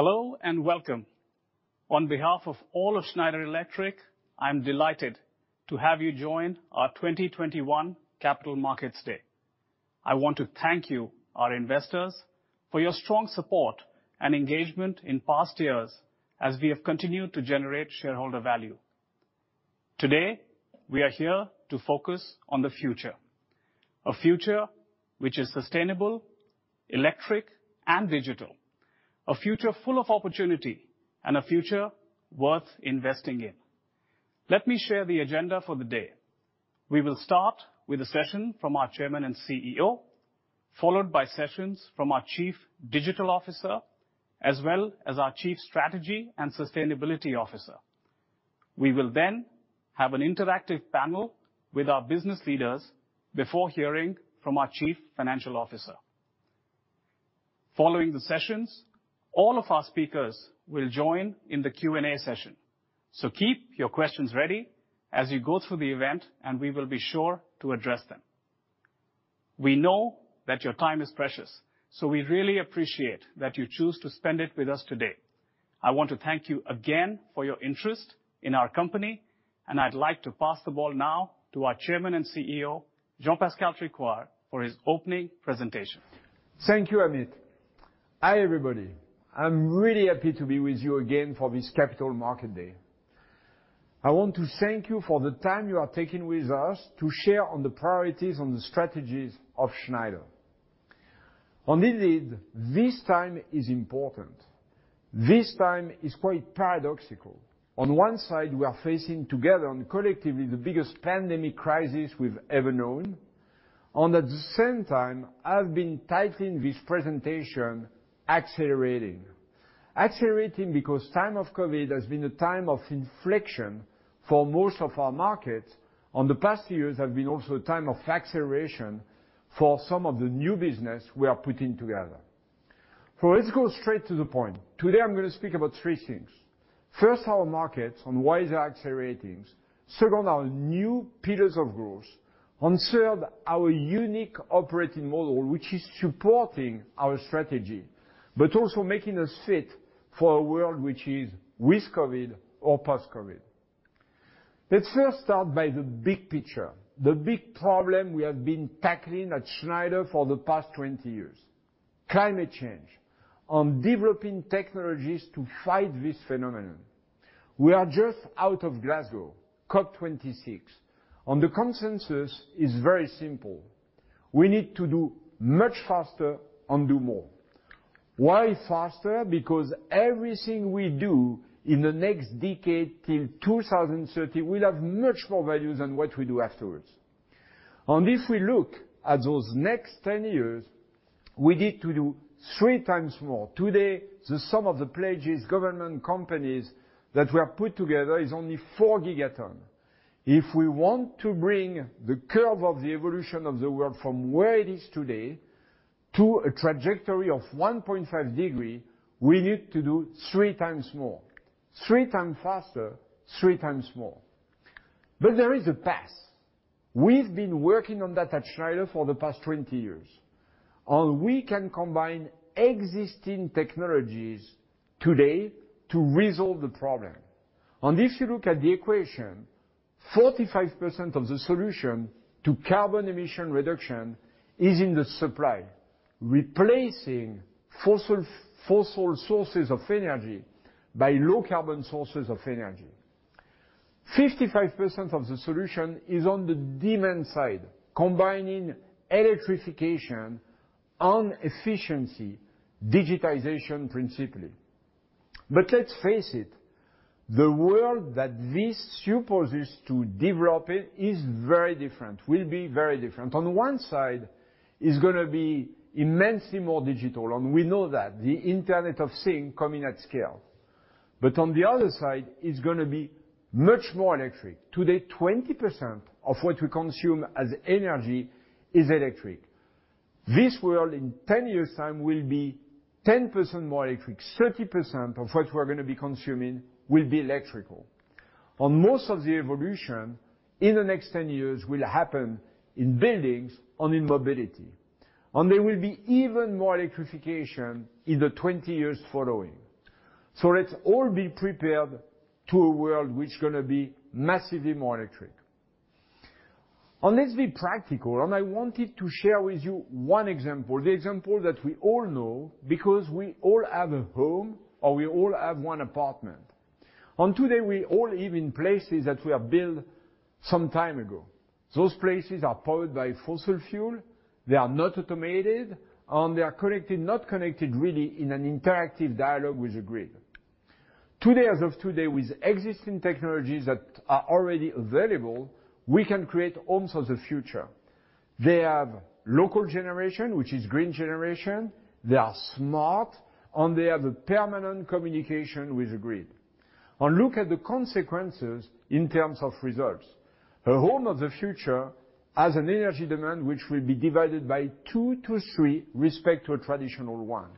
Hello and welcome. On behalf of all of Schneider Electric, I'm delighted to have you join our 2021 Capital Markets Day. I want to thank you, our investors, for your strong support and engagement in past years as we have continued to generate shareholder value. Today, we are here to focus on the future, a future which is sustainable, electric and digital. A future full of opportunity, and a future worth investing in. Let me share the agenda for the day. We will start with a session from our Chairman and CEO, followed by sessions from our Chief Digital Officer, as well as our Chief Strategy and Sustainability Officer. We will then have an interactive panel with our business leaders before hearing from our Chief Financial Officer. Following the sessions, all of our speakers will join in the Q&A session. Keep your questions ready as you go through the event, and we will be sure to address them. We know that your time is precious, so we really appreciate that you choose to spend it with us today. I want to thank you again for your interest in our company, and I'd like to pass the ball now to our Chairman and CEO, Jean-Pascal Tricoire, for his opening presentation. Thank you, Amit. Hi, everybody. I'm really happy to be with you again for this Capital Market Day. I want to thank you for the time you are taking with us to share on the priorities and the strategies of Schneider. Indeed, this time is important. This time is quite paradoxical. On one side, we are facing together and collectively the biggest pandemic crisis we've ever known. At the same time, I've been titling this presentation Accelerating. Accelerating because time of COVID has been a time of inflection for most of our markets, and the past years have been also a time of acceleration for some of the new business we are putting together. Let's go straight to the point. Today, I'm gonna speak about three things. First, our markets and why they are accelerating. Second, our new pillars of growth. Third, our unique operating model, which is supporting our strategy, but also making us fit for a world which is with COVID or post-COVID. Let's first start by the big picture, the big problem we have been tackling at Schneider for the past 20 years, climate change, on developing technologies to fight this phenomenon. We are just out of Glasgow, COP26, and the consensus is very simple. We need to do much faster and do more. Why faster? Because everything we do in the next decade till 2030 will have much more value than what we do afterwards. If we look at those next 10 years, we need to do 3x more. Today, the sum of the pledges, governments, companies that were put together is only 4 gigatons. If we want to bring the curve of the evolution of the world from where it is today to a 1.5-degree trajectory, we need to do 3x more. Three times faster, 3x more. There is a path. We've been working on that at Schneider for the past 20 years, and we can combine existing technologies today to resolve the problem. If you look at the equation, 45% of the solution to carbon emission reduction is in the supply, replacing fossil sources of energy by low carbon sources of energy. 55% of the solution is on the demand side, combining electrification and efficiency, digitization principally. Let's face it, the world that this supposes to develop it is very different, will be very different. On one side is gonna be immensely more digital, and we know that. The Internet of Things coming at scale. On the other side, is gonna be much more electric. Today, 20% of what we consume as energy is electric. This world in 10 years' time will be 10% more electric. 30% of what we're gonna be consuming will be electrical. Most of the evolution in the next 10 years will happen in buildings and in mobility. There will be even more electrification in the 20 years following. Let's all be prepared to a world which gonna be massively more electric. Let's be practical, and I wanted to share with you one example, the example that we all know because we all have a home or we all have one apartment. Today, we all live in places that were built some time ago. Those places are powered by fossil fuel, they are not automated, and they are connected, not connected really in an interactive dialogue with the grid. Today, as of today, with existing technologies that are already available, we can create homes of the future. They have local generation, which is green generation. They are smart, and they have a permanent communication with the grid. Look at the consequences in terms of results. A home of the future has an energy demand which will be divided by two to three with respect to a traditional one.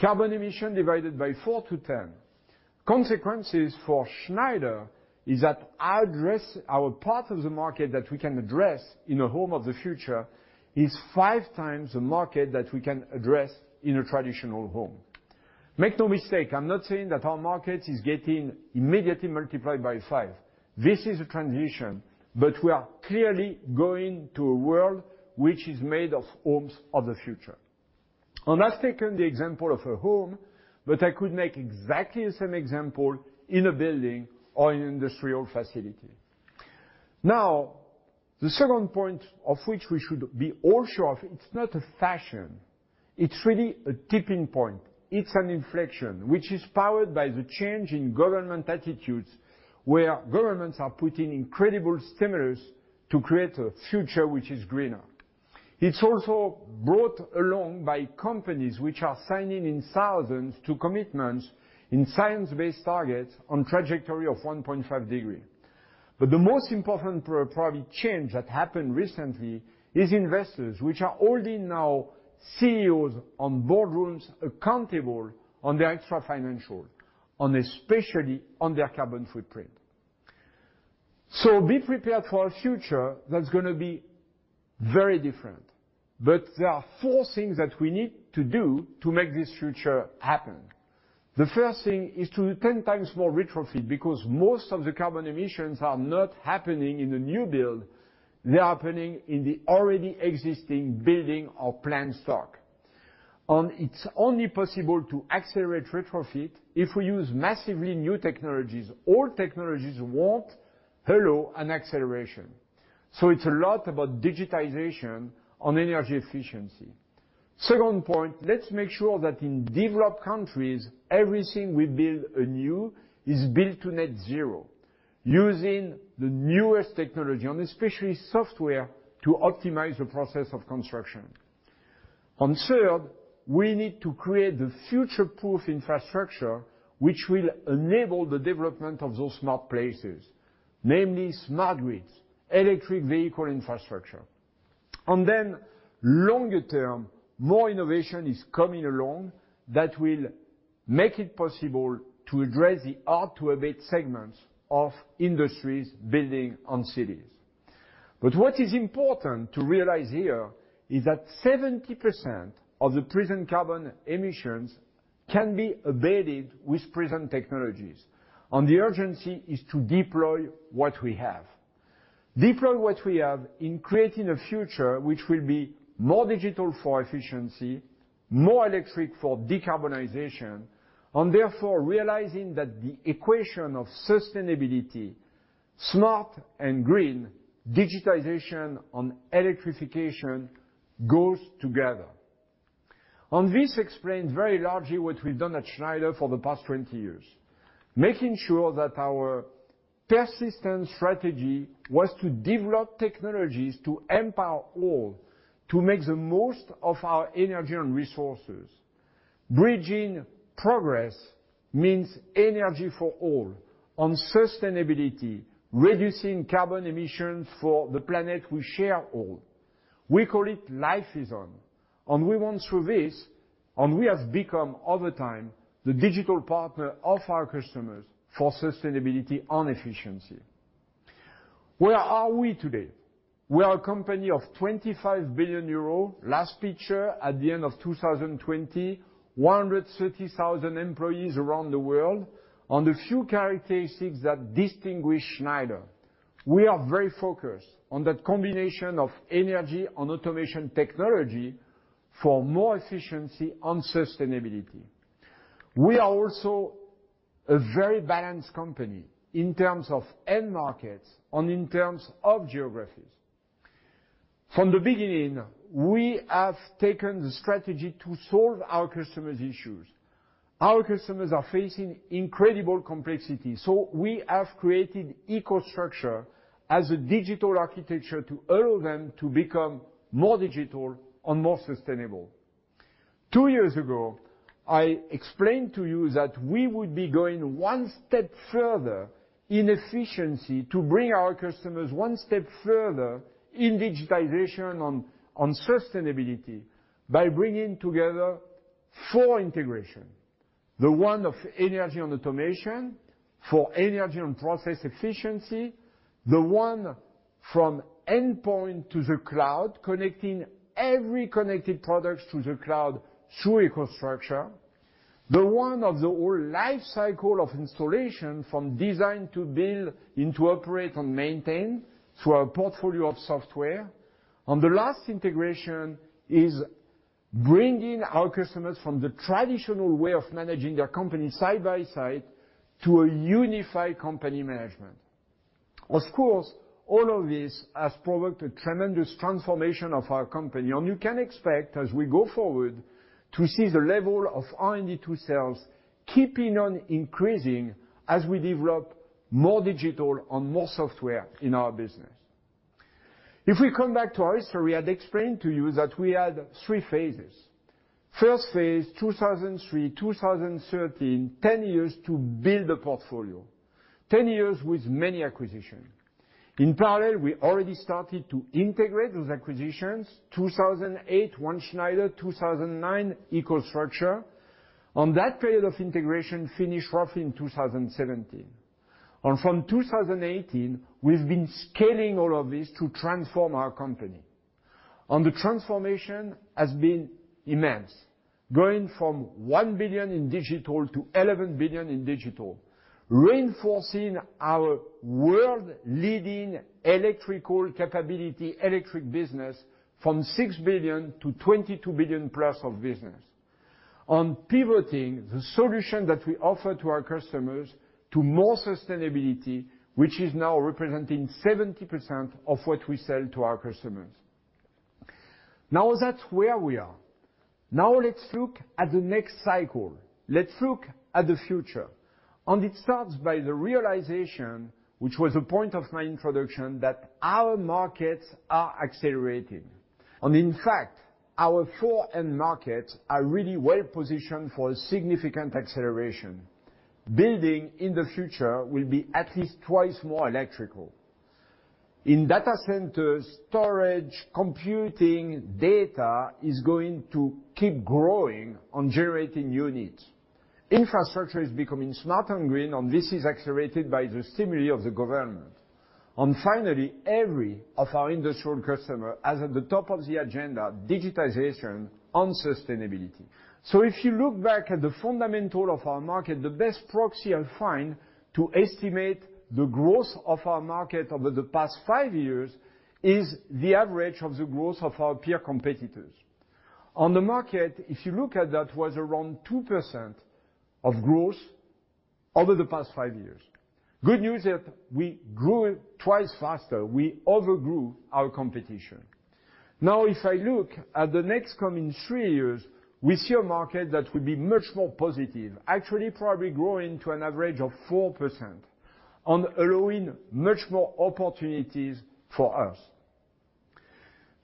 Carbon emission divided by four to 10. Consequences for Schneider is that the part of the market that we can address in a home of the future is 5x the market that we can address in a traditional home. Make no mistake, I'm not saying that our market is getting immediately multiplied by five. This is a transition, but we are clearly going to a world which is made of homes of the future. I've taken the example of a home, but I could make exactly the same example in a building or an industrial facility. Now, the second point of which we should be all sure of, it's not a fashion, it's really a tipping point. It's an inflection, which is powered by the change in government attitudes, where governments are putting incredible stimulus to create a future which is greener. It's also brought along by companies which are signing in thousands to commitments in Science Based Targets on trajectory of 1.5-degree. The most important probably change that happened recently is investors, which are holding now CEOs in boardrooms accountable on their extrafinancial, and especially on their carbon footprint. Be prepared for a future that's gonna be very different. There are four things that we need to do to make this future happen. The first thing is to do 10x more retrofit, because most of the carbon emissions are not happening in the new build, they are happening in the already existing building or plant stock. It's only possible to accelerate retrofit if we use massively new technologies. Old technologies won't allow an acceleration. It's a lot about digitization on energy efficiency. Second point, let's make sure that in developed countries, everything we build anew is built to net-zero using the newest technology, and especially software to optimize the process of construction. Third, we need to create the future-proof infrastructure which will enable the development of those smart places, namely smart grids, electric vehicle infrastructure. Longer term, more innovation is coming along that will make it possible to address the hard to abate segments of industries, building, and cities. What is important to realize here is that 70% of the present carbon emissions can be abated with present technologies, and the urgency is to deploy what we have in creating a future which will be more digital for efficiency, more electric for decarbonization, and therefore realizing that the equation of sustainability, smart and green, digitization and electrification goes together. This explains very largely what we've done at Schneider for the past 20 years, making sure that our persistent strategy was to develop technologies to empower all to make the most of our energy and resources. Bridging progress means energy for all, and sustainability, reducing carbon emissions for the planet we share all. We call it Life Is On, and we want through this, and we have become over time the digital partner of our customers for sustainability and efficiency. Where are we today? We are a company of 25 billion euros. Last picture at the end of 2020, 130,000 employees around the world, and a few characteristics that distinguish Schneider. We are very focused on that combination of energy and automation technology for more efficiency and sustainability. We are also a very balanced company in terms of end markets and in terms of geographies. From the beginning, we have taken the strategy to solve our customers' issues. Our customers are facing incredible complexity, so we have created EcoStruxure as a digital architecture to allow them to become more digital and more sustainable. Two years ago, I explained to you that we would be going one step further in efficiency to bring our customers one step further in digitization on sustainability by bringing together four integration. The one of energy and automation for energy and process efficiency, the one from endpoint to the cloud, connecting every connected product to the cloud through EcoStruxure. The one of the whole life cycle of installation from design to build and to operate and maintain through our portfolio of software. The last integration is bringing our customers from the traditional way of managing their company side by side to a unified company management. Of course, all of this has provoked a tremendous transformation of our company, and you can expect as we go forward to see the level of R&D to sales keeping on increasing as we develop more digital and more software in our business. If we come back to our history, I'd explained to you that we had three phases. First phase, 2003, 2013, 10 years to build a portfolio. 10 years with many acquisition. In parallel, we already started to integrate those acquisitions. 2008, One Schneider, 2009, EcoStruxure. On that period of integration finished roughly in 2017. From 2018, we've been scaling all of this to transform our company. The transformation has been immense. Going from 1 billion in digital to 11 billion in digital, reinforcing our world-leading electrical capability, electric business from 6 billion to 22+ billion of business. On pivoting the solution that we offer to our customers to more sustainability, which is now representing 70% of what we sell to our customers. Now that's where we are. Now let's look at the next cycle. Let's look at the future. It starts by the realization, which was the point of my introduction, that our markets are accelerating. In fact, our four end markets are really well positioned for a significant acceleration. Building in the future will be at least twice more electrical. In data centers, storage, computing, data is going to keep growing and generating units. Infrastructure is becoming smart and green, and this is accelerated by the stimuli of the government. Finally, every of our industrial customer has at the top of the agenda, digitization and sustainability. If you look back at the fundamental of our market, the best proxy I'll find to estimate the growth of our market over the past five years is the average of the growth of our peer competitors. On the market, if you look at that, was around 2% of growth over the past five years. Good news that we grew twice faster. We overgrew our competition. Now, if I look at the next coming three years, we see a market that will be much more positive, actually probably growing to an average of 4% and allowing much more opportunities for us.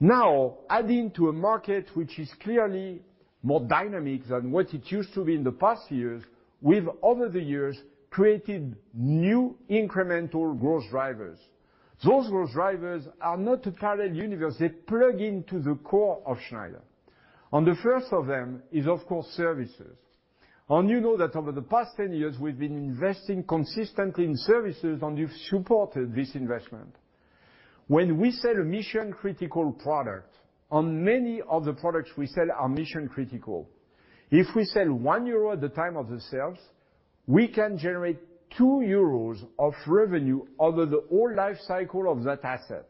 Now, adding to a market which is clearly more dynamic than what it used to be in the past years, we've, over the years, created new incremental growth drivers. Those growth drivers are not a parallel universe. They plug into the core of Schneider. The first of them is, of course, services. You know that over the past 10 years, we've been investing consistently in services, and you've supported this investment. When we sell a mission-critical product, and many of the products we sell are mission-critical, if we sell 1 euro at the time of the sales, we can generate 2 euros of revenue over the whole life cycle of that asset.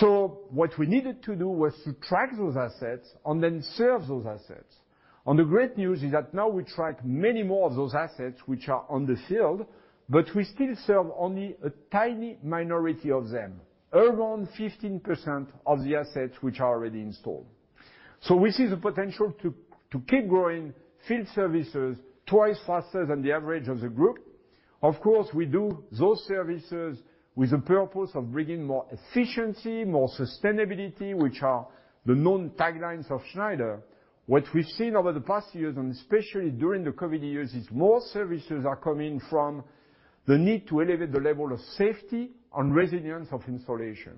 What we needed to do was to track those assets and then serve those assets. The great news is that now we track many more of those assets which are on the field, but we still serve only a tiny minority of them, around 15% of the assets which are already installed. We see the potential to keep growing field services twice faster than the average of the group. Of course, we do those services with the purpose of bringing more efficiency, more sustainability, which are the known taglines of Schneider. What we've seen over the past years, and especially during the COVID years, is more services are coming from the need to elevate the level of safety and resilience of installation.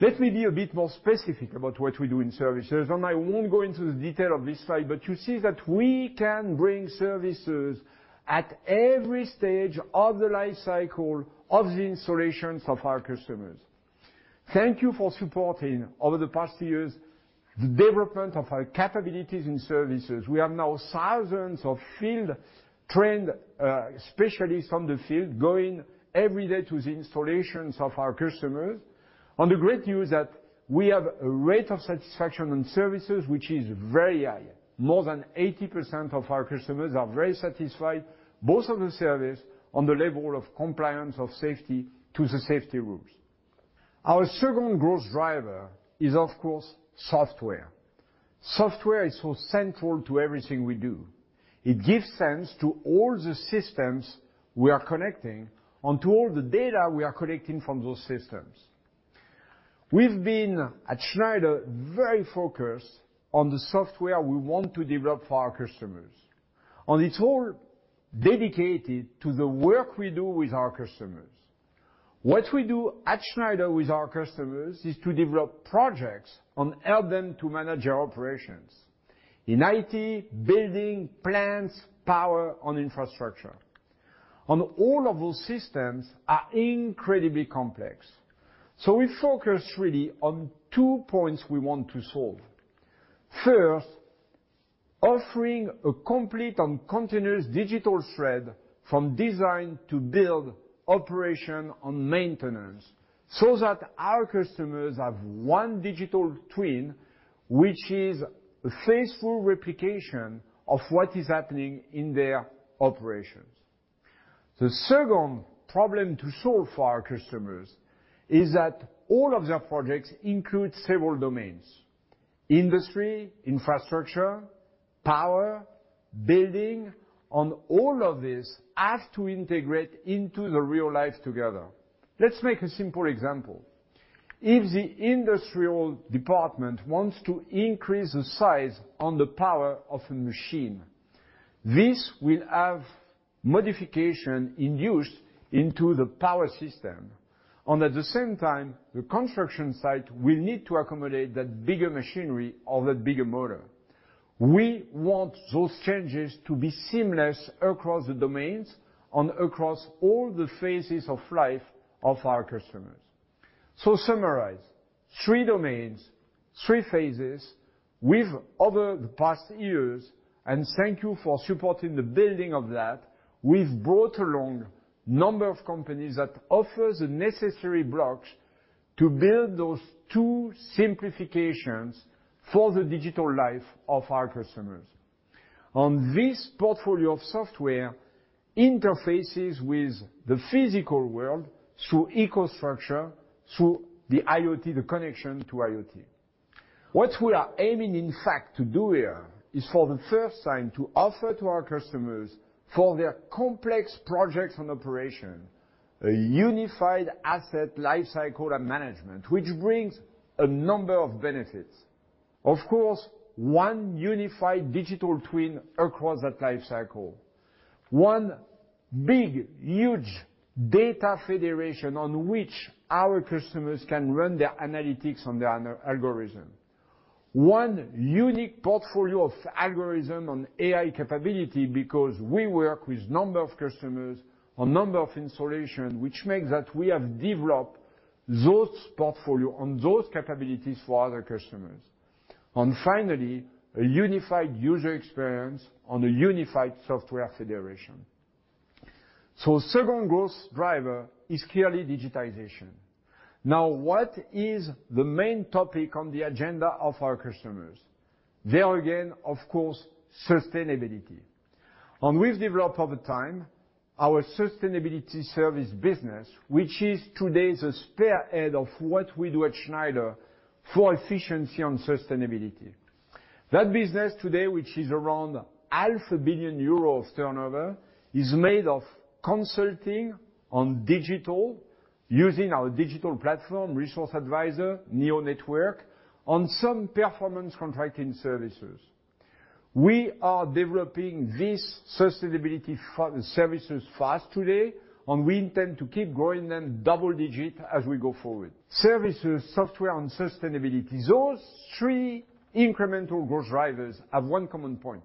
Let me be a bit more specific about what we do in services, and I won't go into the detail of this slide, but you see that we can bring services at every stage of the life cycle of the installations of our customers. Thank you for supporting over the past years the development of our capabilities in services. We have now thousands of field trained specialists in the field going every day to the installations of our customers. The great news is that we have a rate of satisfaction in services which is very high. More than 80% of our customers are very satisfied, both of the service on the level of compliance of safety to the safety rules. Our second growth driver is, of course, software. Software is so central to everything we do. It gives sense to all the systems we are connecting and to all the data we are collecting from those systems. We've been, at Schneider, very focused on the software we want to develop for our customers. It's all dedicated to the work we do with our customers. What we do at Schneider with our customers is to develop projects and help them to manage their operations in IT, building, plants, power, and infrastructure. All of those systems are incredibly complex. We focus really on two points we want to solve. First, offering a complete and continuous digital thread from design to build, operation, and maintenance, so that our customers have one digital twin, which is a faithful replication of what is happening in their operations. The second problem to solve for our customers is that all of their projects include several domains, industry, infrastructure, power, building, and all of this has to integrate into the real life together. Let's make a simple example. If the industrial department wants to increase the size and the power of a machine. This will have modification induced into the power system and at the same time, the construction site will need to accommodate that bigger machinery or that bigger motor. We want those changes to be seamless across the domains and across all the phases of life of our customers. Summarize, three domains, three phases with over the past years, and thank you for supporting the building of that. We've brought along number of companies that offer the necessary blocks to build those two simplifications for the digital life of our customers. On this portfolio of software interfaces with the physical world through EcoStruxure, through the IoT, the connection to IoT. What we are aiming, in fact, to do here is for the first time to offer to our customers for their complex projects and operation, a unified asset lifecycle management, which brings a number of benefits. Of course, one unified digital twin across that life cycle. One big, huge data federation on which our customers can run their analytics and their algorithm. One unique portfolio of algorithm on AI capability because we work with number of customers on number of installations, which makes that we have developed those portfolio and those capabilities for other customers. Finally, a unified user experience on a unified software federation. Second growth driver is clearly digitization. Now what is the main topic on the agenda of our customers? There again, of course, sustainability. We've developed over time our sustainability service business, which is today the spearhead of what we do at Schneider for efficiency on sustainability. That business today, which is around 500 million euros of turnover, is made of consulting on digital using our digital platform, Resource Advisor, NEO Network, on some performance contracting services. We are developing these sustainability services fast today, and we intend to keep growing them double-digit as we go forward. Services, software, and sustainability, those three incremental growth drivers have one common point.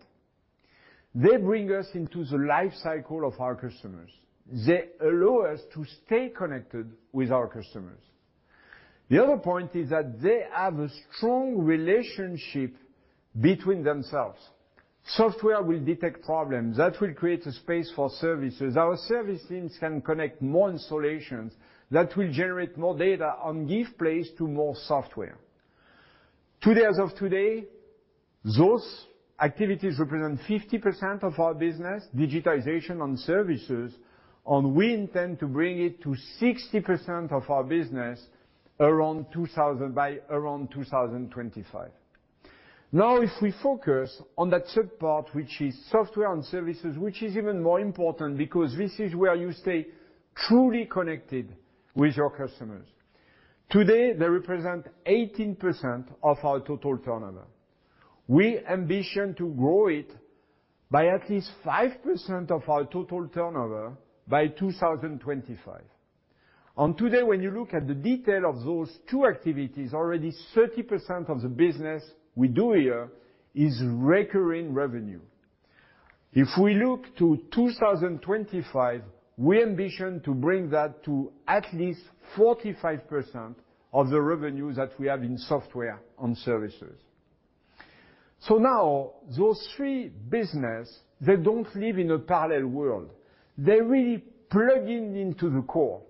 They bring us into the life cycle of our customers. They allow us to stay connected with our customers. The other point is that they have a strong relationship between themselves. Software will detect problems, that will create a space for services. Our service teams can connect more installations, that will generate more data and give place to more software. Today, as of today, those activities represent 50% of our business, digitization and services, and we intend to bring it to 60% of our business around 2000, by around 2025. Now if we focus on that third part, which is software and services, which is even more important because this is where you stay truly connected with your customers. Today, they represent 18% of our total turnover. We ambition to grow it by at least 5% of our total turnover by 2025. Today, when you look at the detail of those two activities, already 30% of the business we do here is recurring revenue. If we look to 2025, we ambition to bring that to at least 45% of the revenue that we have in software and services. Now, those three business, they don't live in a parallel world. They really plug in into the core.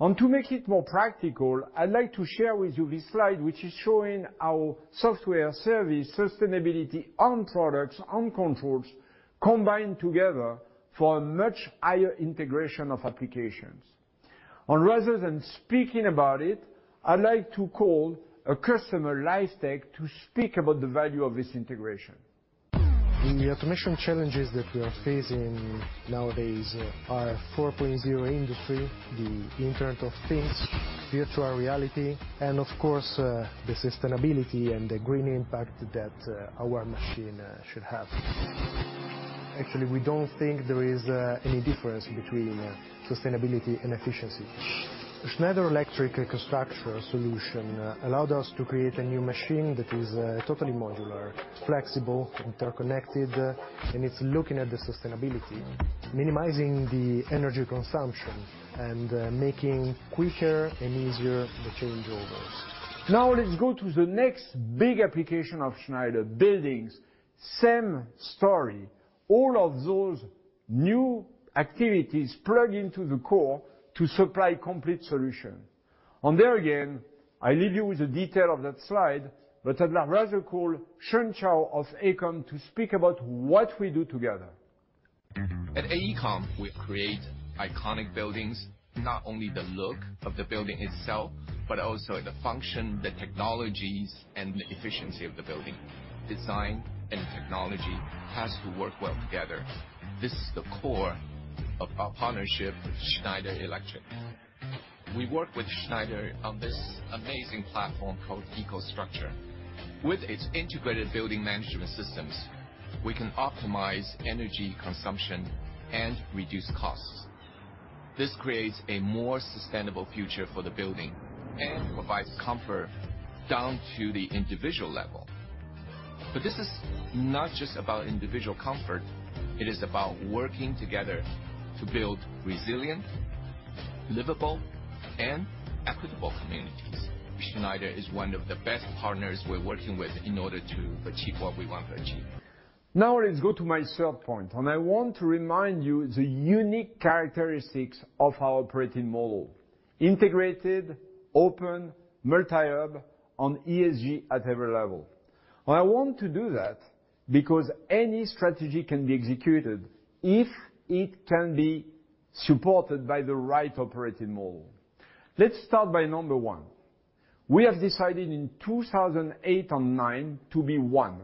To make it more practical, I'd like to share with you this slide, which is showing our software service, sustainability and products and controls combined together for a much higher integration of applications. Rather than speaking about it, I'd like to call a customer, Lifetech, to speak about the value of this integration. The automation challenges that we are facing nowadays are Industry 4.0, the Internet of Things, virtual reality, and of course, the sustainability and the green impact that our machine should have. Actually, we don't think there is any difference between sustainability and efficiency. Schneider Electric EcoStruxure solution allowed us to create a new machine that is totally modular, flexible, interconnected, and it's looking at the sustainability, minimizing the energy consumption, and making quicker and easier the changeovers. Now let's go to the next big application of Schneider, buildings. Same story. All of those new activities plug into the core to supply complete solution. There again, I leave you with the detail of that slide, but I'd rather call Sean Chiao of AECOM to speak about what we do together. At AECOM, we create iconic buildings, not only the look of the building itself, but also the function, the technologies, and the efficiency of the building. Design and technology has to work well together. This is the core of our partnership with Schneider Electric. We work with Schneider on this amazing platform called EcoStruxure. With its integrated building management systems, we can optimize energy consumption and reduce costs. This creates a more sustainable future for the building and provides comfort down to the individual level. This is not just about individual comfort, it is about working together to build resilient, livable, and equitable communities, which Schneider is one of the best partners we're working with in order to achieve what we want to achieve. Now let's go to my third point. I want to remind you the unique characteristics of our operating model. Integrated, open, multi-hub on ESG at every level. I want to do that because any strategy can be executed if it can be supported by the right operating model. Let's start by number one. We have decided in 2008 and 2009 to be one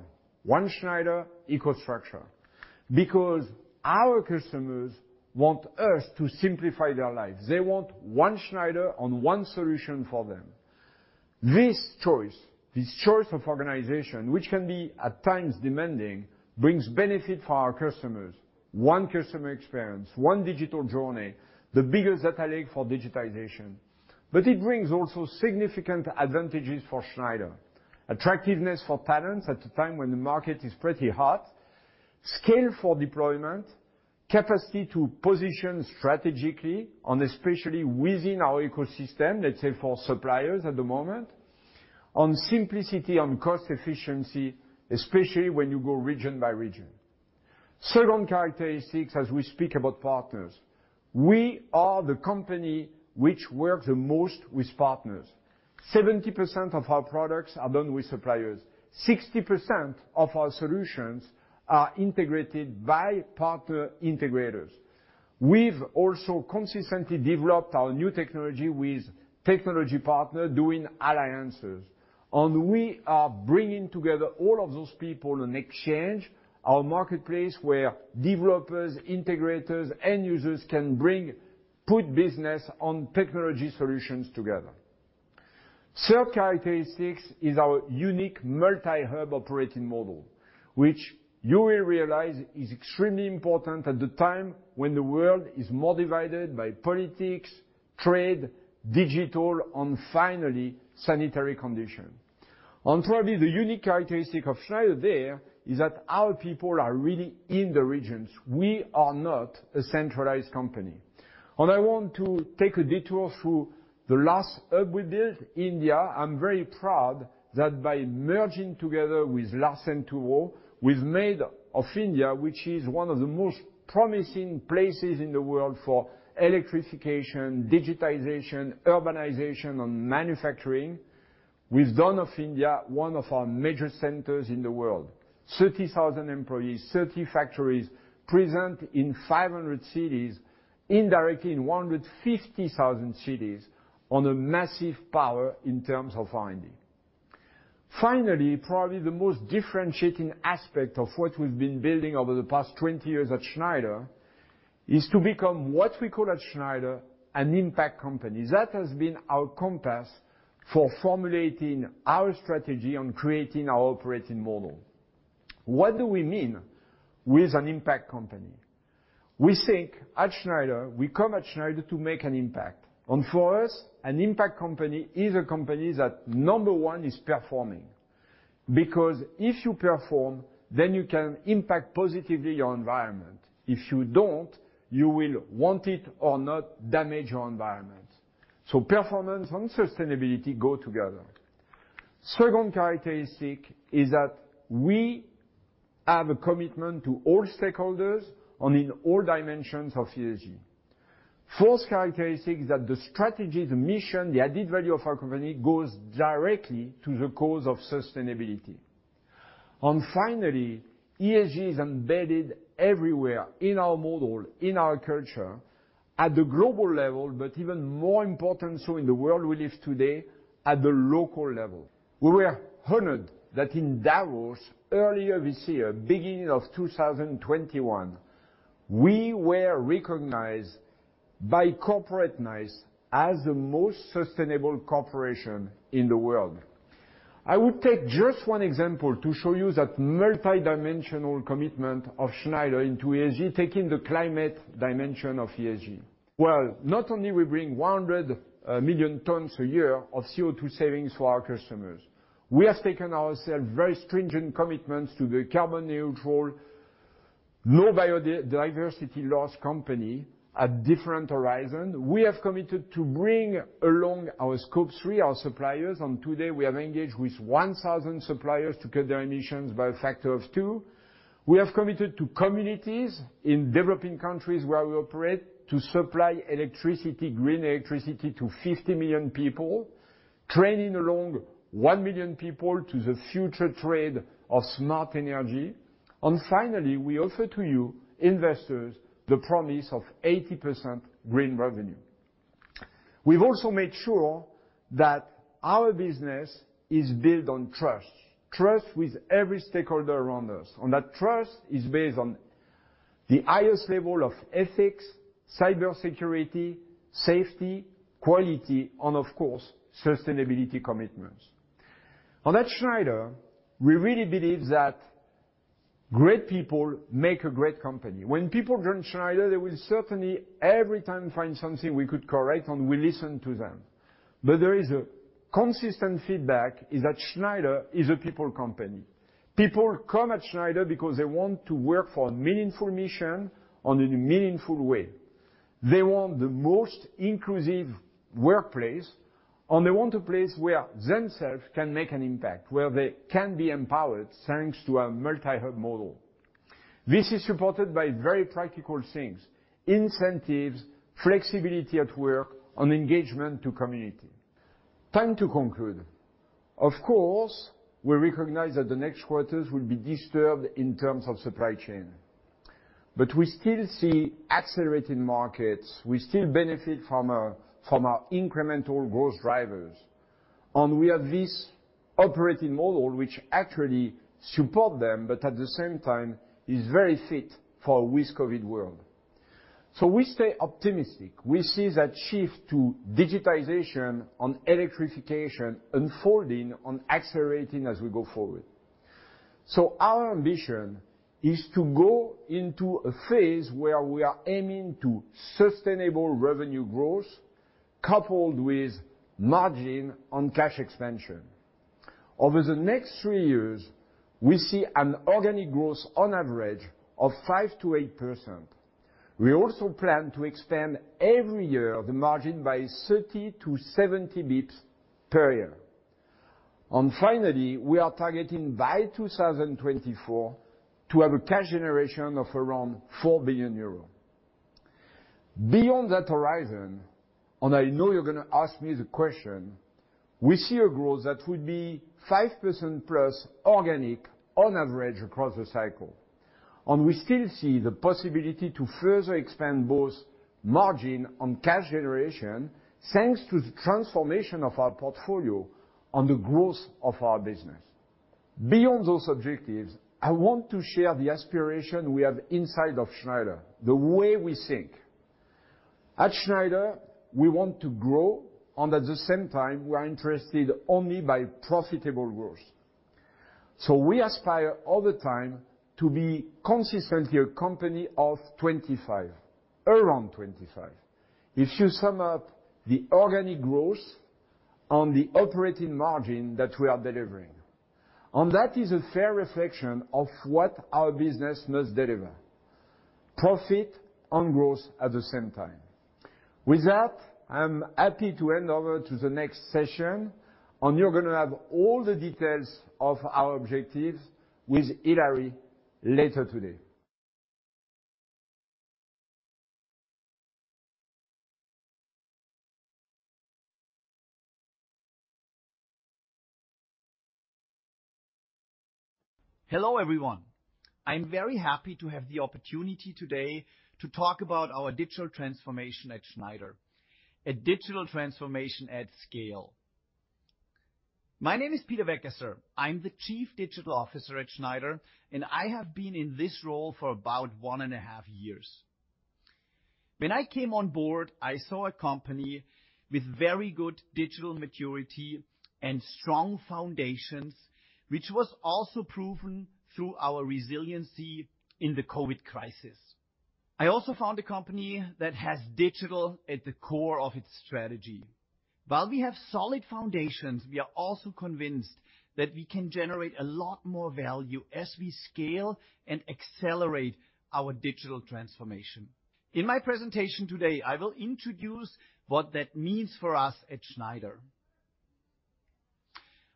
Schneider EcoStruxure, because our customers want us to simplify their lives. They want one Schneider on one solution for them. This choice of organization, which can be at times demanding, brings benefit for our customers. One customer experience, one digital journey, the biggest data lake for digitization. It brings also significant advantages for Schneider. Attractiveness for talents at a time when the market is pretty hot, scale for deployment, capacity to position strategically, and especially within our ecosystem, let's say for suppliers at the moment, on simplicity, on cost efficiency, especially when you go region by region. Second characteristics as we speak about partners. We are the company which works the most with partners. 70% of our products are done with suppliers. 60% of our solutions are integrated by partner integrators. We've also consistently developed our new technology with technology partner doing alliances, and we are bringing together all of those people on Exchange, our marketplace where developers, integrators, end users can put business on technology solutions together. Third characteristics is our unique multi-hub operating model, which you will realize is extremely important at the time when the world is more divided by politics, trade, digital, and finally, sanitary condition. Probably the unique characteristic of Schneider there is that our people are really in the regions. We are not a centralized company. I want to take a detour through the last hub we built, India. I'm very proud that by merging together with Larsen & Toubro, we've made India, which is one of the most promising places in the world for electrification, digitization, urbanization, and manufacturing. We've made India one of our major centers in the world. 30,000 employees, 30 factories present in 500 cities, indirectly in 150,000 cities with massive power in terms of R&D. Finally, probably the most differentiating aspect of what we've been building over the past 20 years at Schneider is to become what we call at Schneider an impact company. That has been our compass for formulating our strategy on creating our operating model. What do we mean with an impact company? We think at Schneider, we come to Schneider to make an impact. For us, an impact company is a company that number one is performing. Because if you perform, then you can impact positively your environment. If you don't, you will want it or not damage your environment. Performance and sustainability go together. Second characteristic is that we have a commitment to all stakeholders and in all dimensions of ESG. Fourth characteristic is that the strategy, the mission, the added value of our company goes directly to the cause of sustainability. Finally, ESG is embedded everywhere in our model, in our culture at the global level, but even more important so in the world we live today at the local level. We were honored that in Davos earlier this year, beginning of 2021, we were recognized by Corporate Knights as the most sustainable corporation in the world. I would take just one example to show you that multidimensional commitment of Schneider into ESG, taking the climate dimension of ESG. Well, not only we bring 100 million tons a year of CO₂ savings to our customers, we have taken ourselves very stringent commitments to the carbon-neutral, low-biodiversity-loss company at different horizons. We have committed to bring along our Scope 3, our suppliers. Today we have engaged with 1,000 suppliers to cut their emissions by a factor of two. We have committed to communities in developing countries where we operate to supply electricity, green electricity to 50 million people, training 1 million people to the future trade of smart energy. Finally, we offer to you, investors, the promise of 80% green revenue. We've also made sure that our business is built on trust with every stakeholder around us. That trust is based on the highest level of ethics, cybersecurity, safety, quality, and of course, sustainability commitments. At Schneider, we really believe that great people make a great company. When people join Schneider, they will certainly every time find something we could correct, and we listen to them. There is consistent feedback that Schneider is a people company. People come to Schneider because they want to work for a meaningful mission in a meaningful way. They want the most inclusive workplace, and they want a place where themselves can make an impact, where they can be empowered, thanks to our multi-hub model. This is supported by very practical things, incentives, flexibility at work, and engagement to community. Time to conclude. Of course, we recognize that the next quarters will be disturbed in terms of supply chain, but we still see accelerating markets. We still benefit from our incremental growth drivers, and we have this operating model which actually support them, but at the same time is very fit for a world with COVID. We stay optimistic. We see that shift to digitization and electrification unfolding and accelerating as we go forward. Our ambition is to go into a phase where we are aiming for sustainable revenue growth coupled with margin and cash expansion. Over the next three years, we see an organic growth on average of 5%-8%. We also plan to expand every year the margin by 30-70 basis points per year. Finally, we are targeting by 2024 to have a cash generation of around 4 billion euros. Beyond that horizon, and I know you're gonna ask me the question, we see a growth that would be 5%+ organic on average across the cycle. We still see the possibility to further expand both margin and cash generation thanks to the transformation of our portfolio and the growth of our business. Beyond those objectives, I want to share the aspiration we have inside of Schneider, the way we think. At Schneider, we want to grow, and at the same time, we are interested only by profitable growth. We aspire all the time to be consistently a company of 25, around 25 if you sum up the organic growth and the operating margin that we are delivering. That is a fair reflection of what our business must deliver, profit and growth at the same time. With that, I'm happy to hand over to the next session, and you're gonna have all the details of our objectives with Hilary later today. Hello, everyone. I'm very happy to have the opportunity today to talk about our digital transformation at Schneider, a digital transformation at scale. My name is Peter Weckesser. I'm the Chief Digital Officer at Schneider, and I have been in this role for about one and a half years. When I came on board, I saw a company with very good digital maturity and strong foundations, which was also proven through our resiliency in the COVID crisis. I also found a company that has digital at the core of its strategy. While we have solid foundations, we are also convinced that we can generate a lot more value as we scale and accelerate our digital transformation. In my presentation today, I will introduce what that means for us at Schneider.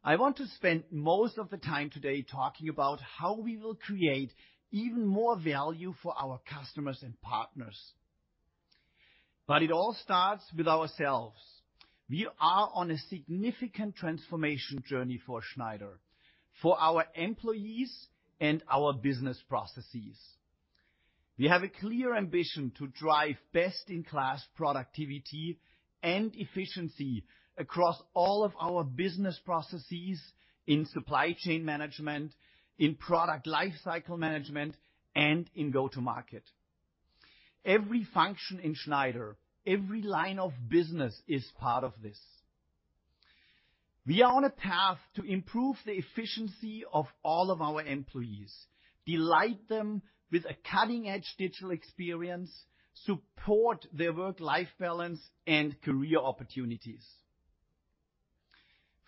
I want to spend most of the time today talking about how we will create even more value for our customers and partners. It all starts with ourselves. We are on a significant transformation journey for Schneider, for our employees and our business processes. We have a clear ambition to drive best-in-class productivity and efficiency across all of our business processes in supply chain management, in product life cycle management, and in go-to market. Every function in Schneider, every line of business is part of this. We are on a path to improve the efficiency of all of our employees, delight them with a cutting-edge digital experience, support their work-life balance and career opportunities.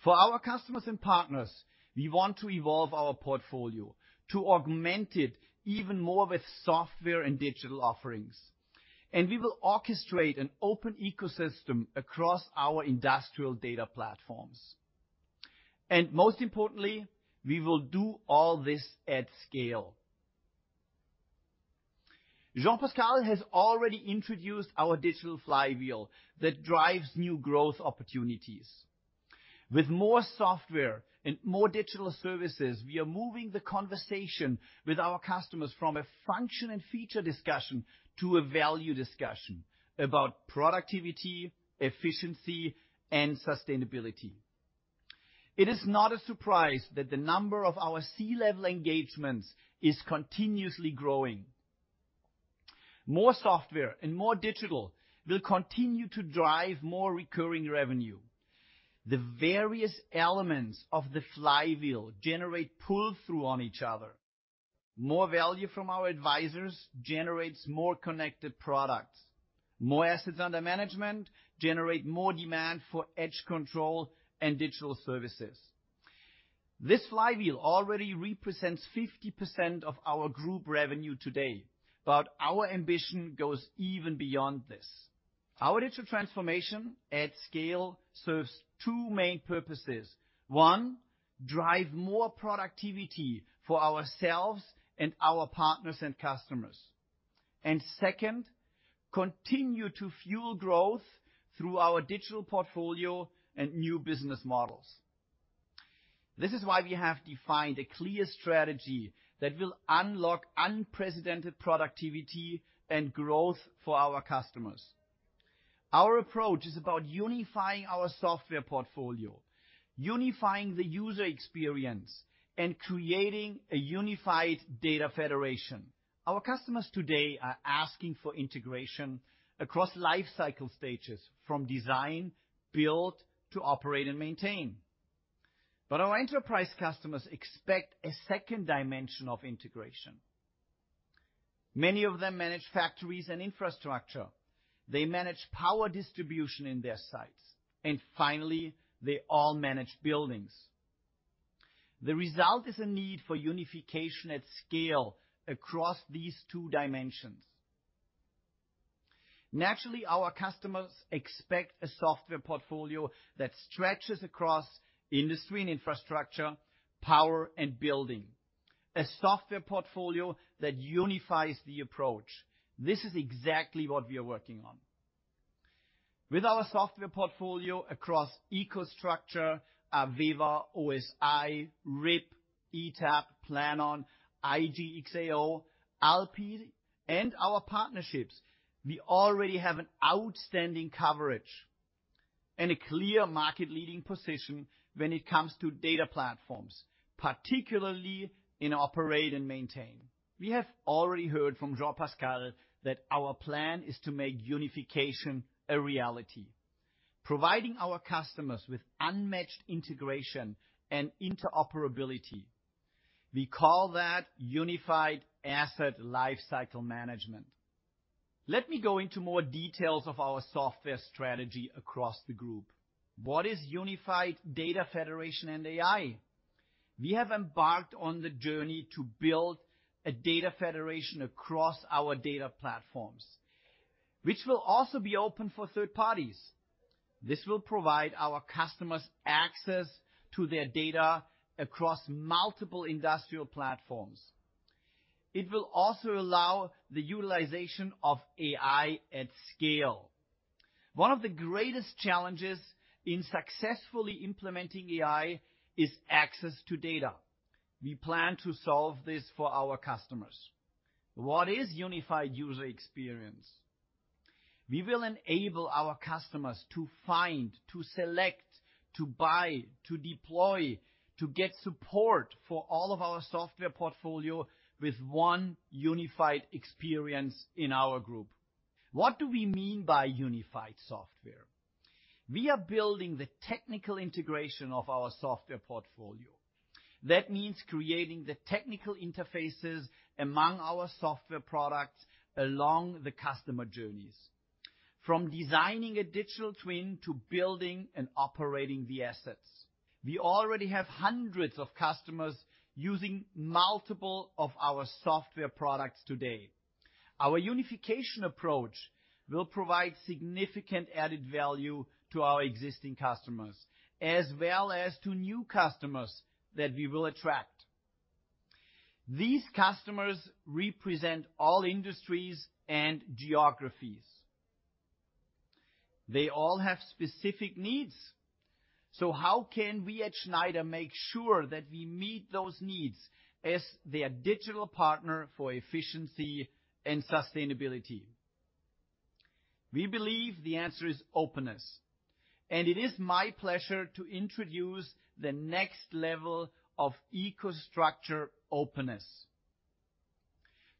For our customers and partners, we want to evolve our portfolio to augment it even more with software and digital offerings. We will orchestrate an open ecosystem across our industrial data platforms. Most importantly, we will do all this at scale. Jean-Pascal has already introduced our Digital Flywheel that drives new growth opportunities. With more software and more digital services, we are moving the conversation with our customers from a function and feature discussion to a value discussion about productivity, efficiency, and sustainability. It is not a surprise that the number of our C-level engagements is continuously growing. More software and more digital will continue to drive more recurring revenue. The various elements of the flywheel generate pull-through on each other. More value from our advisors generates more connected products. More assets under management generate more demand for edge control and digital services. This flywheel already represents 50% of our group revenue today, but our ambition goes even beyond this. Our digital transformation at scale serves two main purposes. One, drive more productivity for ourselves and our partners and customers. Second, continue to fuel growth through our digital portfolio and new business models. This is why we have defined a clear strategy that will unlock unprecedented productivity and growth for our customers. Our approach is about unifying our software portfolio, unifying the user experience, and creating a unified data federation. Our customers today are asking for integration across life cycle stages from design, build, to operate and maintain. Our enterprise customers expect a second dimension of integration. Many of them manage factories and infrastructure. They manage power distribution in their sites. Finally, they all manage buildings. The result is a need for unification at scale across these two dimensions. Naturally, our customers expect a software portfolio that stretches across industry and infrastructure, power and building. A software portfolio that unifies the approach. This is exactly what we are working on. With our software portfolio across EcoStruxure, AVEVA, OSI, RIB, ETAP, Planon, IGE+XAO, ALPI, and our partnerships, we already have an outstanding coverage and a clear market-leading position when it comes to data platforms, particularly in operate and maintain. We have already heard from Jean-Pascal that our plan is to make unification a reality, providing our customers with unmatched integration and interoperability. We call that unified asset life cycle management. Let me go into more details of our software strategy across the group. What is unified data federation and AI? We have embarked on the journey to build a data federation across our data platforms, which will also be open for third parties. This will provide our customers access to their data across multiple industrial platforms. It will also allow the utilization of AI at scale. One of the greatest challenges in successfully implementing AI is access to data. We plan to solve this for our customers. What is unified user experience? We will enable our customers to find, to select, to buy, to deploy, to get support for all of our software portfolio with one unified experience in our group. What do we mean by unified software? We are building the technical integration of our software portfolio. That means creating the technical interfaces among our software products along the customer journeys, from designing a digital twin to building and operating the assets. We already have hundreds of customers using multiple of our software products today. Our unification approach will provide significant added value to our existing customers, as well as to new customers that we will attract. These customers represent all industries and geographies. They all have specific needs. How can we at Schneider make sure that we meet those needs as their digital partner for efficiency and sustainability? We believe the answer is openness, and it is my pleasure to introduce the next level of EcoStruxure openness.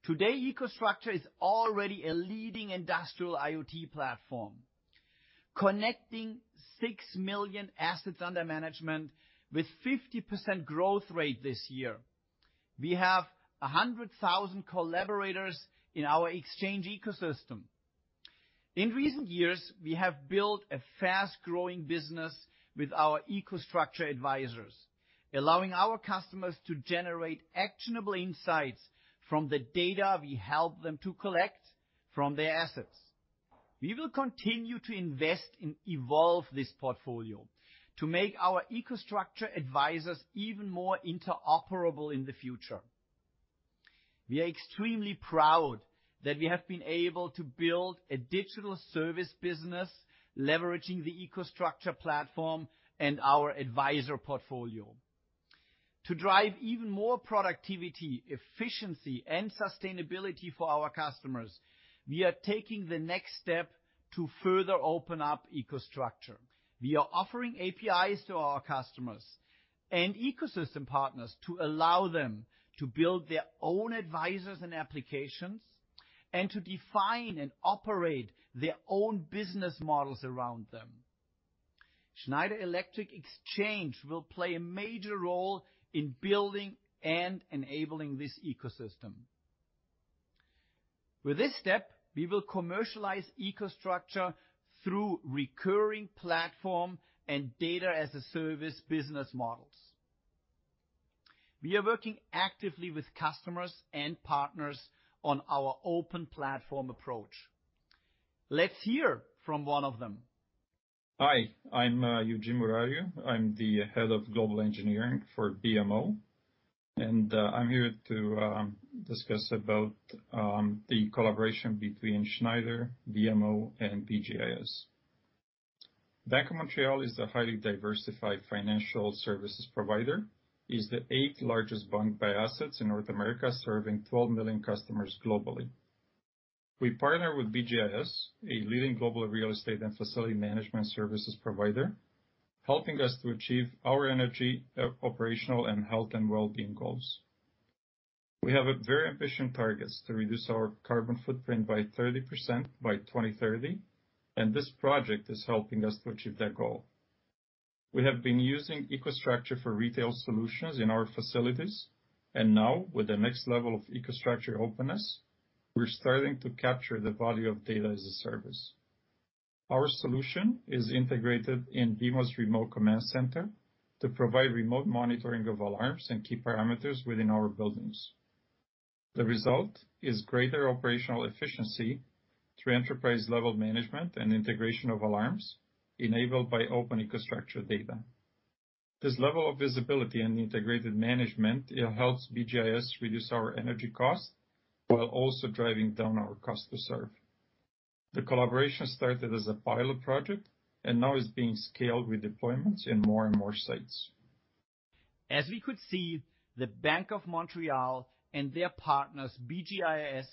Today, EcoStruxure is already a leading industrial IoT platform, connecting 6 million assets under management with 50% growth rate this year. We have 100,000 collaborators in our exchange ecosystem. In recent years, we have built a fast-growing business with our EcoStruxure Advisors, allowing our customers to generate actionable insights from the data we help them to collect from their assets. We will continue to invest and evolve this portfolio to make our EcoStruxure Advisors even more interoperable in the future. We are extremely proud that we have been able to build a digital service business leveraging the EcoStruxure platform and our Advisor portfolio. To drive even more productivity, efficiency and sustainability for our customers, we are taking the next step to further open up EcoStruxure. We are offering APIs to our customers and ecosystem partners to allow them to build their own advisors and applications and to define and operate their own business models around them. Schneider Electric Exchange will play a major role in building and enabling this ecosystem. With this step, we will commercialize EcoStruxure through recurring platform and Data as a Service business models. We are working actively with customers and partners on our open platform approach. Let's hear from one of them. Hi, I'm Eugene Murariu. I'm the Head of Global Engineering for BMO, and I'm here to discuss about the collaboration between Schneider, BMO and BGIS. Bank of Montreal is a highly diversified financial services provider, is the eighth-largest bank by assets in North America, serving 12 million customers globally. We partner with BGIS, a leading global real estate and facility management services provider, helping us to achieve our energy, operational, and health and well-being goals. We have very ambitious targets to reduce our carbon footprint by 30% by 2030, and this project is helping us to achieve that goal. We have been using EcoStruxure for retail solutions in our facilities, and now with the next level of EcoStruxure openness, we're starting to capture the value of data as a service. Our solution is integrated in BMO's remote command center to provide remote monitoring of alarms and key parameters within our buildings. The result is greater operational efficiency through enterprise-level management and integration of alarms enabled by open EcoStruxure data. This level of visibility and integrated management, it helps BGIS reduce our energy costs while also driving down our cost to serve. The collaboration started as a pilot project and now is being scaled with deployments in more and more sites. As we could see, the Bank of Montreal and their partners, BGIS,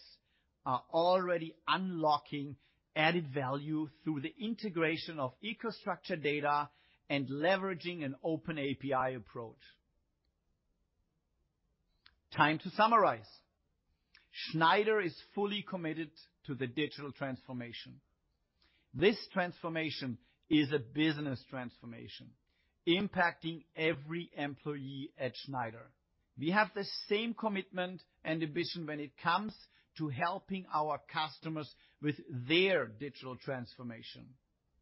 are already unlocking added value through the integration of EcoStruxure data and leveraging an open API approach. Time to summarize. Schneider is fully committed to the digital transformation. This transformation is a business transformation impacting every employee at Schneider. We have the same commitment and ambition when it comes to helping our customers with their digital transformation.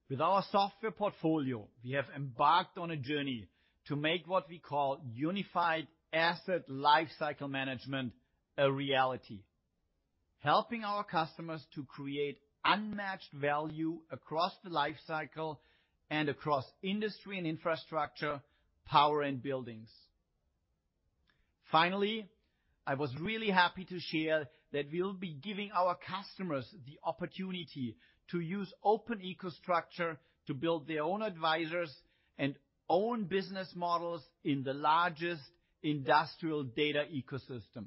With our software portfolio, we have embarked on a journey to make what we call unified asset lifecycle management a reality, helping our customers to create unmatched value across the lifecycle and across industry and infrastructure, power and buildings. Finally, I was really happy to share that we will be giving our customers the opportunity to use open EcoStruxure to build their own advisors and own business models in the largest industrial data ecosystem.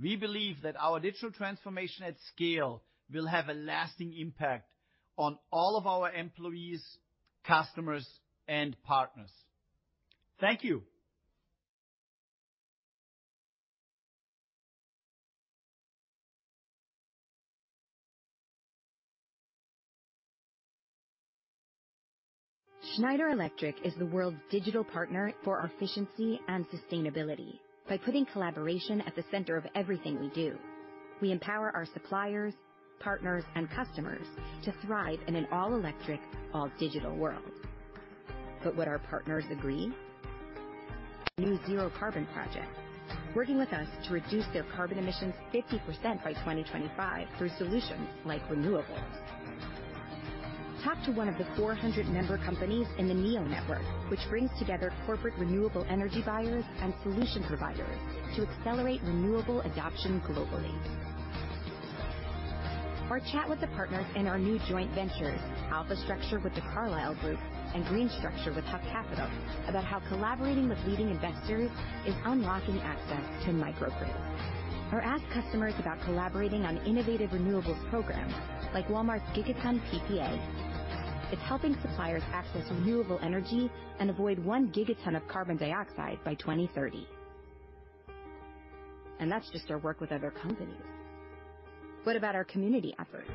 We believe that our digital transformation at scale will have a lasting impact on all of our employees, customers, and partners. Thank you. Schneider Electric is the world's digital partner for efficiency and sustainability. By putting collaboration at the center of everything we do, we empower our suppliers, partners, and customers to thrive in an all-electric, all-digital world. Would our partners agree? New Zero Carbon Project working with us to reduce their carbon emissions 50% by 2025 through solutions like renewables. Talk to one of the 400 member companies in the NEO Network, which brings together corporate renewable energy buyers and solution providers to accelerate renewable adoption globally. Chat with the partners in our new joint ventures, AlphaStruxure with The Carlyle Group and GreenStruxure with Huck Capital, about how collaborating with leading investors is unlocking access to microgrids. Ask customers about collaborating on innovative renewables programs like Walmart's Gigaton PPA. It's helping suppliers access renewable energy and avoid 1 gigaton of carbon dioxide by 2030. That's just our work with other companies. What about our community efforts?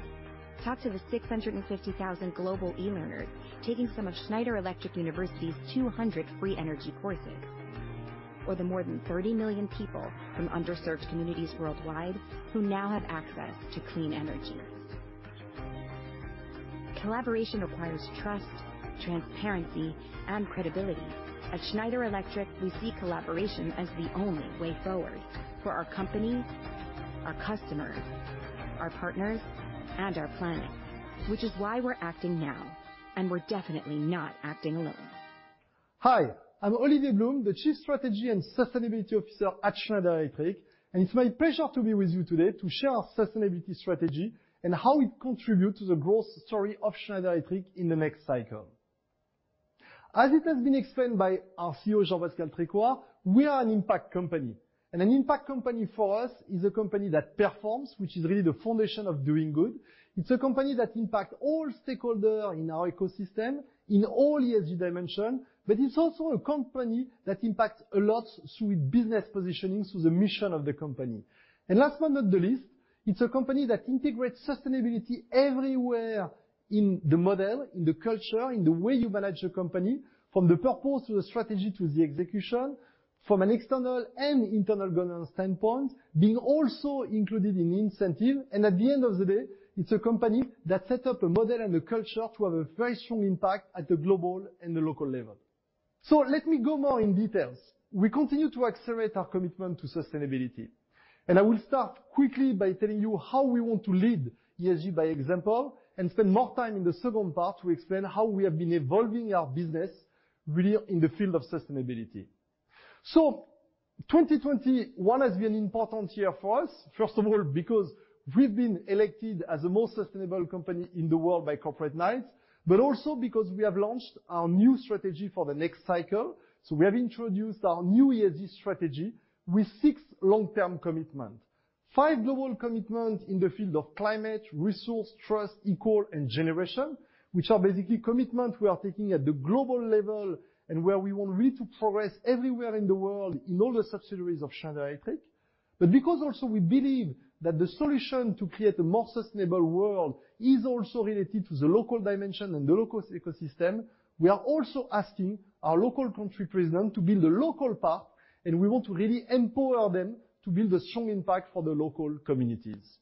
Talk to the 650,000 global e-learners taking some of Schneider Electric University's 200 free energy courses. Or the more than 30 million people from underserved communities worldwide who now have access to clean energy. Collaboration requires trust, transparency, and credibility. At Schneider Electric, we see collaboration as the only way forward for our company Our customers, our partners, and our planet, which is why we're acting now, and we're definitely not acting alone. Hi, I'm Olivier Blum, the Chief Strategy and Sustainability Officer at Schneider Electric. It's my pleasure to be with you today to share our sustainability strategy and how it contributes to the growth story of Schneider Electric in the next cycle. As it has been explained by our CEO, Jean-Pascal Tricoire, we are an impact company. An impact company for us is a company that performs, which is really the foundation of doing good. It's a company that impacts all stakeholders in our ecosystem in all ESG dimensions, but it's also a company that impacts a lot through business positioning, so the mission of the company. Last but not the least, it's a company that integrates sustainability everywhere in the model, in the culture, in the way you manage a company, from the purpose to the strategy to the execution, from an external and internal governance standpoint, being also included in incentive. At the end of the day, it's a company that set up a model and a culture to have a very strong impact at the global and the local level. Let me go more in details. We continue to accelerate our commitment to sustainability. I will start quickly by telling you how we want to lead ESG by example and spend more time in the second part to explain how we have been evolving our business really in the field of sustainability. 2021 has been an important year for us. First of all, because we've been elected as the most sustainable company in the world by Corporate Knights, but also because we have launched our new strategy for the next cycle. We have introduced our new ESG strategy with six long-term commitment. Five global commitment in the field of climate, resource, trust, equal, and generation, which are basically commitment we are taking at the global level and where we want really to progress everywhere in the world in all the subsidiaries of Schneider Electric. Because also we believe that the solution to create a more sustainable world is also related to the local dimension and the local ecosystem, we are also asking our local country president to build a local path, and we want to really empower them to build a strong impact for the local communities.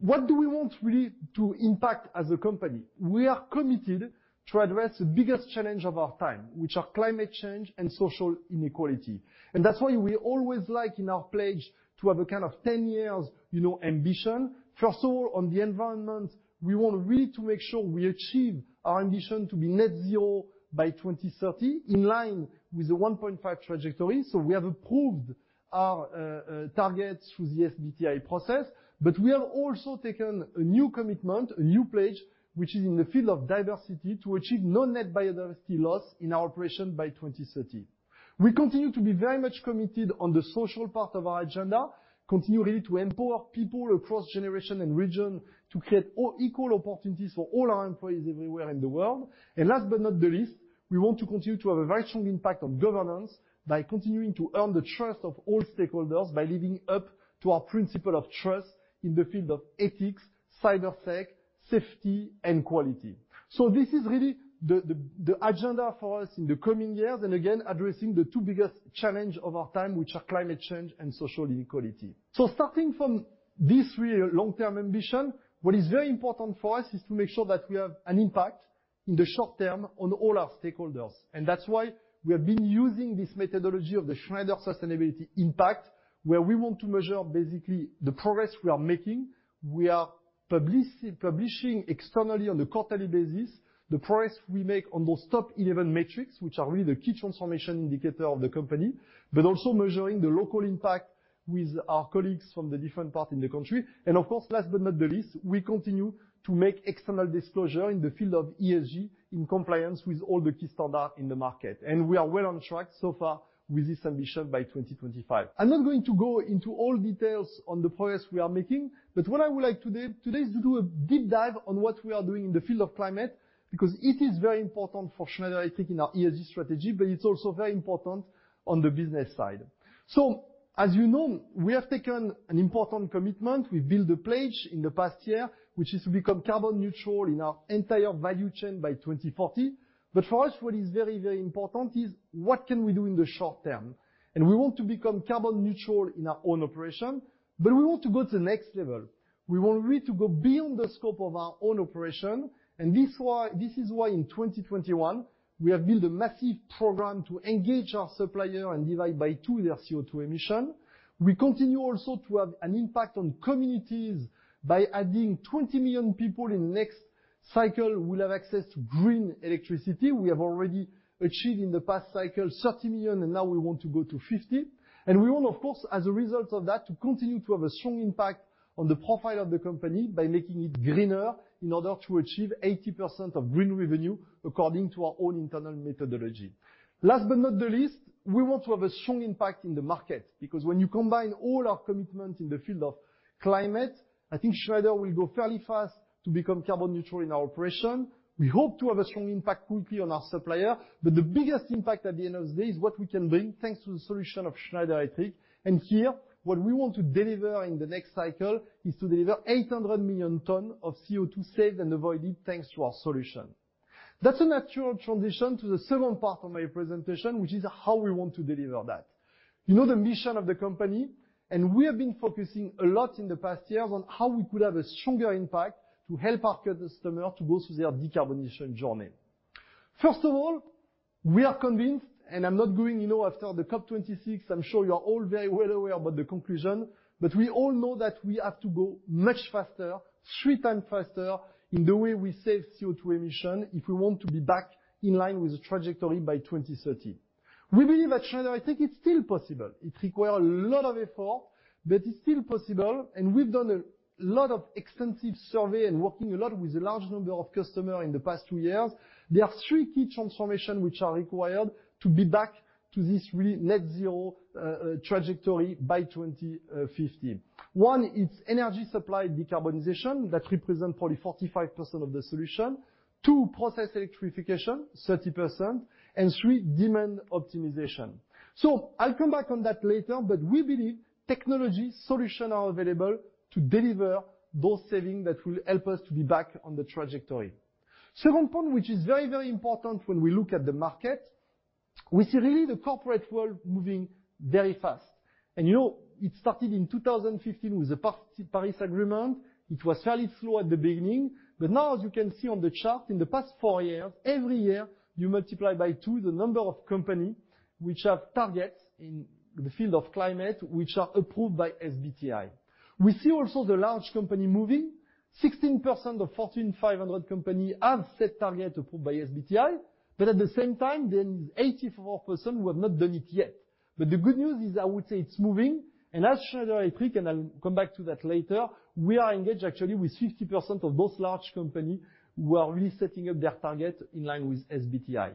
What do we want really to impact as a company? We are committed to address the biggest challenge of our time, which are climate change and social inequality. That's why we always like in our pledge to have a kind of 10-year, you know, ambition. First of all, on the environment, we want really to make sure we achieve our ambition to be net zero by 2030 in line with the 1.5 trajectory. We have approved our target through the SBTi process, but we have also taken a new commitment, a new pledge, which is in the field of biodiversity to achieve no net biodiversity loss in our operation by 2030. We continue to be very much committed on the social part of our agenda, continue really to empower people across generation and region to create equal opportunities for all our employees everywhere in the world. Last but not the least, we want to continue to have a very strong impact on governance by continuing to earn the trust of all stakeholders by living up to our principle of trust in the field of ethics, cybersecurity, safety, and quality. This is really the agenda for us in the coming years, and again, addressing the two biggest challenges of our time, which are climate change and social inequality. Starting from this really long-term ambition, what is very important for us is to make sure that we have an impact in the short term on all our stakeholders. That's why we have been using this methodology of the Schneider Sustainability Impact, where we want to measure basically the progress we are making. We are publishing externally on a quarterly basis, the progress we make on those top 11 metrics, which are really the key transformation indicator of the company, but also measuring the local impact with our colleagues from the different part in the country. Of course, last but not the least, we continue to make external disclosure in the field of ESG in compliance with all the key standard in the market. We are well on track so far with this ambition by 2025. I'm not going to go into all details on the progress we are making, but what I would like today is to do a deep dive on what we are doing in the field of climate, because it is very important for Schneider Electric in our ESG strategy, but it's also very important on the business side. As you know, we have taken an important commitment. We built a pledge in the past year, which is to become carbon neutral in our entire value chain by 2040. For us, what is very, very important is what can we do in the short term. We want to become carbon neutral in our own operation, but we want to go to the next level. We want really to go build the scope of our own operation. This is why in 2021, we have built a massive program to engage our supplier and divide by two their CO2 emission. We continue also to have an impact on communities by adding 20 million people in the next cycle will have access to green electricity. We have already achieved in the past cycle 30 million, and now we want to go to 50. We want, of course, as a result of that, to continue to have a strong impact on the profile of the company by making it greener in order to achieve 80% of green revenue according to our own internal methodology. Last but not the least, we want to have a strong impact in the market, because when you combine all our commitment in the field of climate, I think Schneider will go fairly fast to become carbon neutral in our operation. We hope to have a strong impact quickly on our supplier, but the biggest impact at the end of the day is what we can bring thanks to the solution of Schneider Electric. Here, what we want to deliver in the next cycle is to deliver 800 million tons of CO2 saved and avoided thanks to our solution. That's a natural transition to the second part of my presentation, which is how we want to deliver that. You know the mission of the company, and we have been focusing a lot in the past years on how we could have a stronger impact to help our customer to go through their decarbonization journey. First of all, we are convinced, and I'm not going, you know, after the COP26, I'm sure you're all very well aware about the conclusion, but we all know that we have to go much faster, three times faster, in the way we save CO₂ emission if we want to be back in line with the trajectory by 2030. We believe at Schneider, I think it's still possible. It requires a lot of effort, but it's still possible and we've done a lot of extensive surveys and worked a lot with a large number of customers in the past two years. There are three key transformations which are required to be back on this really net-zero trajectory by 2050. One, it's energy supply decarbonization that represents probably 45% of the solution. Two, process electrification, 30%. Three, demand optimization. I'll come back on that later, but we believe technology solutions are available to deliver those savings that will help us to be back on the trajectory. Second point, which is very, very important, when we look at the market, we see really the corporate world moving very fast. You know, it started in 2015 with the Paris Agreement. It was fairly slow at the beginning, but now as you can see on the chart, in the past four years, every year, you multiply by two the number of companies which have targets in the field of climate, which are approved by SBTi. We see also the large companies moving. 16% of Fortune 500 companies have set targets approved by SBTi, but at the same time, there is 84% who have not done it yet. The good news is I would say it's moving, and as Schneider Electric, and I'll come back to that later, we are engaged actually with 50% of those large companies who are really setting up their targets in line with SBTi.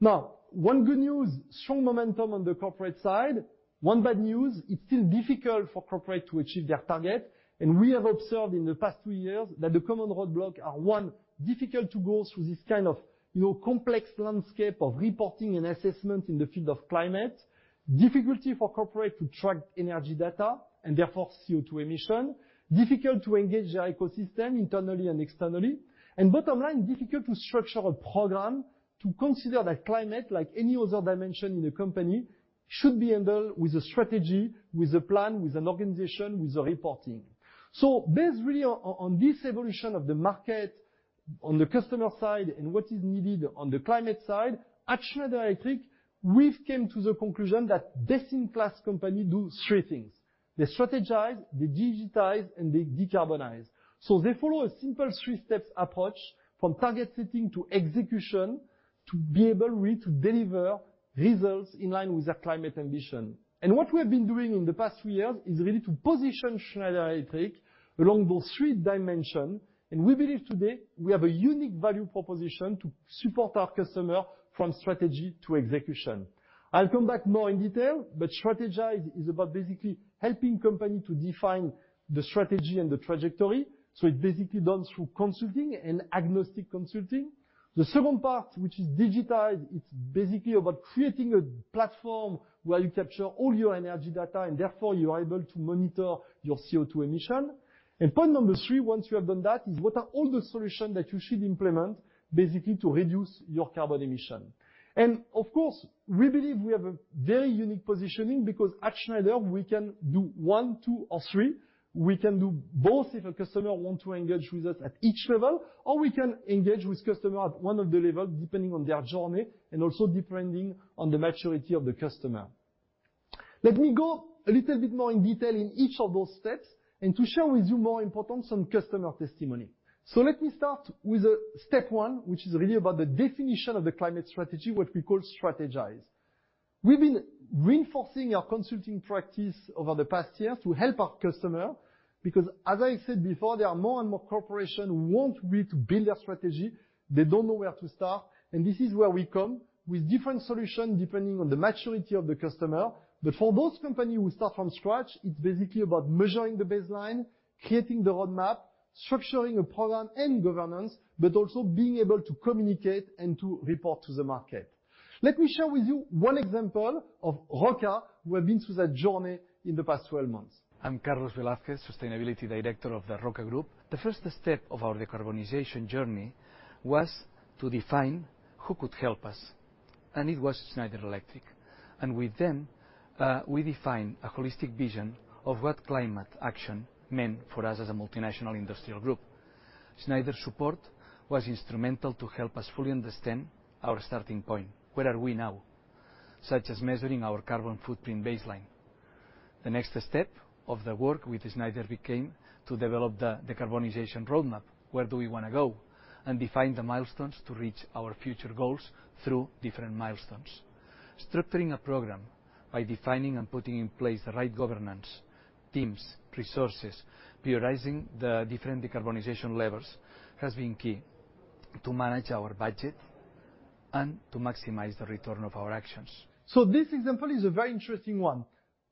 Now, one good news, strong momentum on the corporate side. One bad news, it's still difficult for corporate to achieve their targets. We have observed in the past two years that the common roadblock are, one, difficult to go through this kind of, you know, complex landscape of reporting and assessment in the field of climate. Difficulty for corporate to track energy data, and therefore, CO₂ emission. Difficult to engage their ecosystem internally and externally. Bottom line, difficult to structure a program to consider that climate, like any other dimension in a company, should be handled with a strategy, with a plan, with an organization, with a reporting. Based really on this evolution of the market on the customer side and what is needed on the climate side, at Schneider Electric, we've came to the conclusion that best-in-class company do three things. They strategize, they digitize, and they decarbonize. They follow a simple three-step approach from target setting to execution to be able really to deliver results in line with their climate ambition. What we have been doing in the past two years is really to position Schneider Electric along those three dimensions. We believe today we have a unique value proposition to support our customers from strategy to execution. I'll come back more in detail, but Strategize is about basically helping companies to define the strategy and the trajectory, so it's basically done through consulting and agnostic consulting. The second part, which is Digitize, it's basically about creating a platform where you capture all your energy data and therefore you are able to monitor your CO₂ emissions. Point number three, once you have done that, is what are all the solutions that you should implement basically to reduce your carbon emissions. Of course, we believe we have a very unique positioning because at Schneider, we can do one, two, or three. We can do both if a customer want to engage with us at each level, or we can engage with customer at one of the level, depending on their journey, and also depending on the maturity of the customer. Let me go a little bit more in detail in each of those steps and to share with you more importance on customer testimony. Let me start with step one, which is really about the definition of the climate strategy, what we call strategize. We've been reinforcing our consulting practice over the past year to help our customer because as I said before, there are more and more corporation who want really to build their strategy. They don't know where to start. This is where we come with different solution depending on the maturity of the customer. For those company who start from scratch, it's basically about measuring the baseline, creating the roadmap, structuring a program and governance, but also being able to communicate and to report to the market. Let me share with you one example of Roca, who have been through that journey in the past 12 months. I'm Carlos Velázquez, Sustainability Director of the Roca Group. The first step of our decarbonization journey was to define who could help us, and it was Schneider Electric. With them, we defined a holistic vision of what climate action meant for us as a multinational industrial group. Schneider's support was instrumental to help us fully understand our starting point, where are we now? Such as measuring our carbon footprint baseline. The next step of the work with Schneider became to develop the decarbonization roadmap. Where do we wanna go? Define the milestones to reach our future goals through different milestones. Structuring a program by defining and putting in place the right governance, teams, resources, prioritizing the different decarbonization levels, has been key to manage our budget and to maximize the return of our actions. This example is a very interesting one.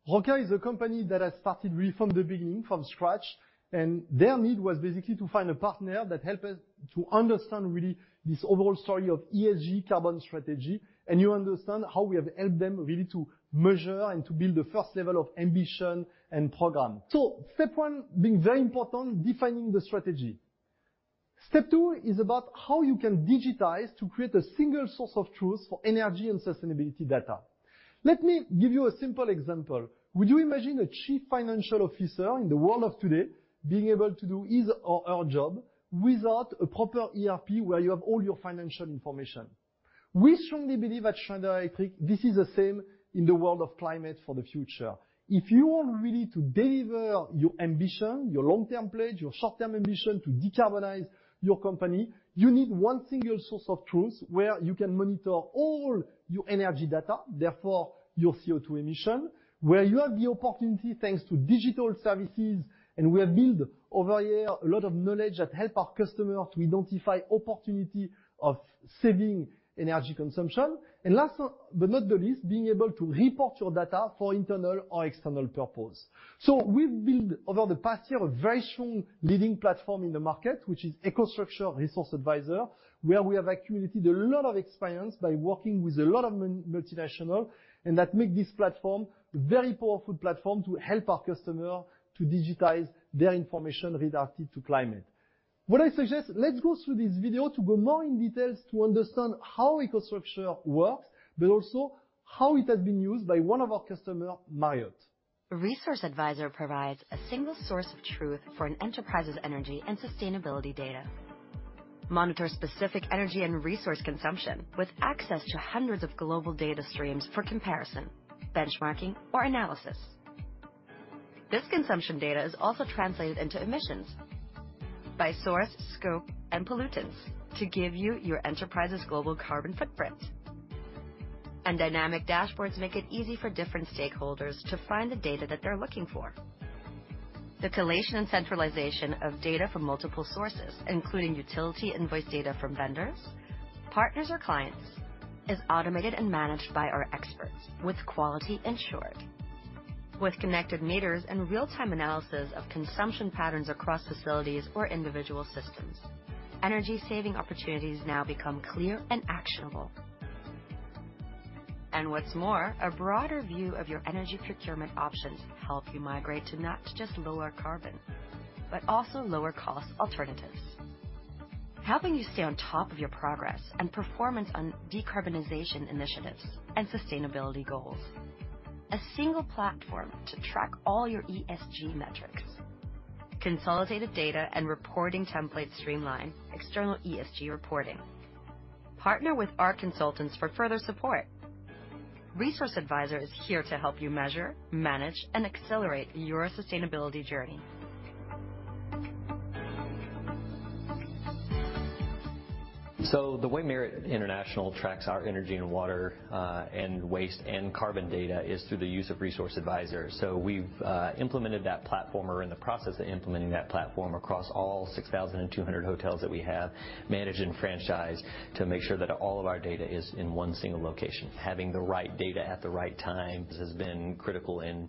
Roca is a company that has started really from the beginning, from scratch, and their need was basically to find a partner that help us to understand really this overall story of ESG carbon strategy. You understand how we have helped them really to measure and to build the first level of ambition and program. Step one being very important, defining the strategy. Step two is about how you can digitize to create a single source of truth for energy and sustainability data. Let me give you a simple example. Would you imagine a chief financial officer in the world of today being able to do his or her job without a proper ERP where you have all your financial information? We strongly believe at Schneider Electric this is the same in the world of climate for the future. If you want really to deliver your ambition, your long-term pledge, your short-term ambition to decarbonize your company, you need one single source of truth where you can monitor all your energy data, therefore your CO2 emission. Where you have the opportunity, thanks to digital services, and we have built over a year a lot of knowledge that help our customers to identify opportunity of saving energy consumption. Last but not the least, being able to report your data for internal or external purpose. We build over the past year a very strong leading platform in the market, which is EcoStruxure Resource Advisor, where we have accumulated a lot of experience by working with a lot of multinational and that make this platform a very powerful platform to help our customer to digitize their information related to climate. What I suggest, let's go through this video to go more in detail to understand how EcoStruxure works, but also how it has been used by one of our customers, Marriott. Resource Advisor provides a single source of truth for an enterprise's energy and sustainability data. Monitor specific energy and resource consumption with access to hundreds of global data streams for comparison, benchmarking, or analysis. This consumption data is also translated into emissions by source, scope, and pollutants to give you your enterprise's global carbon footprint. Dynamic dashboards make it easy for different stakeholders to find the data that they're looking for. The collation and centralization of data from multiple sources, including utility invoice data from vendors, partners, or clients, is automated and managed by our experts with quality ensured. With connected meters and real-time analysis of consumption patterns across facilities or individual systems, energy-saving opportunities now become clear and actionable. What's more, a broader view of your energy procurement options help you migrate to not just lower carbon, but also lower cost alternatives. Helping you stay on top of your progress and performance on decarbonization initiatives and sustainability goals. A single platform to track all your ESG metrics. Consolidated data and reporting templates streamline external ESG reporting. Partner with our consultants for further support. Resource Advisor is here to help you measure, manage, and accelerate your sustainability journey. The way Marriott International tracks our energy and water, and waste and carbon data is through the use of Resource Advisor. We've implemented that platform, or in the process of implementing that platform, across all 6,200 hotels that we have, managed and franchised, to make sure that all of our data is in one single location. Having the right data at the right time has been critical in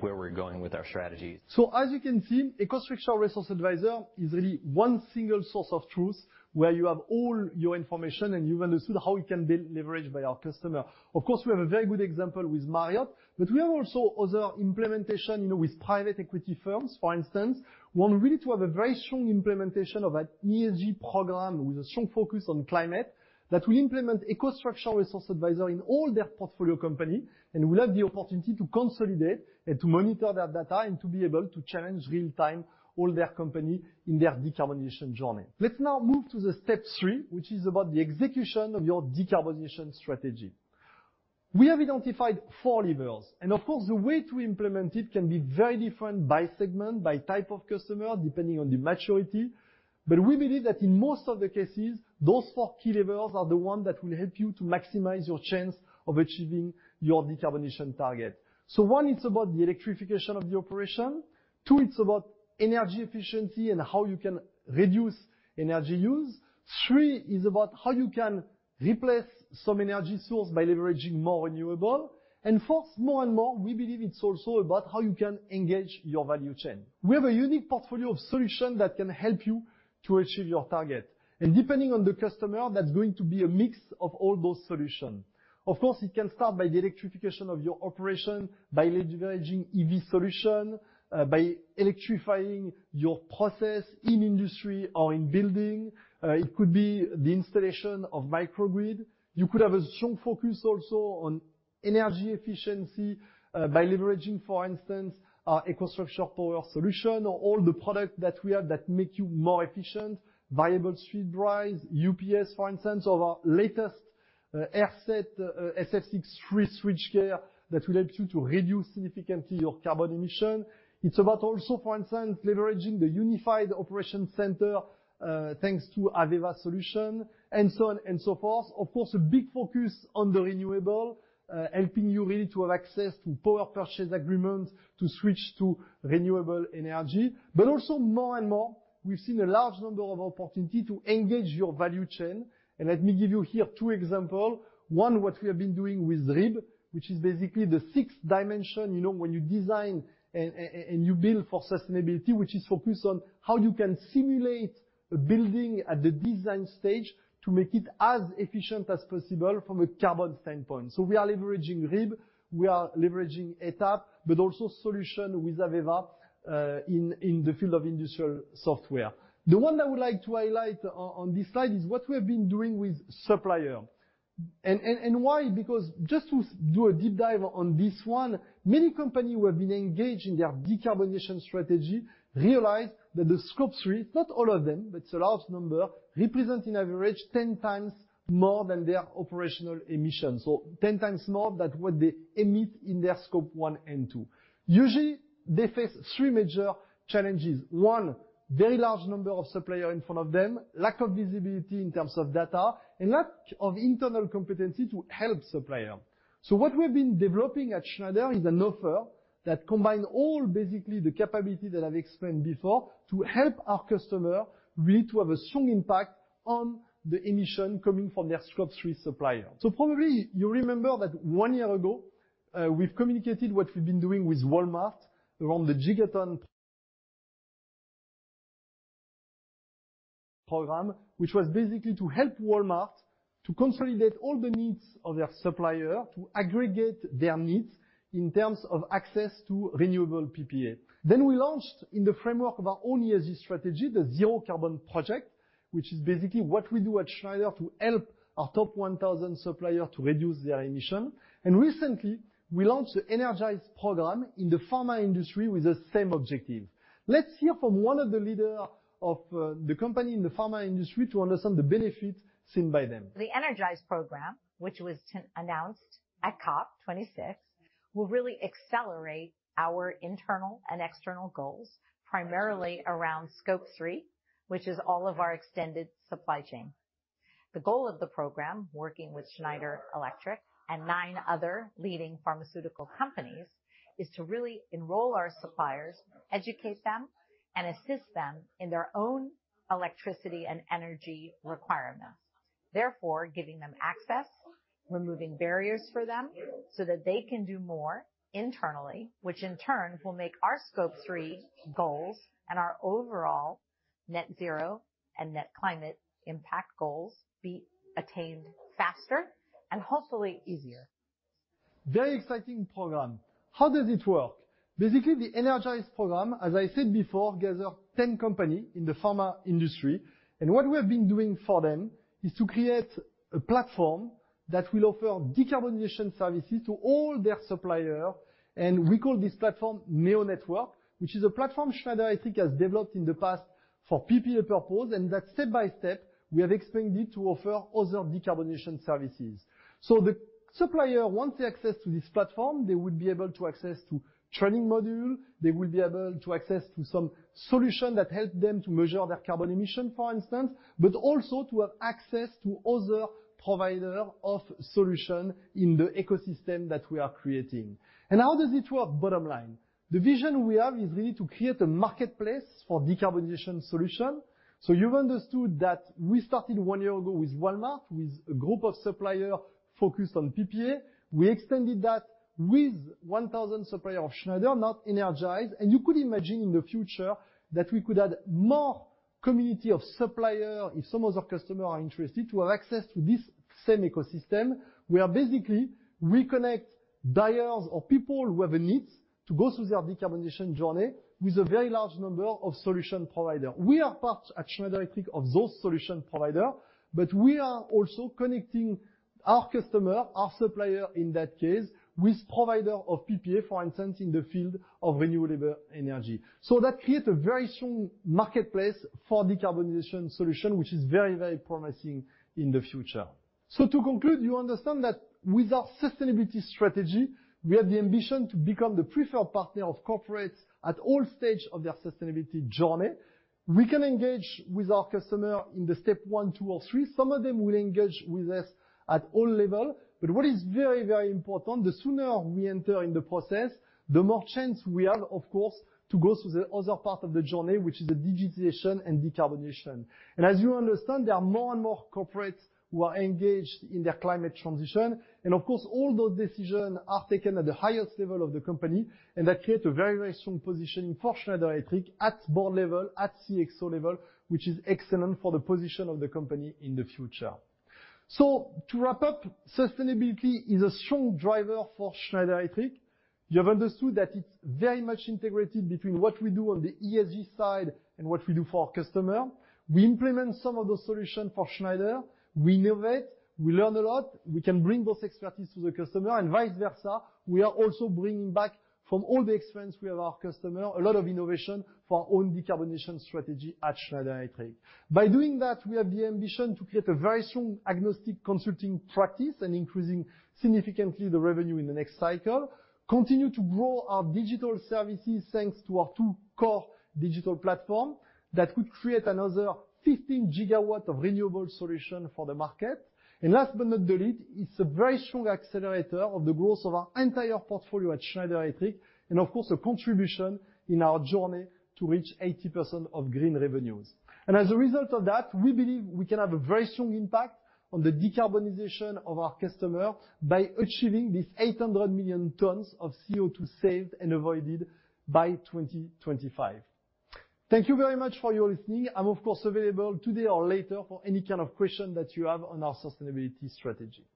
where we're going with our strategy. As you can see, EcoStruxure Resource Advisor is really one single source of truth where you have all your information and you've understood how it can be leveraged by our customer. Of course, we have a very good example with Marriott, but we have also other implementation, you know, with private equity firms, for instance, want really to have a very strong implementation of an ESG program with a strong focus on climate that will implement EcoStruxure Resource Advisor in all their portfolio company and will have the opportunity to consolidate and to monitor that data and to be able to challenge real-time all their company in their decarbonization journey. Let's now move to the step three, which is about the execution of your decarbonization strategy. We have identified four levers, and of course, the way to implement it can be very different by segment, by type of customer, depending on the maturity. We believe that in most of the cases, those four key levers are the ones that will help you to maximize your chance of achieving your decarbonization target. One, it's about the electrification of the operation. Two, it's about energy efficiency and how you can reduce energy use. Three is about how you can replace some energy source by leveraging more renewable. Fourth, more and more, we believe it's also about how you can engage your value chain. We have a unique portfolio of solution that can help you to achieve your target. Depending on the customer, that's going to be a mix of all those solution. Of course, it can start by the electrification of your operation, by leveraging EV solution, by electrifying your process in industry or in building. It could be the installation of microgrid. You could have a strong focus also on energy efficiency by leveraging, for instance, our EcoStruxure Power solution or all the product that we have that make you more efficient. Variable Speed Drives, UPS, for instance, or our latest, AirSeT SF6-free switchgear that will help you to reduce significantly your carbon emission. It's about also, for instance, leveraging the unified operation center, thanks to AVEVA solution, and so on and so forth. Of course, a big focus on the renewable, helping you really to have access to power purchase agreement to switch to renewable energy. Also more and more, we've seen a large number of opportunity to engage your value chain. Let me give you here two example. One, what we have been doing with RIB, which is basically the sixth dimension, you know, when you design and you build for sustainability, which is focused on how you can simulate a building at the design stage to make it as efficient as possible from a carbon standpoint. We are leveraging RIB, we are leveraging ETAP, but also solution with AVEVA, in the field of industrial software. The one I would like to highlight on this slide is what we have been doing with supplier. Why? Because just to do a deep dive on this one, many company who have been engaged in their decarbonization strategy realize that the Scope 3, not all of them, but it's a large number, represent an average 10x more than their operational emissions. 10x more than what they emit in their Scope 1 and 2. Usually they face three major challenges. One, very large number of suppliers in front of them, lack of visibility in terms of data, and lack of internal competency to help suppliers. What we've been developing at Schneider is an offer that combines all basically the capabilities that I've explained before to help our customers really to have a strong impact on the emissions coming from their Scope 3 suppliers. Probably you remember that one year ago, we've communicated what we've been doing with Walmart around the Gigaton PPA program, which was basically to help Walmart to consolidate all the needs of their suppliers to aggregate their needs in terms of access to renewable PPA. We launched in the framework of our own ESG strategy, the Zero Carbon Project, which is basically what we do at Schneider to help our top 1,000 suppliers to reduce their emissions. Recently we launched the Energize program in the pharma industry with the same objective. Let's hear from one of the leaders of the company in the pharma industry to understand the benefits seen by them. The Energize program, which was announced at COP26, will really accelerate our internal and external goals, primarily around Scope 3, which is all of our extended supply chain. The goal of the program, working with Schneider Electric and nine other leading pharmaceutical companies, is to really enroll our suppliers, educate them, and assist them in their own electricity and energy requirements, therefore giving them access, removing barriers for them, so that they can do more internally, which in turn will make our Scope 3 goals and our overall net zero and net climate impact goals be attained faster and hopefully easier. Very exciting program. How does it work? Basically, the Energize program, as I said before, gather 10 company in the pharma industry, and what we have been doing for them is to create a platform that will offer decarbonization services to all their supplier. We call this platform NEO Network, which is a platform Schneider I think has developed in the past for PPA purpose and that step by step we have expanded to offer other decarbonization services. The supplier wants access to this platform, they will be able to access to training module, they will be able to access to some solution that helps them to measure their carbon emission, for instance, but also to have access to other provider of solution in the ecosystem that we are creating. How does it work bottom line? The vision we have is really to create a marketplace for decarbonization solution. You've understood that we started one year ago with Walmart, with a group of supplier focused on PPA. We extended that with 1,000 supplier of Schneider, now Energize, and you could imagine in the future that we could add more community of supplier if some of our customer are interested to have access to this same ecosystem, where basically we connect buyers or people who have a needs to go through their decarbonization journey with a very large number of solution provider. We are part, at Schneider Electric, of those solution provider, but we are also connecting our customer, our supplier in that case, with provider of PPA, for instance, in the field of renewable energy. That creates a very strong marketplace for decarbonization solution, which is very, very promising in the future. To conclude, you understand that with our sustainability strategy, we have the ambition to become the preferred partner of corporates at all stage of their sustainability journey. We can engage with our customer in the step one, two, or three. Some of them will engage with us at all level. What is very, very important, the sooner we enter in the process, the more chance we have, of course, to go through the other part of the journey, which is the digitization and decarbonization. As you understand, there are more and more corporates who are engaged in their climate transition. Of course, all those decision are taken at the highest level of the company, and that create a very, very strong position for Schneider Electric at board level, at CXO level, which is excellent for the position of the company in the future. To wrap up, sustainability is a strong driver for Schneider Electric. You have understood that it's very much integrated between what we do on the ESG side and what we do for our customer. We implement some of those solutions for Schneider. We innovate, we learn a lot. We can bring that expertise to the customer and vice versa. We are also bringing back from all the experience we have with our customers, a lot of innovation for our own decarbonization strategy at Schneider Electric. By doing that, we have the ambition to create a very strong agnostic consulting practice and increasing significantly the revenue in the next cycle. We continue to grow our digital services thanks to our two core digital platforms that could create another 15 GW of renewable solutions for the market. Last but not the least, it's a very strong accelerator of the growth of our entire portfolio at Schneider Electric and of course a contribution in our journey to reach 80% of green revenues. As a result of that, we believe we can have a very strong impact on the decarbonization of our customer by achieving this 800 million tons of CO2 saved and avoided by 2025. Thank you very much for your listening. I'm of course available today or later for any kind of question that you have on our sustainability strategy.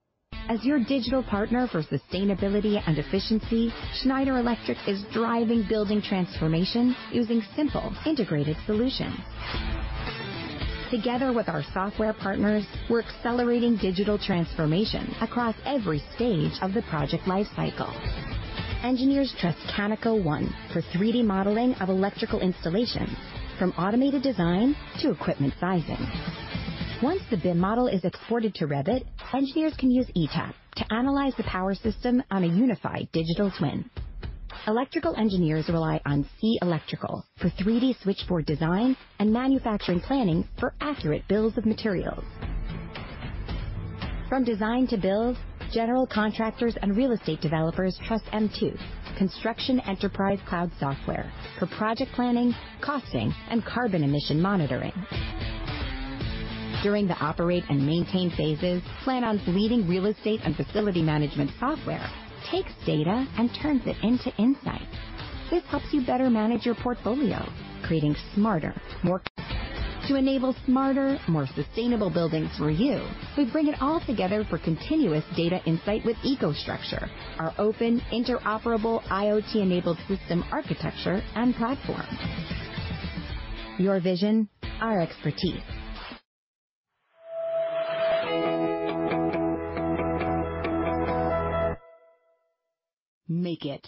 As your digital partner for sustainability and efficiency, Schneider Electric is driving building transformation using simple integrated solutions. Together with our software partners, we're accelerating digital transformation across every stage of the project lifecycle. Engineers trust Caneco ONE for 3D modeling of electrical installations, from automated design to equipment sizing. Once the BIM model is exported to Revit, engineers can use ETAP to analyze the power system on a unified digital twin. Electrical engineers rely on SEE Electrical for 3D switchboard design and manufacturing planning for accurate bills of materials. From design to build, general contractors and real estate developers trust MTWO, construction enterprise cloud software for project planning, costing, and carbon emission monitoring. During the operate and maintain phases, Planon's leading real estate and facility management software takes data and turns it into insight. This helps you better manage your portfolio. To enable smarter, more sustainable buildings for you, we bring it all together for continuous data insight with EcoStruxure, our open, interoperable, IoT-enabled system architecture and platform. Your vision, our expertise. Make it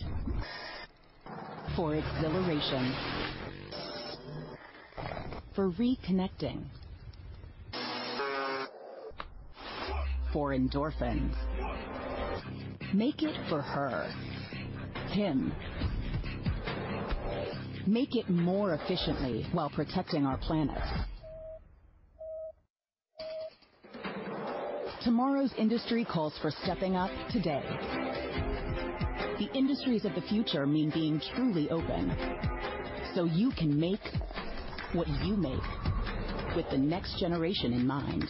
for exhilaration, for reconnecting, for endorphins. Make it for her, him. Make it more efficiently while protecting our planet. Tomorrow's industry calls for stepping up today. The industries of the future mean being truly open, so you can make what you make with the next generation in mind.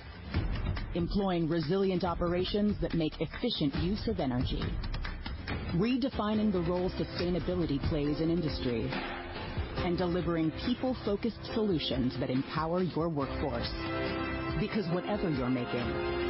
Employing resilient operations that make efficient use of energy, redefining the role sustainability plays in industry, and delivering people-focused solutions that empower your workforce. Because whatever you're making.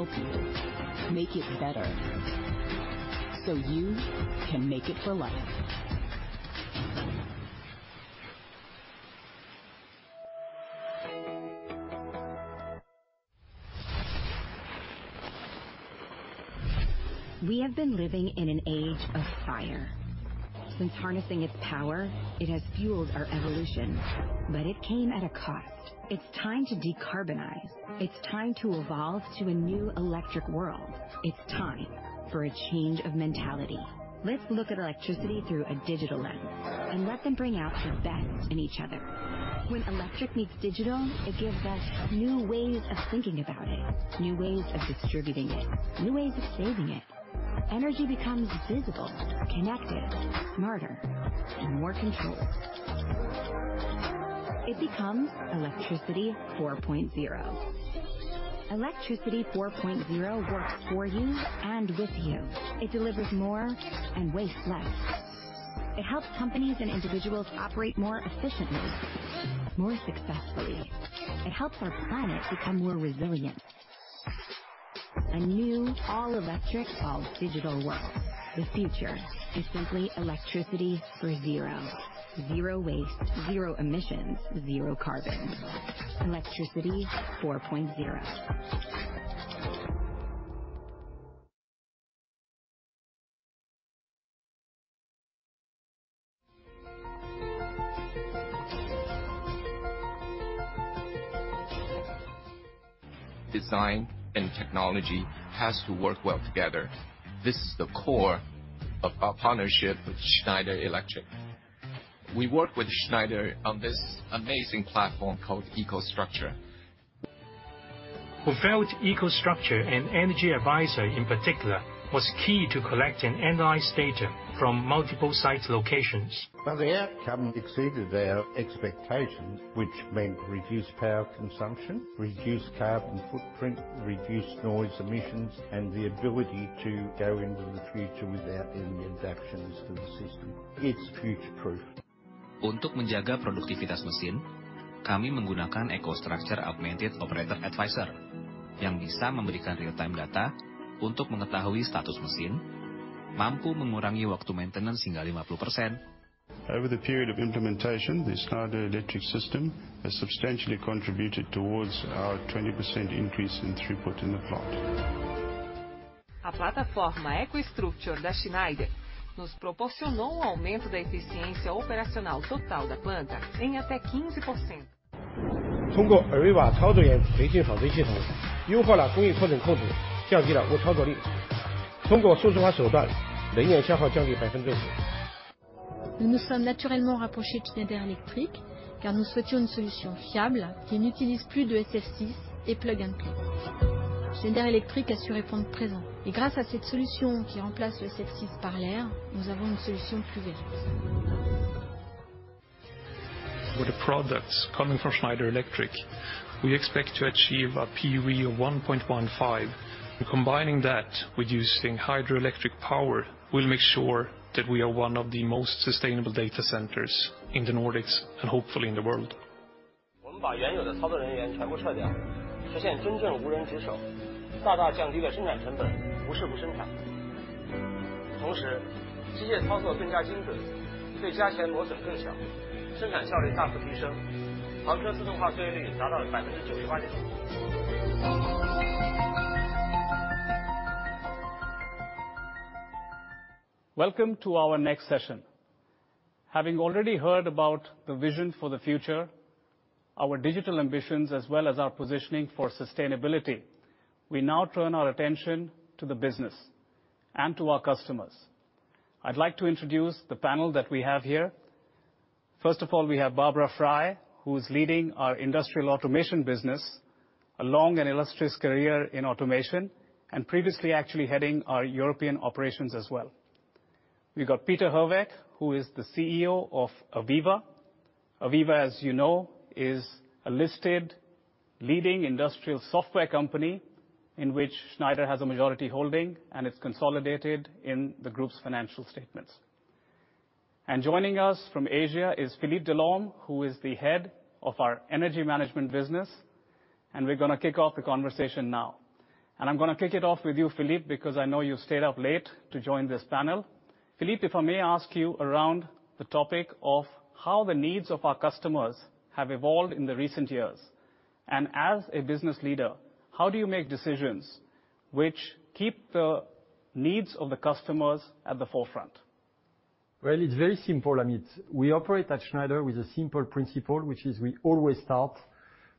We will help you make it better so you can make it for life. We have been living in an age of fire. Since harnessing its power, it has fueled our evolution, but it came at a cost. It's time to decarbonize. It's time to evolve to a new electric world. It's time for a change of mentality. Let's look at electricity through a digital lens and let them bring out the best in each other. When electric meets digital, it gives us new ways of thinking about it, new ways of distributing it, new ways of saving it. Energy becomes visible, connected, smarter, and more controlled. It becomes Electricity 4.0. Electricity 4.0 works for you and with you. It delivers more and wastes less. It helps companies and individuals operate more efficiently, more successfully. It helps our planet become more resilient. A new all-electric, all-digital world. The future is simply electricity for zero. Zero waste, zero emissions, zero carbon. Electricity 4.0. Design and technology has to work well together. This is the core of our partnership with Schneider Electric. We work with Schneider on this amazing platform called EcoStruxure. We felt EcoStruxure and EcoStruxure Energy Advisor in particular was key to collecting and analyzing data from multiple site locations. The outcome exceeded our expectations, which meant reduced power consumption, reduced carbon footprint, reduced noise emissions, and the ability to go into the future without any reductions to the system. It's future-proof. To maintain machine productivity, we use EcoStruxure Augmented Operator Advisor, which can provide real-time data to know the machine status, and is able to reduce maintenance time by 50%. Over the period of implementation, the Schneider Electric system has substantially contributed towards our 20% increase in throughput in the plant. The EcoStruxure platform from Schneider Electric has provided us with an increase in total plant operational efficiency of up to 15%. Through the AVEVA Operations Advisor system, we have optimized the technology adjustment group, reduced manual operation, and through digitization methods, reduced energy consumption by 10%. We naturally approached Schneider Electric because we wanted a reliable solution that no longer uses SF6 and plug and play. Schneider Electric was there to respond, and thanks to this solution, which replaces SF6 with air, we have a more efficient solution. With the products coming from Schneider Electric, we expect to achieve a PUE of 1.15. Combining that with using hydroelectric power will make sure that we are one of the most sustainable data centers in the Nordics, and hopefully in the world. Welcome to our next session. Having already heard about the vision for the future, our digital ambitions, as well as our positioning for sustainability, we now turn our attention to the business and to our customers. I'd like to introduce the panel that we have here. First of all, we have Barbara Frei, who's leading our industrial automation business, a long and illustrious career in automation, and previously actually heading our European operations as well. We've got Peter Herweck, who is the CEO of AVEVA. AVEVA, as you know, is a listed leading industrial software company in which Schneider has a majority holding, and it's consolidated in the group's financial statements. Joining us from Asia is Philippe Delorme, who is the head of our energy management business. We're gonna kick off the conversation now. I'm gonna kick it off with you, Philippe, because I know you stayed up late to join this panel. Philippe, if I may ask you around the topic of how the needs of our customers have evolved in recent years, as a business leader, how do you make decisions which keep the needs of the customers at the forefront? Well, it's very simple, Amit. We operate at Schneider with a simple principle, which is we always start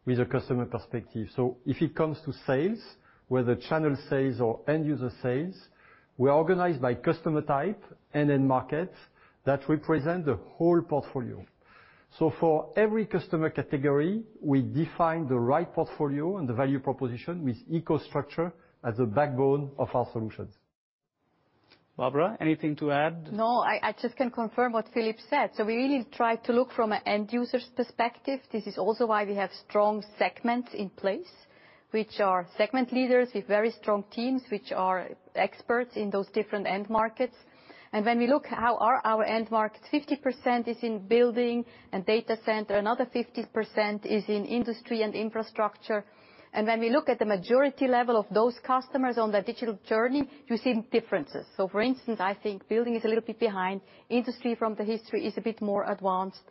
with a customer perspective. If it comes to sales, whether channel sales or end user sales, we are organized by customer type and in markets that represent the whole portfolio. For every customer category, we define the right portfolio and the value proposition with EcoStruxure as a backbone of our solutions. Barbara, anything to add? No, I just can confirm what Philippe said. We really try to look from an end user's perspective. This is also why we have strong segments in place, which are segment leaders with very strong teams, which are experts in those different end markets. When we look at how our end markets, 50% is in building and data center. Another 50% is in industry and infrastructure. When we look at the maturity level of those customers on their digital journey, you see differences. For instance, I think building is a little bit behind, industry historically is a bit more advanced.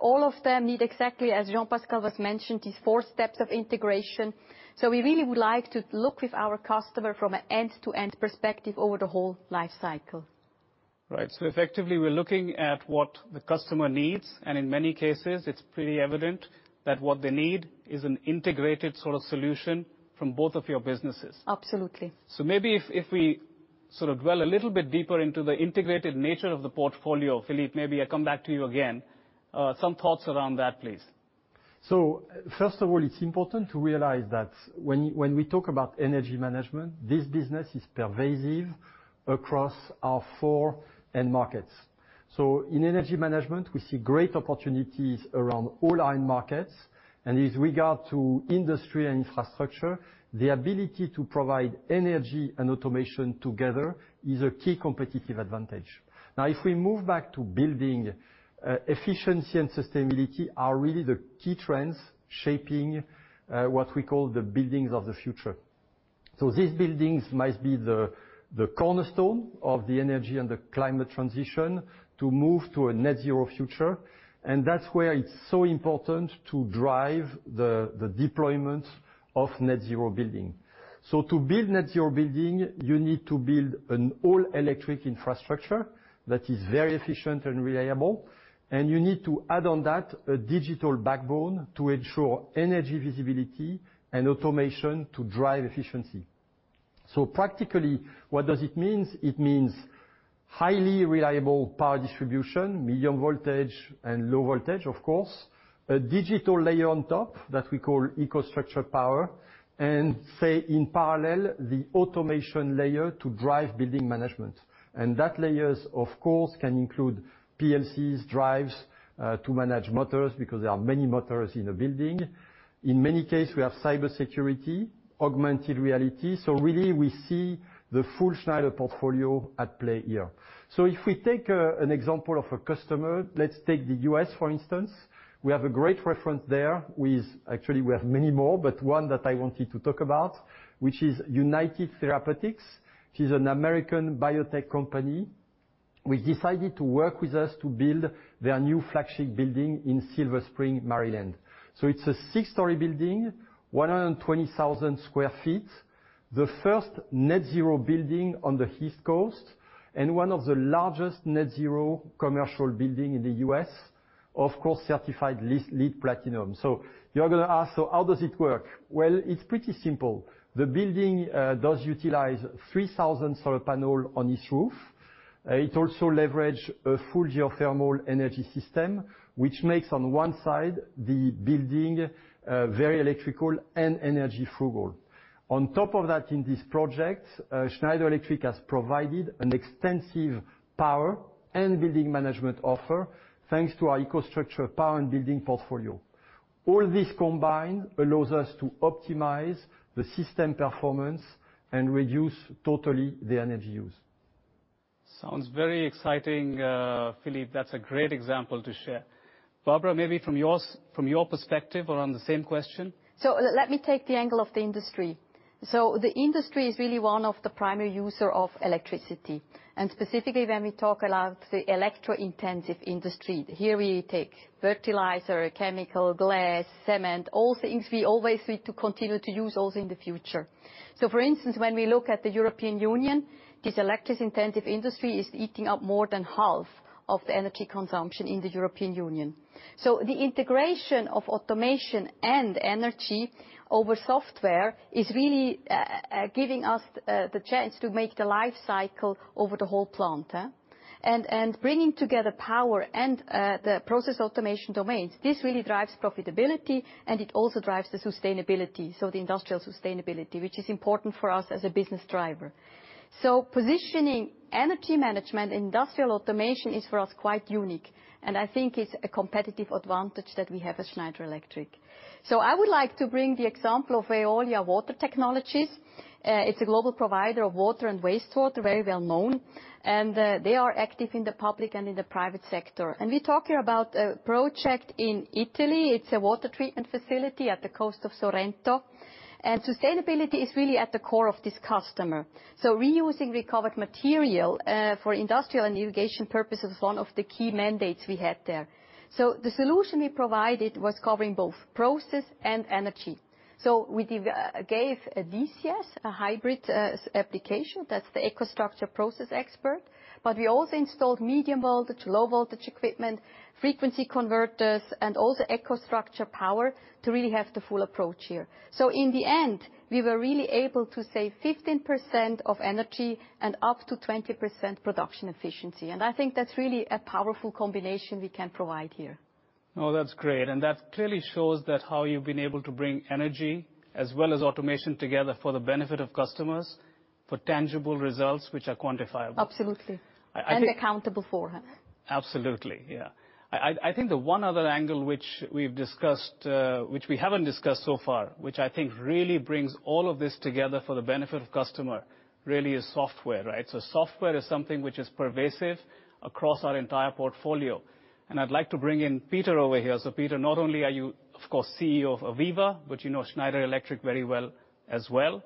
All of them need exactly, as Jean-Pascal has mentioned, these four steps of integration. We really would like to look with our customers from an end-to-end perspective over the whole life cycle. Right. Effectively we're looking at what the customer needs, and in many cases, it's pretty evident that what they need is an integrated sort of solution from both of your businesses. Absolutely. Maybe if we sort of dwell a little bit deeper into the integrated nature of the portfolio, Philippe, maybe I come back to you again. Some thoughts around that, please. First of all, it's important to realize that when we talk about energy management, this business is pervasive across our four end markets. In energy management, we see great opportunities around all our end markets. With regard to industry and infrastructure, the ability to provide energy and automation together is a key competitive advantage. Now, if we move back to building, efficiency and sustainability are really the key trends shaping what we call the buildings of the future. These buildings must be the cornerstone of the energy and the climate transition to move to a net zero future. That's where it's so important to drive the deployment of net zero building. To build net-zero building, you need to build an all-electric infrastructure that is very efficient and reliable, and you need to add on that a digital backbone to ensure energy visibility and automation to drive efficiency. Practically, what does it mean? It means highly reliable power distribution, medium voltage and low voltage, of course. A digital layer on top that we call EcoStruxure Power, and, say, in parallel, the automation layer to drive building management. Those layers, of course, can include PLCs, drives to manage motors, because there are many motors in a building. In many cases, we have cybersecurity, augmented reality. Really we see the full Schneider portfolio at play here. If we take an example of a customer, let's take the U.S. for instance. We have a great reference there with... Actually, we have many more, but one that I wanted to talk about, which is United Therapeutics. It's an American biotech company which decided to work with us to build their new flagship building in Silver Spring, Maryland. It's a six-story building, 120,000 sq ft. The first net-zero building on the East Coast and one of the largest net-zero commercial buildings in the U.S. Of course, certified LEED Platinum. You're gonna ask, "So how does it work?" Well, it's pretty simple. The building does utilize 3,000 solar panels on each roof. It also leverages a full geothermal energy system, which makes on one side the building very electrical and energy frugal. On top of that, in this project, Schneider Electric has provided an extensive power and building management offer, thanks to our EcoStruxure Power and Building portfolio. All this combined allows us to optimize the system performance and reduce totally the energy use. Sounds very exciting, Philippe. That's a great example to share. Barbara, maybe from your perspective around the same question. Let me take the angle of the industry. The industry is really one of the primary user of electricity, and specifically when we talk about the energy-intensive industry. Here we take fertilizer, chemical, glass, cement, all things we always need to continue to use also in the future. For instance, when we look at the European Union, this energy-intensive industry is eating up more than half of the energy consumption in the European Union. The integration of automation and energy over software is really giving us the chance to make the life cycle over the whole plant. Bringing together power and the process automation domains, this really drives profitability, and it also drives the sustainability, the industrial sustainability, which is important for us as a business driver. Positioning energy management industrial automation is, for us, quite unique, and I think it's a competitive advantage that we have at Schneider Electric. I would like to bring the example of Veolia Water Technologies. It's a global provider of water and wastewater, very well known, and they are active in the public and in the private sector. We talk here about a project in Italy. It's a water treatment facility at the coast of Sorrento, and sustainability is really at the core of this customer. Reusing recovered material for industrial and irrigation purposes is one of the key mandates we had there. The solution we provided was covering both process and energy. We gave a DCS, a hybrid application, that's the EcoStruxure Process Expert. We also installed medium voltage, low voltage equipment, frequency converters, and also EcoStruxure Power to really have the full approach here. In the end, we were really able to save 15% of energy and up to 20% production efficiency, and I think that's really a powerful combination we can provide here. No, that's great, and that clearly shows that how you've been able to bring energy as well as automation together for the benefit of customers, for tangible results which are quantifiable. Absolutely. I think. Accountable for. Absolutely, yeah. I think the one other angle which we've discussed, which we haven't discussed so far, which I think really brings all of this together for the benefit of customer really is software, right? Software is something which is pervasive across our entire portfolio, and I'd like to bring in Peter over here. Peter, not only are you, of course, CEO of AVEVA, but you know Schneider Electric very well as well.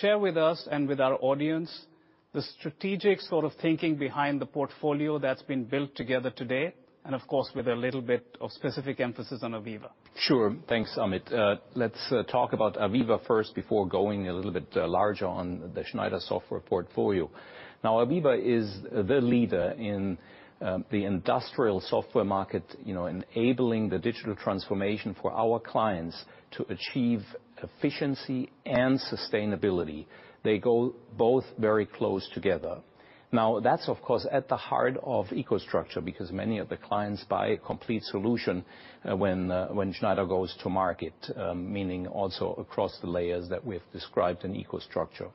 Share with us and with our audience the strategic sort of thinking behind the portfolio that's been built together today and, of course, with a little bit of specific emphasis on AVEVA. Sure. Thanks, Amit. Let's talk about AVEVA first before going a little bit larger on the Schneider software portfolio. Now, AVEVA is the leader in the industrial software market, you know, enabling the digital transformation for our clients to achieve efficiency and sustainability. They both go very close together. Now, that's of course at the heart of EcoStruxure, because many of the clients buy a complete solution when Schneider goes to market, meaning also across the layers that we have described in EcoStruxure.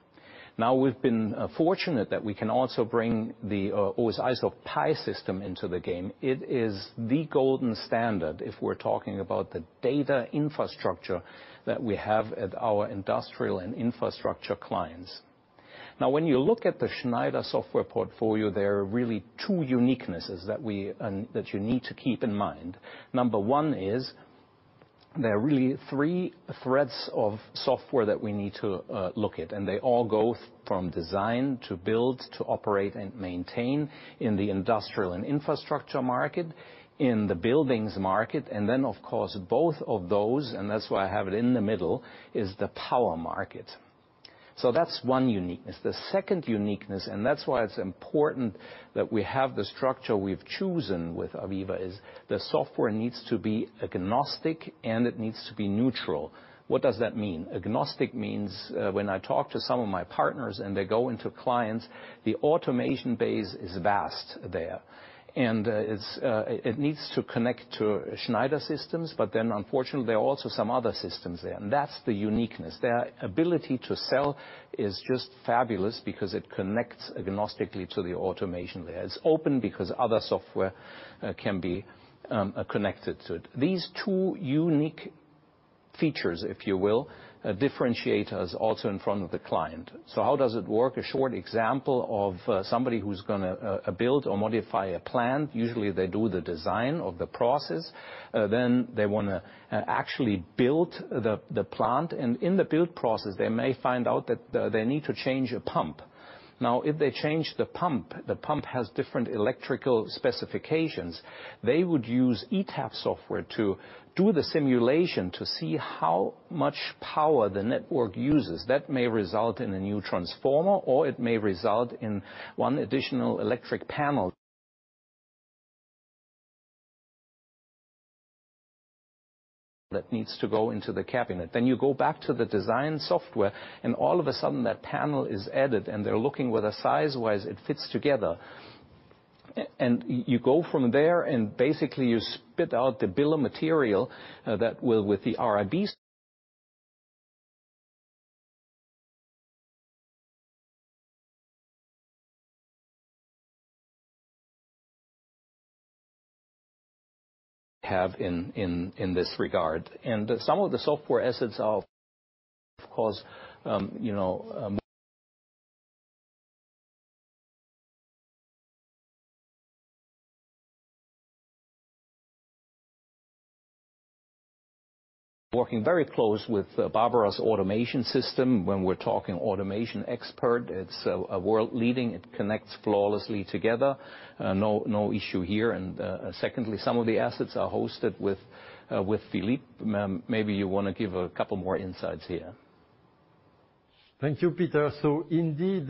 Now, we've been fortunate that we can also bring the OSIsoft PI System into the game. It is the gold standard if we're talking about the data infrastructure that we have at our industrial and infrastructure clients. Now, when you look at the Schneider software portfolio, there are really two uniquenesses that we, and that you need to keep in mind. Number one is there are really three threads of software that we need to look at, and they all go from design to build to operate and maintain in the industrial and infrastructure market, in the buildings market, and then of course both of those, and that's why I have it in the middle, is the power market. So that's one uniqueness. The second uniqueness, and that's why it's important that we have the structure we've chosen with AVEVA, is the software needs to be agnostic and it needs to be neutral. What does that mean? Agnostic means when I talk to some of my partners and they go into clients, the automation base is vast there, and it needs to connect to Schneider systems, but then unfortunately, there are also some other systems there, and that's the uniqueness. Their ability to sell is just fabulous because it connects agnostically to the automation layer. It's open because other software can be connected to it. These two unique features, if you will, differentiate us also in front of the client. So how does it work? A short example of somebody who's gonna build or modify a plant. Usually, they do the design of the process, then they wanna actually build the plant. In the build process, they may find out that they need to change a pump. Now, if they change the pump, the pump has different electrical specifications. They would use ETAP software to do the simulation to see how much power the network uses. That may result in a new transformer, or it may result in one additional electric panel that needs to go into the cabinet. You go back to the design software, and all of a sudden that panel is added and they're looking whether size-wise it fits together. You go from there and basically you spit out the bill of material that will, with the RIB... Have in this regard. Some of the software assets are of course, you know, working very close with Barbara's automation system. When we're talking Automation Expert, it's a world-leading, it connects flawlessly together. No issue here. Secondly, some of the assets are hosted with Philippe. Maybe you wanna give a couple more insights here. Thank you, Peter. Indeed,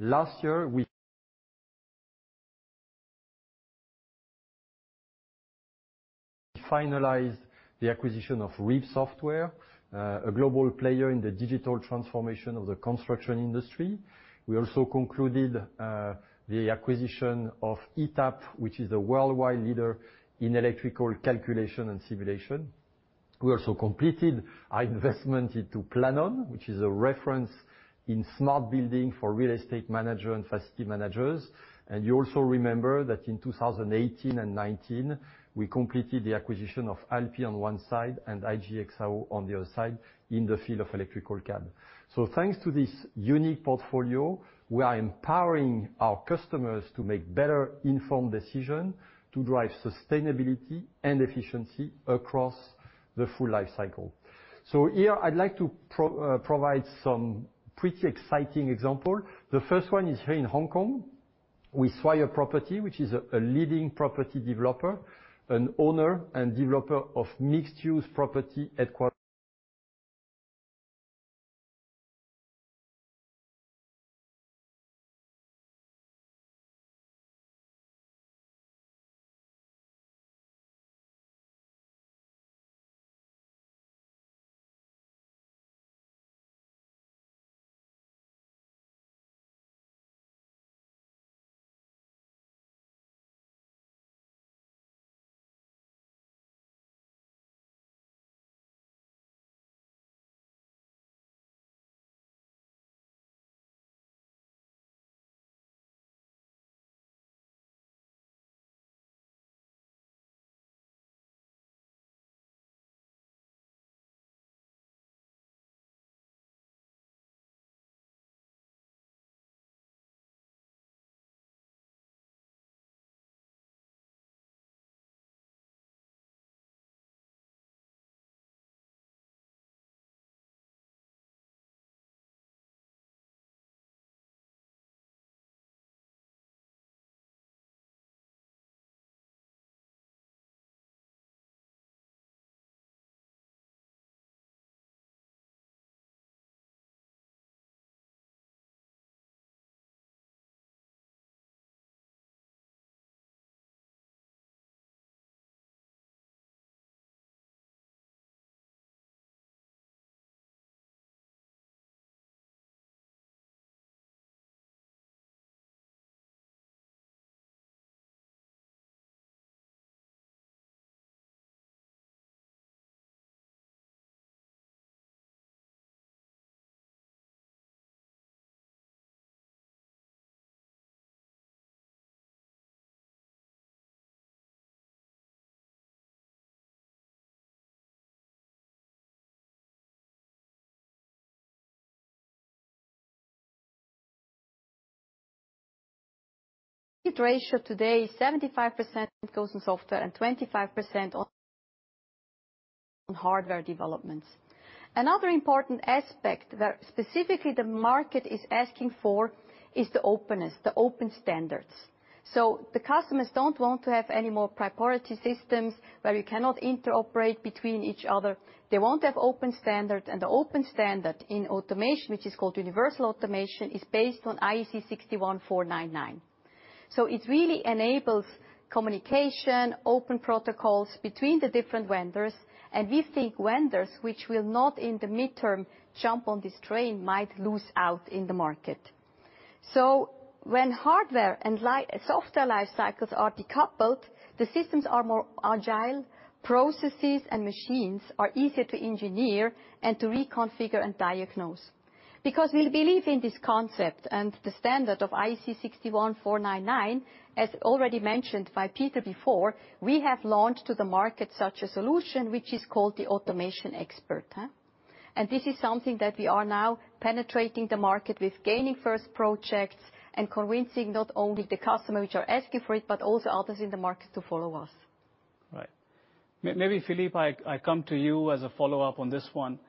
last year we finalized the acquisition of RIB Software, a global player in the digital transformation of the construction industry. We also concluded the acquisition of ETAP, which is a worldwide leader in electrical calculation and simulation. We also completed our investment into Planon, which is a reference in smart building for real estate manager and facility managers. You also remember that in 2018 and 2019, we completed the acquisition of ALPI on one side and IGE+XAO on the other side in the field of electrical CAD. Thanks to this unique portfolio, we are empowering our customers to make better informed decision to drive sustainability and efficiency across the full life cycle. Here I'd like to provide some pretty exciting example. The first one is here in Hong Kong with Swire Properties, which is a leading property developer and owner and developer of mixed-use property. Split ratio today, 75% goes on software and 25% on hardware developments. Another important aspect that specifically the market is asking for is the openness, the open standards. Customers don't want to have any more proprietary systems where you cannot interoperate between each other. They want open standards, and the open standard in automation, which is called universal automation, is based on IEC 61499. It really enables communication, open protocols between the different vendors, and we think vendors which will not in the mid-term jump on this train might lose out in the market. When hardware and software life cycles are decoupled, the systems are more agile, processes and machines are easier to engineer and to reconfigure and diagnose. Because we believe in this concept and the standard of IEC 61499, as already mentioned by Peter before, we have launched to the market such a solution, which is called the Automation Expert. This is something that we are now penetrating the market with gaining first projects and convincing not only the customer which are asking for it, but also others in the market to follow us. Right. Maybe Philippe, I come to you as a follow-up on this one.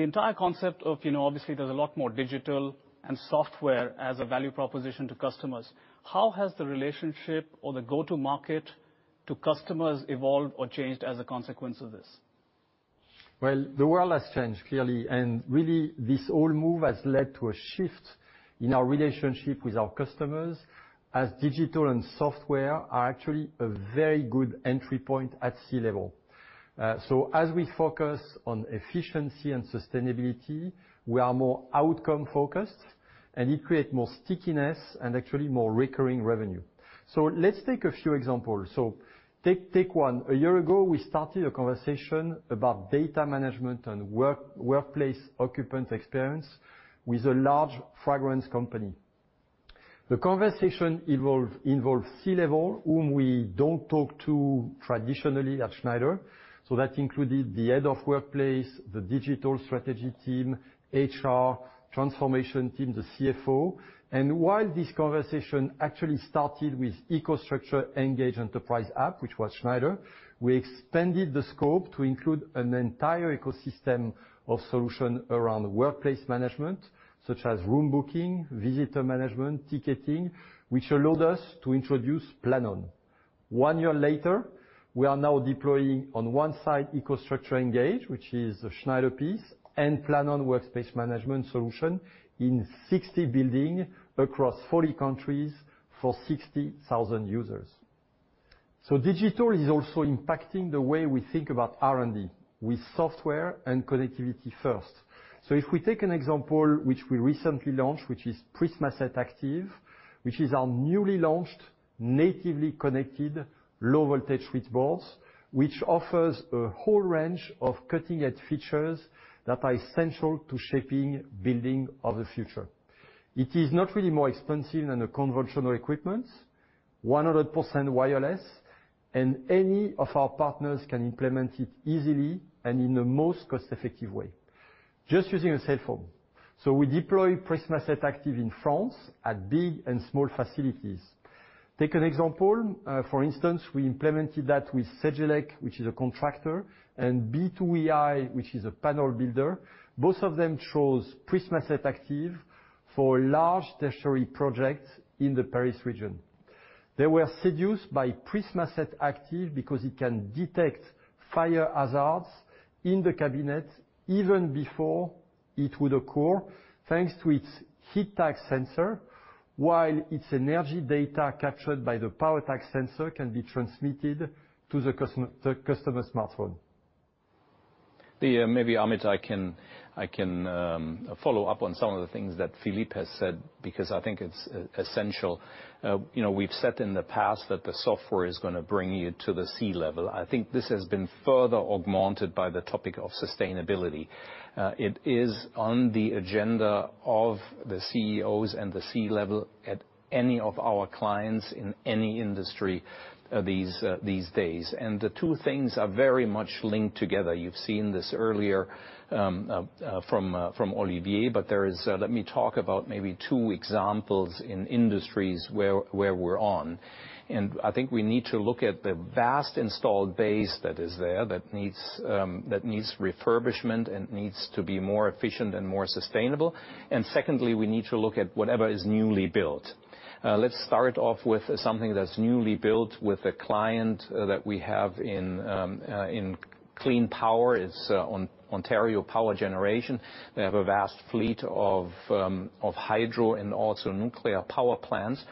The entire concept of, you know, obviously there's a lot more digital and software as a value proposition to customers. How has the relationship or the go-to-market to customers evolved or changed as a consequence of this? Well, the world has changed clearly, and really this whole move has led to a shift in our relationship with our customers as digital and software are actually a very good entry point at C-level. As we focus on efficiency and sustainability, we are more outcome-focused, and it create more stickiness and actually more recurring revenue. Let's take a few examples. Take one. A year ago, we started a conversation about data management and workplace occupant experience with a large fragrance company. The conversation involve C-level, whom we don't talk to traditionally at Schneider. That included the head of workplace, the digital strategy team, HR, transformation team, the CFO. While this conversation actually started with EcoStruxure Engage Enterprise App, which was Schneider, we expanded the scope to include an entire ecosystem of solutions around workplace management, such as room booking, visitor management, ticketing, which allowed us to introduce Planon. One year later, we are now deploying on one side EcoStruxure Engage, which is a Schneider piece, and Planon workspace management solution in 60 buildings across 40 countries for 60,000 users. Digital is also impacting the way we think about R&D with software and connectivity first. If we take an example which we recently launched, which is PrismaSeT Active, which is our newly launched natively connected low-voltage switchboards, which offers a whole range of cutting-edge features that are essential to shaping buildings of the future. It is not really more expensive than the conventional equipments, 100% wireless, and any of our partners can implement it easily and in the most cost-effective way, just using a cell phone. We deploy PrismaSeT Active in France at big and small facilities. Take an example. For instance, we implemented that with Cegelec, which is a contractor, and B2EI, which is a panel builder. Both of them chose PrismaSeT Active for large tertiary projects in the Paris region. They were seduced by PrismaSeT Active because it can detect fire hazards in the cabinet even before it would occur, thanks to its HeatTag sensor, while its energy data captured by the PowerTag sensor can be transmitted to the customer's smartphone. Maybe, Amit, I can follow up on some of the things that Philippe has said because I think it's essential. You know, we've said in the past that the software is gonna bring you to the C-level. I think this has been further augmented by the topic of sustainability. It is on the agenda of the CEOs and the C-level at any of our clients in any industry these days. The two things are very much linked together. You've seen this earlier from Olivier, but there is, let me talk about maybe two examples in industries where we're on. I think we need to look at the vast installed base that is there that needs refurbishment and needs to be more efficient and more sustainable. Secondly, we need to look at whatever is newly built. Let's start off with something that's newly built with a client that we have in clean power, it's Ontario Power Generation. They have a vast fleet of hydro and also nuclear power plants.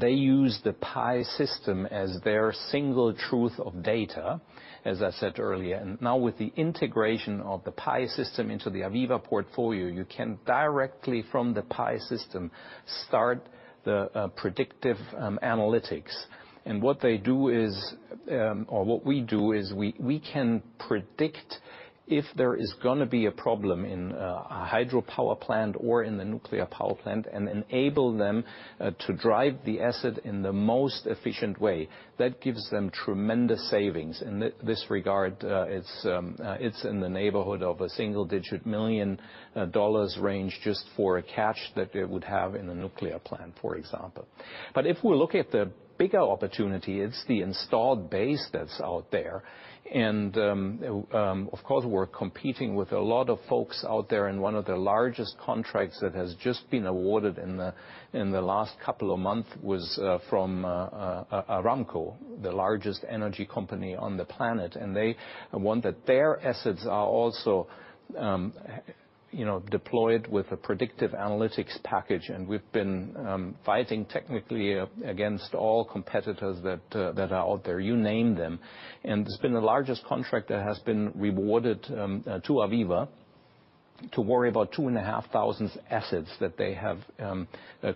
They use the PI System as their single truth of data, as I said earlier. Now with the integration of the PI System into the AVEVA portfolio, you can directly, from the PI System, start the predictive analytics. What they do is, or what we do is we can predict if there is gonna be a problem in a hydropower plant or in the nuclear power plant and enable them to drive the asset in the most efficient way. That gives them tremendous savings. In this regard, it's in the neighborhood of a single-digit million dollar range just for a catch that they would have in a nuclear plant, for example. If we look at the bigger opportunity, it's the installed base that's out there. Of course, we're competing with a lot of folks out there, and one of the largest contracts that has just been awarded in the last couple of months was from Aramco, the largest energy company on the planet. They wanted their assets also, you know, deployed with a predictive analytics package. We've been fighting technically against all competitors that are out there. You name them. It's been the largest contract that has been awarded to AVEVA to manage 2,500 assets that they have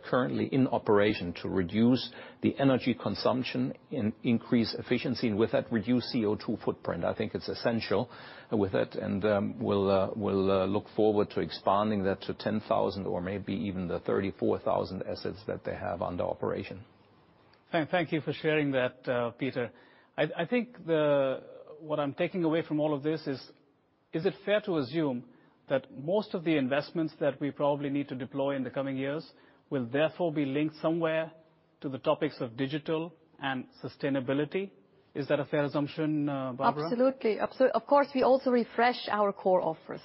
currently in operation to reduce the energy consumption and increase efficiency, and with that, reduce CO2 footprint. I think it's essential to it. We'll look forward to expanding that to 10,000 or maybe even the 34,000 assets that they have in operation. Thank you for sharing that, Peter. I think what I'm taking away from all of this is it fair to assume that most of the investments that we probably need to deploy in the coming years will therefore be linked somewhere to the topics of digital and sustainability? Is that a fair assumption, Barbara? Absolutely. Of course, we also refresh our core offers.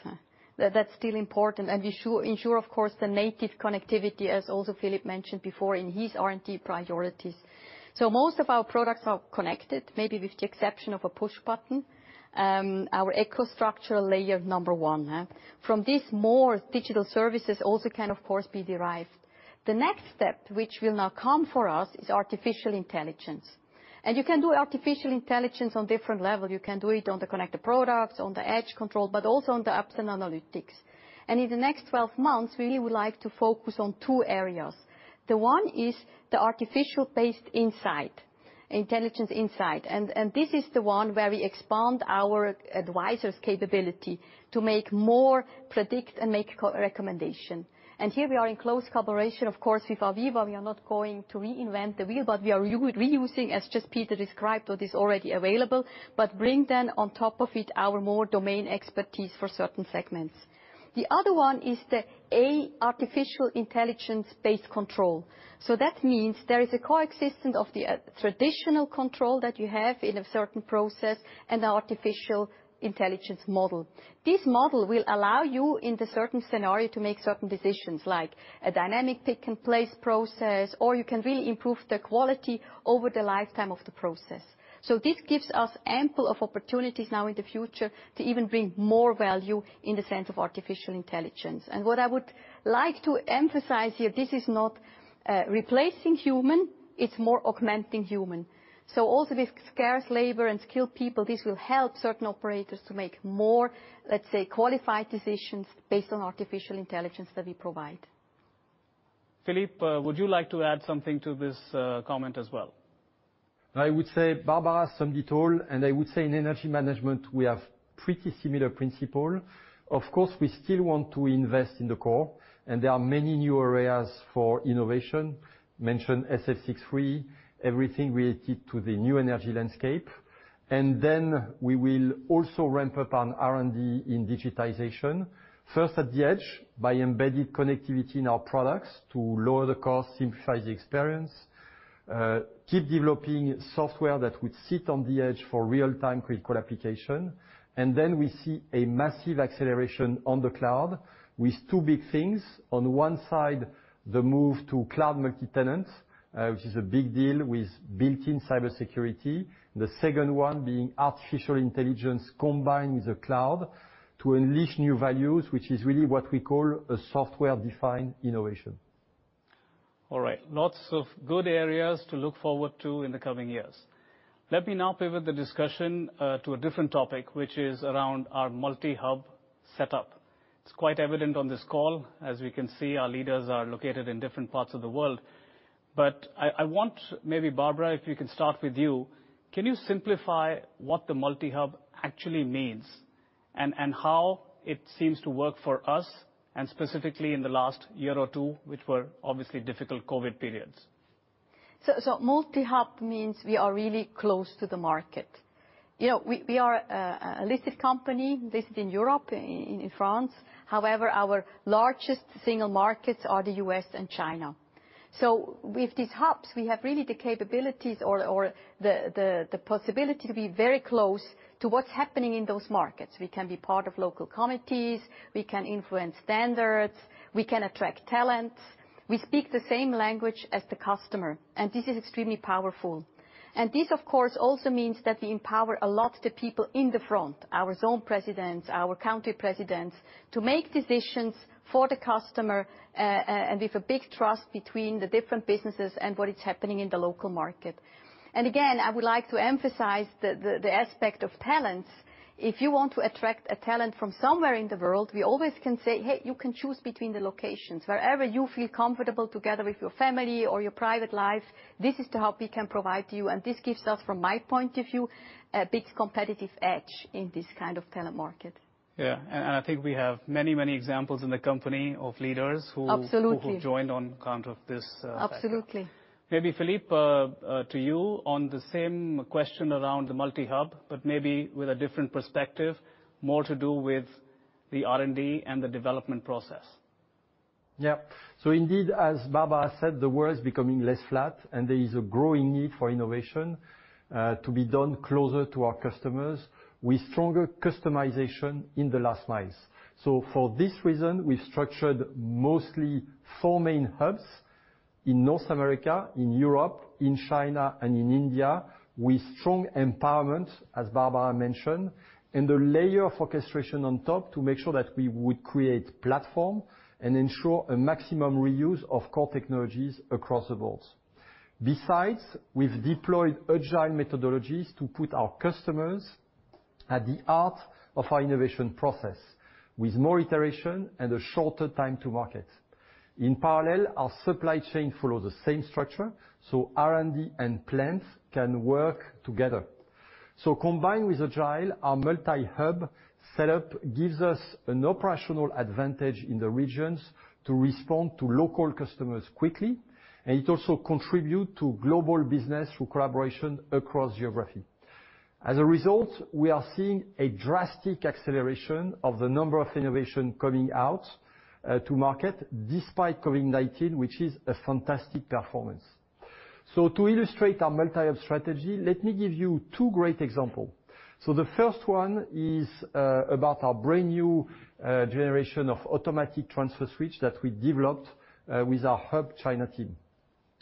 That's still important. We ensure, of course, the native connectivity, as also Philippe mentioned before in his R&D priorities. Most of our products are connected, maybe with the exception of a push button, our EcoStruxure layer number one. From this, more digital services also can, of course, be derived. The next step, which will now come for us, is artificial intelligence. You can do artificial intelligence on different level. You can do it on the connected products, on the edge control, but also on the apps and analytics. In the next 12 months, really would like to focus on two areas. The one is the artificial-based insight, intelligent insight. This is the one where we expand our advisor's capability to make more predictions and make recommendations. Here, we are in close collaboration, of course, with AVEVA. We are not going to reinvent the wheel, but we are reusing, as just Peter described, what is already available, but bring them on top of it our more domain expertise for certain segments. The other one is the AI, artificial intelligence-based control. That means there is a coexistence of the traditional control that you have in a certain process and artificial intelligence model. This model will allow you, in the certain scenario, to make certain decisions, like a dynamic pick-and-place process, or you can really improve the quality over the lifetime of the process. This gives us ample of opportunities now in the future to even bring more value in the sense of artificial intelligence. What I would like to emphasize here, this is not replacing human, it's more augmenting human. Also with scarce labor and skilled people, this will help certain operators to make more, let's say, qualified decisions based on artificial intelligence that we provide. Philippe, would you like to add something to this comment as well? I would say Barbara summed it all. I would say in energy management, we have pretty similar principle. Of course, we still want to invest in the core, and there are many new areas for innovation, mentioned SF6-free, everything related to the new energy landscape. Then we will also ramp up on R&D in digitization, first at the edge by embedded connectivity in our products to lower the cost, simplify the experience, keep developing software that would sit on the edge for real-time critical application. Then we see a massive acceleration on the cloud with two big things. On one side, the move to cloud multitenant, which is a big deal with built-in cybersecurity. The second one being artificial intelligence combined with the cloud to unleash new values, which is really what we call a software-defined innovation. All right. Lots of good areas to look forward to in the coming years. Let me now pivot the discussion to a different topic, which is around our multi-hub setup. It's quite evident on this call. As we can see, our leaders are located in different parts of the world. I want, maybe Barbara, if you can start with you. Can you simplify what the multi-hub actually means and how it seems to work for us, and specifically in the last year or two, which were obviously difficult COVID periods? Multi-hub means we are really close to the market. You know, we are a listed company, listed in Europe, in France. However, our largest single markets are the U.S. and China. With these hubs, we have really the capabilities or the possibility to be very close to what's happening in those markets. We can be part of local committees, we can influence standards, we can attract talent. We speak the same language as the customer, and this is extremely powerful. This, of course, also means that we empower a lot the people in the front, our zone presidents, our county presidents, to make decisions for the customer, and with a big trust between the different businesses and what is happening in the local market. Again, I would like to emphasize the aspect of talents. If you want to attract a talent from somewhere in the world, we always can say, "Hey, you can choose between the locations. Wherever you feel comfortable together with your family or your private life, this is the hub we can provide to you." This gives us, from my point of view, a big competitive edge in this kind of talent market. Yeah. I think we have many examples in the company of leaders who- Absolutely... who joined on account of this setup. Absolutely. Maybe Philippe, to you on the same question around the multi-hub, but maybe with a different perspective, more to do with the R&D and the development process. Yeah. Indeed, as Barbara said, the world is becoming less flat, and there is a growing need for innovation to be done closer to our customers with stronger customization in the last miles. For this reason, we've structured mostly four main hubs, in North America, in Europe, in China, and in India, with strong empowerment, as Barbara mentioned, and a layer of orchestration on top to make sure that we would create platform and ensure a maximum reuse of core technologies across the boards. Besides, we've deployed agile methodologies to put our customers at the heart of our innovation process with more iteration and a shorter time to market. In parallel, our supply chain follows the same structure, so R&D and plants can work together. Combined with agile, our multi-hub setup gives us an operational advantage in the regions to respond to local customers quickly, and it also contribute to global business through collaboration across geography. As a result, we are seeing a drastic acceleration of the number of innovation coming out to market despite COVID-19, which is a fantastic performance. To illustrate our multi-hub strategy, let me give you two great example. The first one is about our brand-new generation of automatic transfer switch that we developed with our hub China team.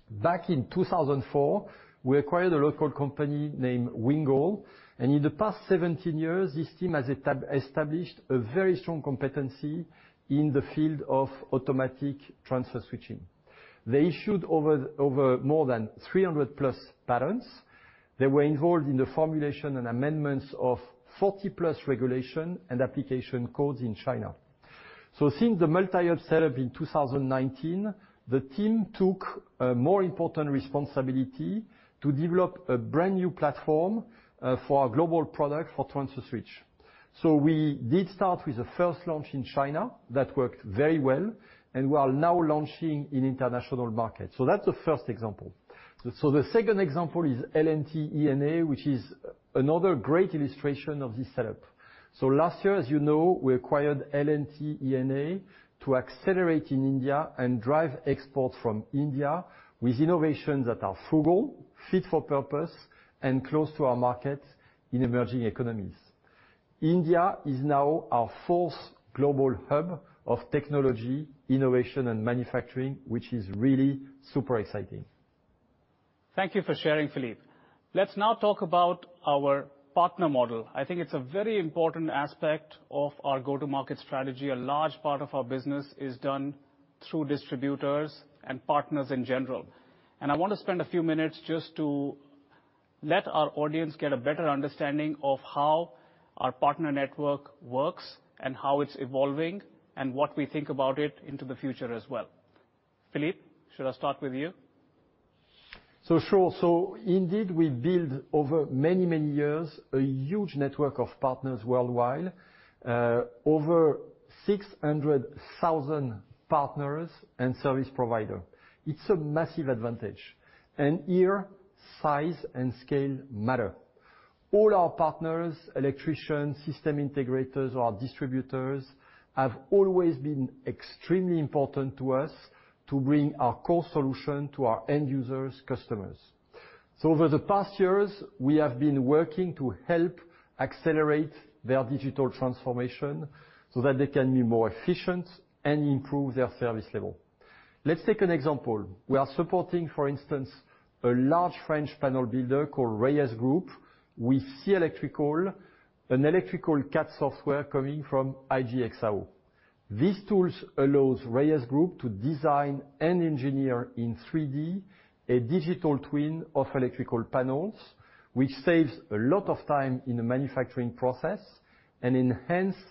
Back in 2004, we acquired a local company named Wingoal. In the past 17 years, this team has established a very strong competency in the field of automatic transfer switching. They issued over more than 300+ patents. They were involved in the formulation and amendments of 40+ regulations and application codes in China. Since the multi-hub setup in 2019, the team took a more important responsibility to develop a brand-new platform for our global product for transfer switch. We did start with the first launch in China. That worked very well, and we are now launching in international markets. That's the first example. The second example is L&T E&A, which is another great illustration of this setup. Last year, as you know, we acquired L&T E&A to accelerate in India and drive exports from India with innovations that are frugal, fit for purpose, and close to our markets in emerging economies. India is now our fourth global hub of technology, innovation, and manufacturing, which is really super exciting. Thank you for sharing, Philippe. Let's now talk about our partner model. I think it's a very important aspect of our go-to-market strategy. A large part of our business is done through distributors and partners in general. I wanna spend a few minutes just to let our audience get a better understanding of how our partner network works and how it's evolving and what we think about it into the future as well. Philippe, should I start with you? Sure. Indeed, we build over many, many years a huge network of partners worldwide, over 600,000 partners and service provider. It's a massive advantage. Here, size and scale matter. All our partners, electricians, system integrators, our distributors, have always been extremely important to us to bring our core solution to our end users, customers. Over the past years, we have been working to help accelerate their digital transformation so that they can be more efficient and improve their service level. Let's take an example. We are supporting, for instance, a large French panel builder called Reyes Group with SEE Electrical, an electrical CAD software coming from IGE+XAO. These tools allow Reyes Group to design and engineer in 3D a digital twin of electrical panels, which saves a lot of time in the manufacturing process and enhances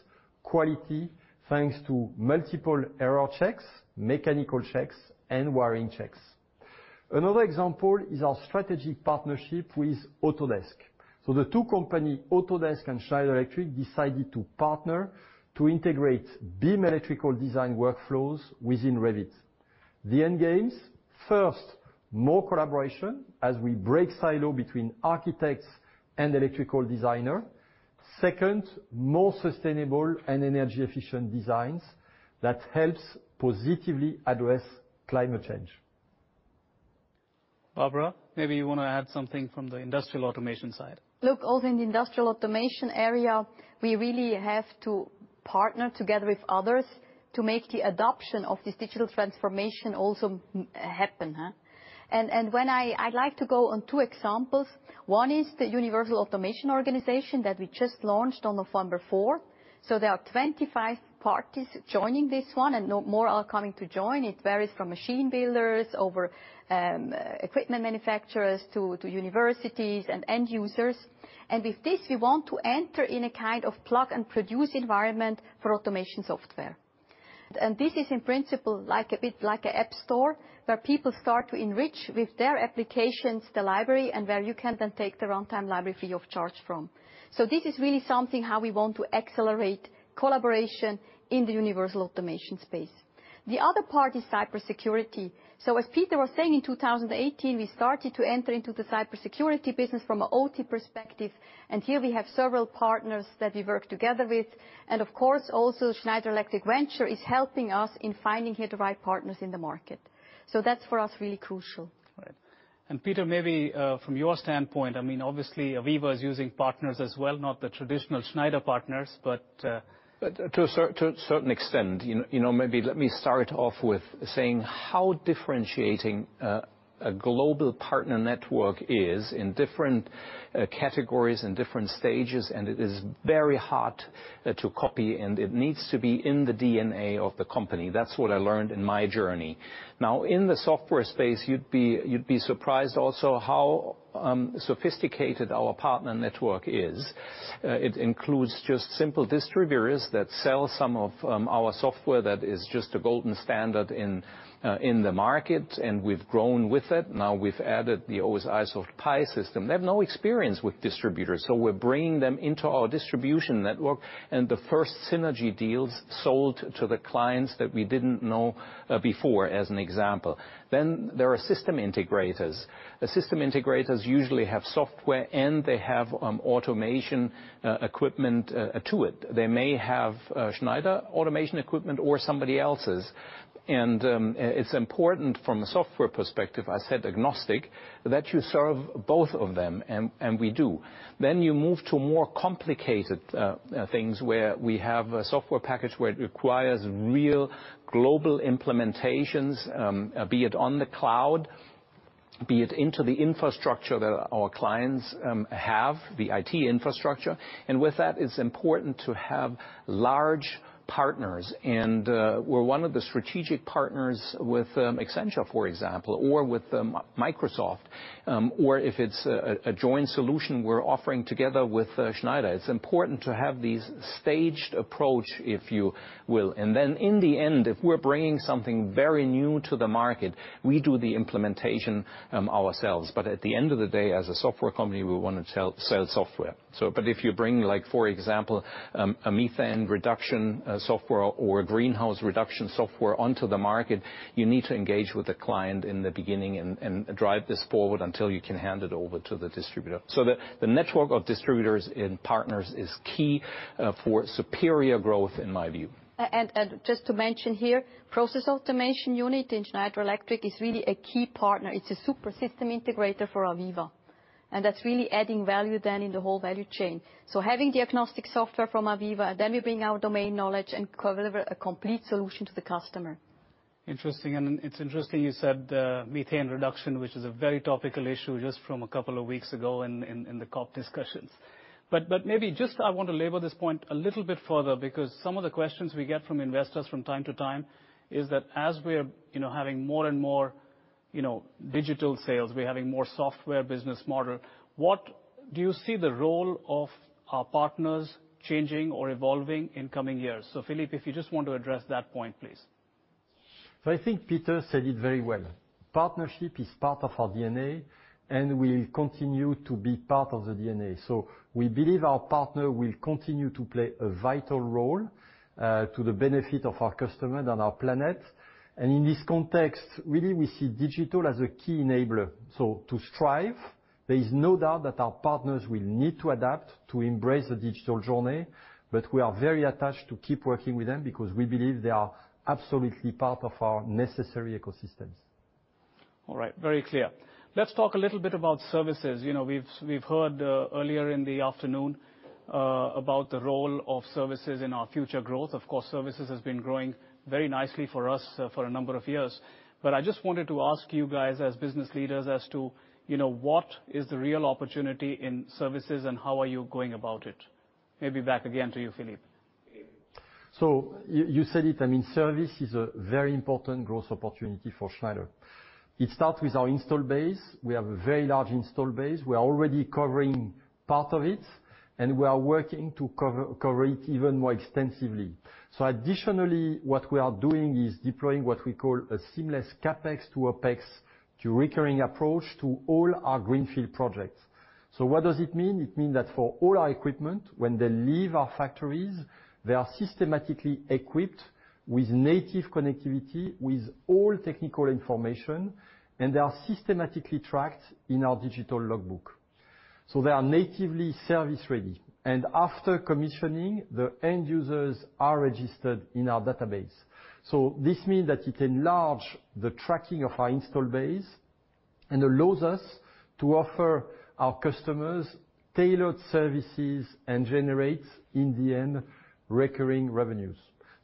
quality, thanks to multiple error checks, mechanical checks, and wiring checks. Another example is our strategic partnership with Autodesk. The two companies, Autodesk and Schneider Electric, decided to partner to integrate BIM electrical design workflows within Revit. The end goals, first, more collaboration as we break silos between architects and electrical designers. Second, more sustainable and energy-efficient designs that help positively address climate change. Barbara, maybe you wanna add something from the industrial automation side. Look, also in the industrial automation area, we really have to partner together with others to make the adoption of this digital transformation also happen. When I'd like to go on two examples. One is the Universal Automation Organization that we just launched on November 4. There are 25 parties joining this one, and more are coming to join. It varies from machine builders over equipment manufacturers to universities and end users. With this, we want to enter in a kind of plug and produce environment for automation software. This is in principle like a bit like a app store where people start to enrich with their applications the library and where you can then take the runtime library free of charge from. This is really something how we want to accelerate collaboration in the universal automation space. The other part is cybersecurity. As Peter was saying, in 2018, we started to enter into the cybersecurity business from a OT perspective, and here we have several partners that we work together with. Of course, also Schneider Electric Ventures is helping us in finding here the right partners in the market. That's for us really crucial. All right. Peter, maybe from your standpoint, I mean, obviously, AVEVA is using partners as well, not the traditional Schneider partners, but To a certain extent, you know, maybe let me start off with saying how differentiating a global partner network is in different categories and different stages, and it is very hard to copy, and it needs to be in the DNA of the company. That's what I learned in my journey. Now, in the software space, you'd be surprised also how sophisticated our partner network is. It includes just simple distributors that sell some of our software that is just a golden standard in the market, and we've grown with it. Now we've added the OSIsoft PI System. They have no experience with distributors, so we're bringing them into our distribution network. The first synergy deals sold to the clients that we didn't know before, as an example. There are system integrators. The system integrators usually have software and they have automation equipment to it. They may have Schneider automation equipment or somebody else's. It's important from a software perspective, I said agnostic, that you serve both of them, and we do. You move to more complicated things where we have a software package where it requires real global implementations, be it on the cloud, be it into the infrastructure that our clients have, the IT infrastructure, and with that, it's important to have large partners and we're one of the strategic partners with Accenture, for example, or with Microsoft, or if it's a joint solution we're offering together with Schneider, it's important to have these staged approach, if you will. In the end, if we're bringing something very new to the market, we do the implementation ourselves, but at the end of the day, as a software company, we wanna sell software. But if you bring like, for example, a methane reduction software or a greenhouse reduction software onto the market, you need to engage with the client in the beginning and drive this forward until you can hand it over to the distributor. The network of distributors and partners is key for superior growth in my view. Just to mention here, process automation unit in Schneider Electric is really a key partner. It's a super system integrator for AVEVA, and that's really adding value then in the whole value chain. Having the agnostic software from AVEVA, then we bring our domain knowledge and cover a complete solution to the customer. Interesting. It's interesting you said methane reduction, which is a very topical issue just from a couple of weeks ago in the COP discussions. Maybe just I want to labor this point a little bit further because some of the questions we get from investors from time to time is that as we're, you know, having more and more, you know, digital sales, we're having more software business model, what do you see the role of our partners changing or evolving in coming years? Philippe, if you just want to address that point, please. I think Peter said it very well. Partnership is part of our DNA, and will continue to be part of the DNA. We believe our partner will continue to play a vital role, to the benefit of our customer and our planet. In this context, really, we see digital as a key enabler. To strive, there is no doubt that our partners will need to adapt to embrace the digital journey, but we are very attached to keep working with them because we believe they are absolutely part of our necessary ecosystems. All right. Very clear. Let's talk a little bit about services. You know, we've heard earlier in the afternoon about the role of services in our future growth. Of course, services has been growing very nicely for us for a number of years. But I just wanted to ask you guys as business leaders as to, you know, what is the real opportunity in services and how are you going about it? Maybe back again to you, Philippe. You said it. I mean, service is a very important growth opportunity for Schneider. It starts with our install base. We have a very large install base. We are already covering part of it, and we are working to cover it even more extensively. Additionally, what we are doing is deploying what we call a seamless CapEx to OpEx to recurring approach to all our greenfield projects. What does it mean? It means that for all our equipment, when they leave our factories, they are systematically equipped with native connectivity, with all technical information, and they are systematically tracked in our digital logbook. They are natively service ready, and after commissioning, the end users are registered in our database. This means that it enlarges the tracking of our install base and allows us to offer our customers tailored services and generates, in the end, recurring revenues.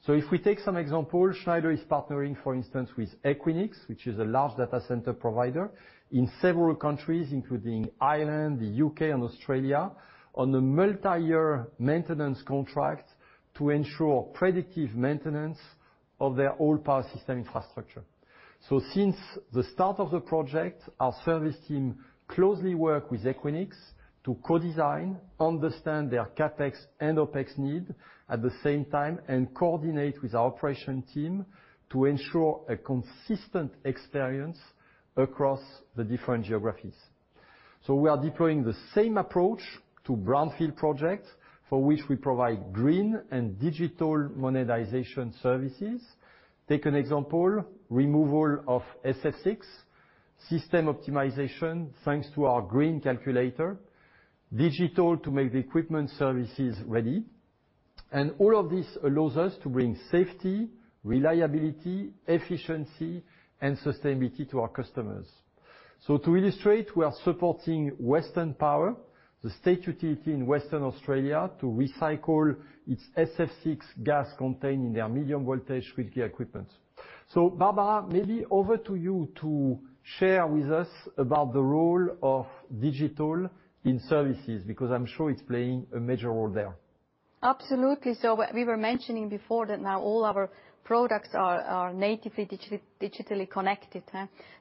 If we take some example, Schneider is partnering, for instance, with Equinix, which is a large data center provider in several countries, including Ireland, the U.K., and Australia, on a multiyear maintenance contract to ensure predictive maintenance of their whole power system infrastructure. Since the start of the project, our service team closely work with Equinix to codesign, understand their CapEx and OpEx need at the same time, and coordinate with our operation team to ensure a consistent experience across the different geographies. We are deploying the same approach to brownfield projects, for which we provide green and digital monetization services. Take an example, removal of SF6, system optimization, thanks to our Green Premium, digital to make the equipment services ready. All of this allows us to bring safety, reliability, efficiency, and sustainability to our customers. To illustrate, we are supporting Western Power, the state utility in Western Australia, to recycle its SF6 gas contained in their medium voltage switchgear equipment. Barbara, maybe over to you to share with us about the role of digital in services, because I'm sure it's playing a major role there. Absolutely. We were mentioning before that now all our products are natively digitally connected.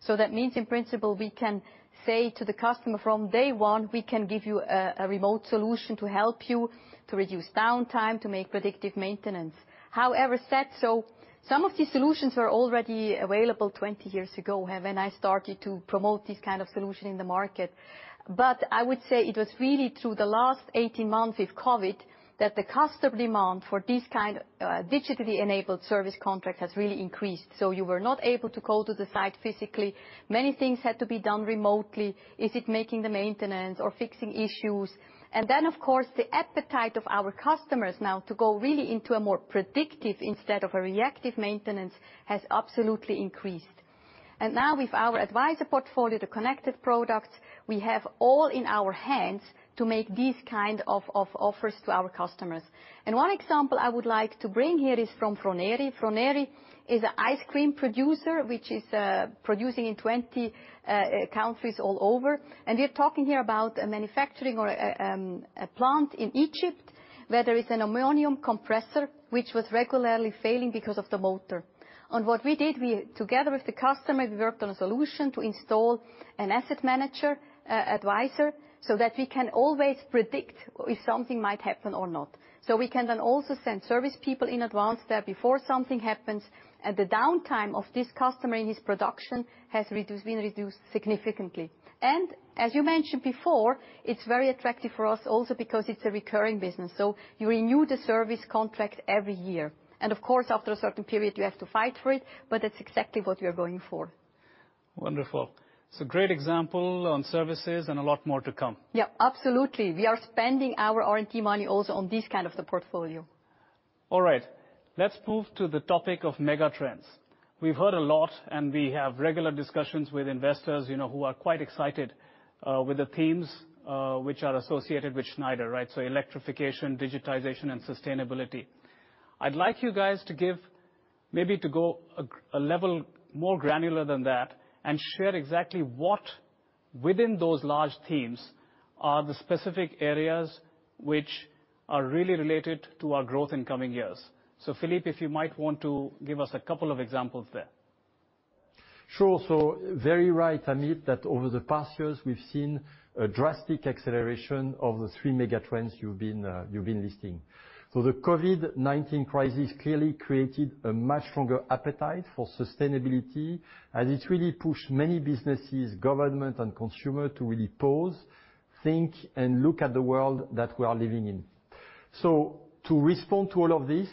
That means in principle, we can say to the customer from day one, we can give you a remote solution to help you to reduce downtime, to make predictive maintenance. However, that said, some of these solutions were already available 20 years ago, when I started to promote this kind of solution in the market. I would say it was really through the last 18 months with COVID that the customer demand for this kind of digitally enabled service contract has really increased. You were not able to go to the site physically. Many things had to be done remotely. Is it making the maintenance or fixing issues? Of course, the appetite of our customers now to go really into a more predictive instead of a reactive maintenance has absolutely increased. Now with our Advisor portfolio connected products, we have all in our hands to make these kind of offers to our customers. One example I would like to bring here is from Froneri. Froneri is an ice cream producer, which is producing in 20 countries all over. We're talking here about a manufacturing plant in Egypt where there is an ammonia compressor which was regularly failing because of the motor. What we did, we together with the customer worked on a solution to install an Asset Advisor, so that we can always predict if something might happen or not. We can then also send service people in advance there before something happens, and the downtime of this customer in his production has been reduced significantly. As you mentioned before, it's very attractive for us also because it's a recurring business, so you renew the service contract every year. Of course, after a certain period, you have to fight for it, but that's exactly what we are going for. Wonderful. It's a great example on services and a lot more to come. Yeah, absolutely. We are spending our R&D money also on this kind of the portfolio. All right. Let's move to the topic of mega trends. We've heard a lot, and we have regular discussions with investors, you know, who are quite excited with the themes which are associated with Schneider, right? Electrification, digitization, and sustainability. I'd like you guys to give, maybe to go a level more granular than that and share exactly what within those large themes are the specific areas which are really related to our growth in coming years. Philippe, if you might want to give us a couple of examples there. Sure. Very right, Amit, that over the past years we've seen a drastic acceleration of the three mega trends you've been listing. The COVID-19 crisis clearly created a much stronger appetite for sustainability as it really pushed many businesses, government and consumer to really pause, think, and look at the world that we are living in. To respond to all of this,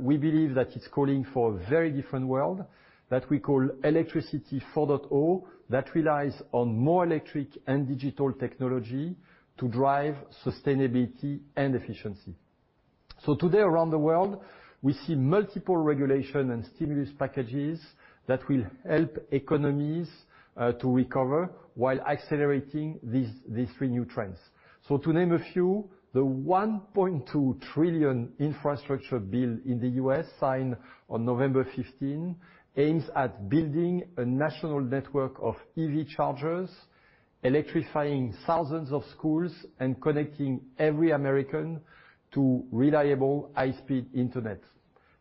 we believe that it's calling for a very different world that we call Electricity 4.0 that relies on more electric and digital technology to drive sustainability and efficiency. Today, around the world, we see multiple regulation and stimulus packages that will help economies to recover while accelerating these three new trends. To name a few, the $1.2 trillion infrastructure bill in the U.S. signed on November 15 aims at building a national network of EV chargers, electrifying thousands of schools, and connecting every American to reliable high-speed internet.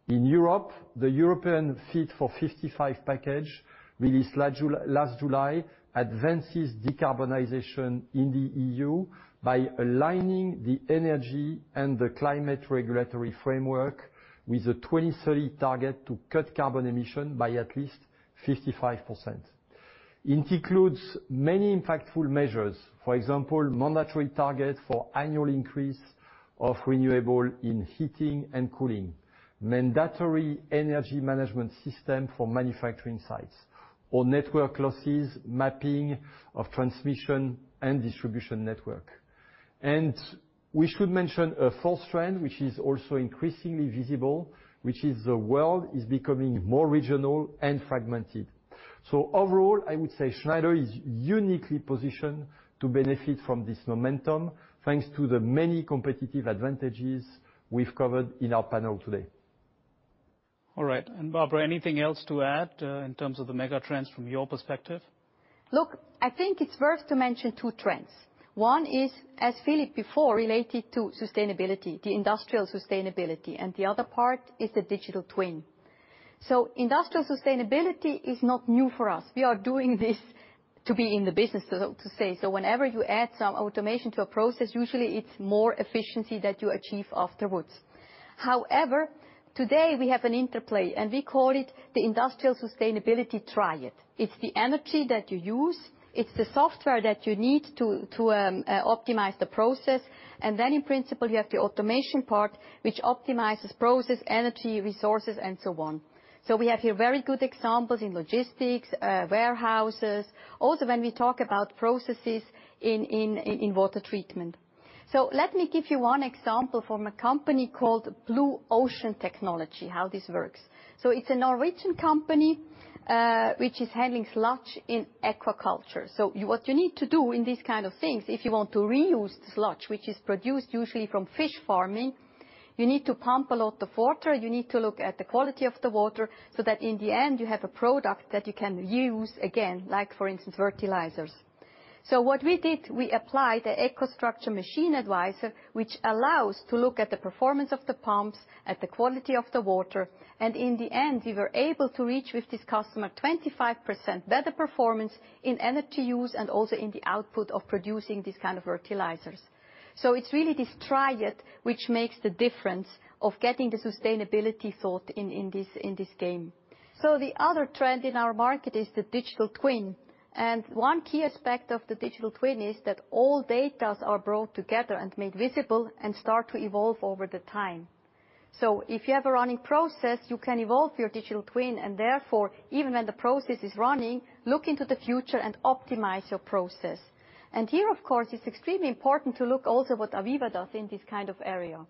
In Europe, the European Fit for 55 package released last July advances decarbonization in the EU by aligning the energy and the climate regulatory framework with a 2030 target to cut carbon emission by at least 55%. It includes many impactful measures. For example, mandatory targets for annual increase of renewable in heating and cooling, mandatory energy management system for manufacturing sites or network losses, mapping of transmission and distribution network. We should mention a fourth trend, which is also increasingly visible, which is the world is becoming more regional and fragmented. Overall, I would say Schneider is uniquely positioned to benefit from this momentum, thanks to the many competitive advantages we've covered in our panel today. All right. Barbara, anything else to add, in terms of the mega trends from your perspective? Look, I think it's worth to mention two trends. One is, as Philippe before, related to sustainability, the industrial sustainability, and the other part is the digital twin. Industrial sustainability is not new for us. We are doing this to be in the business, so to say. Whenever you add some automation to a process, usually it's more efficiency that you achieve afterwards. However, today we have an interplay, and we call it the industrial sustainability triad. It's the energy that you use, it's the software that you need to optimize the process, and then in principle, you have the automation part, which optimizes process, energy, resources, and so on. We have here very good examples in logistics, warehouses. Also when we talk about processes in water treatment. Let me give you one example from a company called Blue Ocean Technology, how this works. It's a Norwegian company, which is handling sludge in aquaculture. What you need to do in these kind of things, if you want to reuse the sludge, which is produced usually from fish farming, you need to pump a lot of water, you need to look at the quality of the water, so that in the end you have a product that you can use again, like for instance, fertilizers. What we did, we applied the EcoStruxure Machine Advisor, which allows to look at the performance of the pumps, at the quality of the water, and in the end, we were able to reach with this customer 25% better performance in energy use and also in the output of producing these kind of fertilizers. It's really this triad which makes the difference of getting the sustainability thought in this game. The other trend in our market is the digital twin. One key aspect of the digital twin is that all data are brought together and made visible and start to evolve over the time. If you have a running process, you can evolve your digital twin and therefore, even when the process is running, look into the future and optimize your process. Here, of course, it's extremely important to look also what AVEVA does in this kind of area.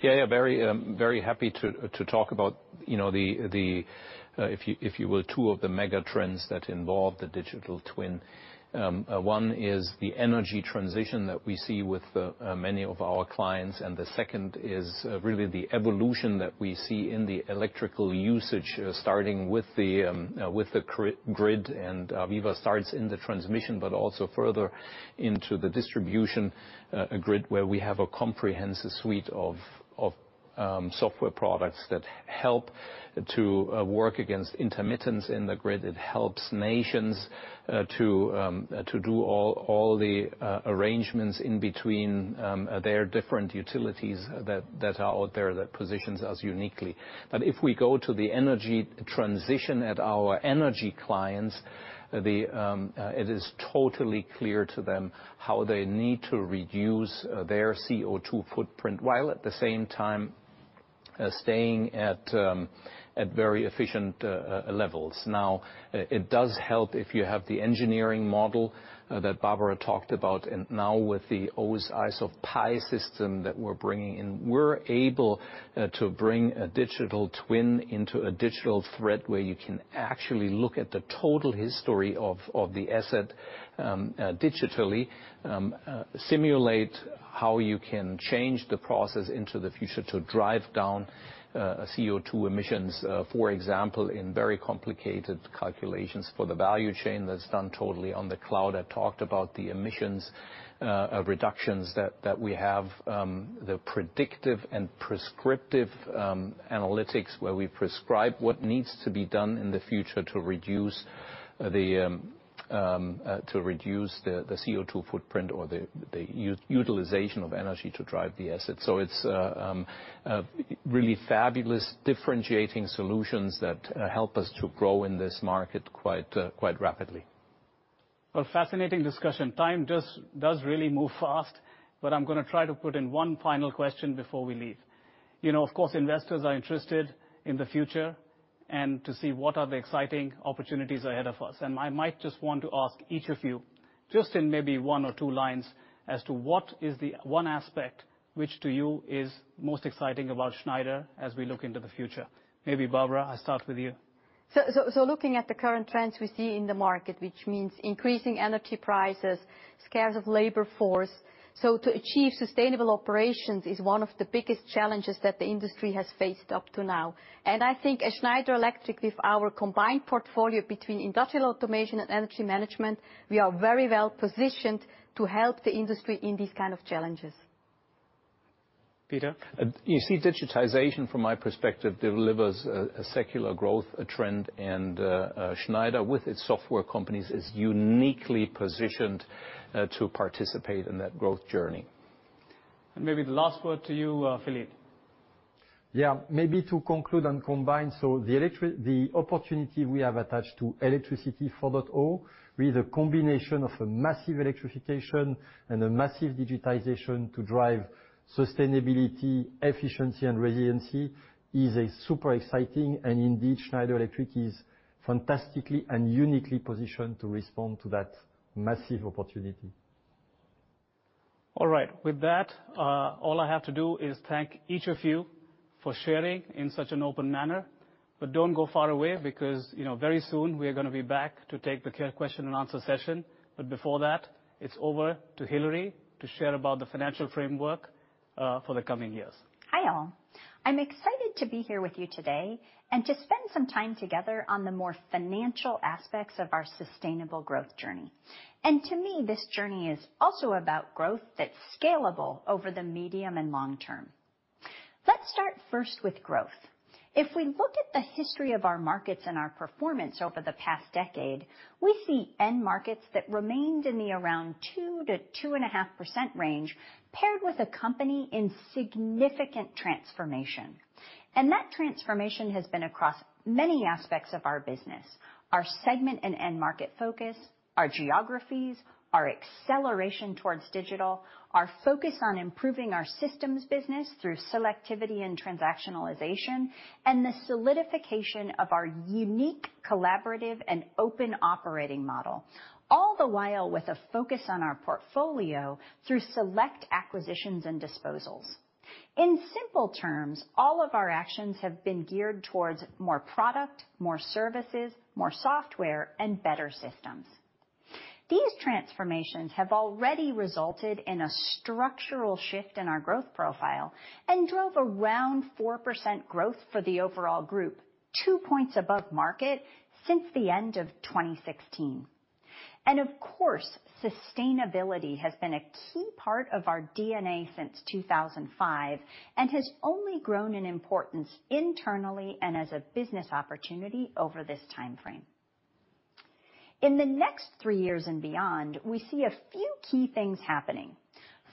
Yeah, very happy to talk about, you know, if you will, two of the mega trends that involve the digital twin. One is the energy transition that we see with many of our clients, and the second is really the evolution that we see in the electrical usage, starting with the current grid and even starts in the transmission, but also further into the distribution grid, where we have a comprehensive suite of software products that help to work against intermittency in the grid. It helps nations to do all the arrangements in between their different utilities that are out there, that positions us uniquely. If we go to the energy transition at our energy clients, it is totally clear to them how they need to reduce their CO2 footprint, while at the same time, staying at very efficient levels. Now, it does help if you have the engineering model that Barbara talked about, and now with the OSIsoft PI System that we're bringing in, we're able to bring a digital twin into a digital thread, where you can actually look at the total history of the asset digitally, simulate how you can change the process into the future to drive down CO2 emissions, for example, in very complicated calculations for the value chain that's done totally on the cloud. I talked about the emissions reductions that we have, the predictive and prescriptive analytics, where we prescribe what needs to be done in the future to reduce the CO2 footprint or the utilization of energy to drive the asset. It's a really fabulous differentiating solutions that help us to grow in this market quite rapidly. Well, fascinating discussion. Time just does really move fast, but I'm gonna try to put in one final question before we leave. You know, of course, investors are interested in the future and to see what are the exciting opportunities ahead of us, and I might just want to ask each of you, just in maybe one or two lines, as to what is the one aspect which to you is most exciting about Schneider as we look into the future. Maybe Barbara, I start with you. Looking at the current trends we see in the market, which means increasing energy prices, scarce of labor force, so to achieve sustainable operations is one of the biggest challenges that the industry has faced up to now. I think at Schneider Electric, with our combined portfolio between industrial automation and energy management, we are very well positioned to help the industry in these kind of challenges. Peter? You see, digitization from my perspective delivers a secular growth, a trend, and Schneider with its software companies is uniquely positioned to participate in that growth journey. Maybe the last word to you, Philippe. Yeah. Maybe to conclude and combine, so the opportunity we have attached to Electricity 4.0 with a combination of a massive electrification and a massive digitization to drive sustainability, efficiency and resiliency is a super exciting, and indeed, Schneider Electric is fantastically and uniquely positioned to respond to that massive opportunity. All right. With that, all I have to do is thank each of you for sharing in such an open manner. Don't go far away, because, you know, very soon we're gonna be back to take the question and answer session. Before that, it's over to Hilary to share about the financial framework for the coming years. Hi, all. I'm excited to be here with you today and to spend some time together on the more financial aspects of our sustainable growth journey. To me, this journey is also about growth that's scalable over the medium and long term. Let's start first with growth. If we look at the history of our markets and our performance over the past decade, we see end markets that remained in the around 2%-2.5% range, paired with a company in significant transformation. That transformation has been across many aspects of our business, our segment and end market focus, our geographies, our acceleration towards digital, our focus on improving our systems business through selectivity and transactionalization, and the solidification of our unique, collaborative and open operating model, all the while with a focus on our portfolio through select acquisitions and disposals. In simple terms, all of our actions have been geared towards more product, more services, more software, and better systems. These transformations have already resulted in a structural shift in our growth profile and drove around 4% growth for the overall group, two points above market since the end of 2016. Of course, sustainability has been a key part of our DNA since 2005, and has only grown in importance internally and as a business opportunity over this timeframe. In the next three years and beyond, we see a few key things happening.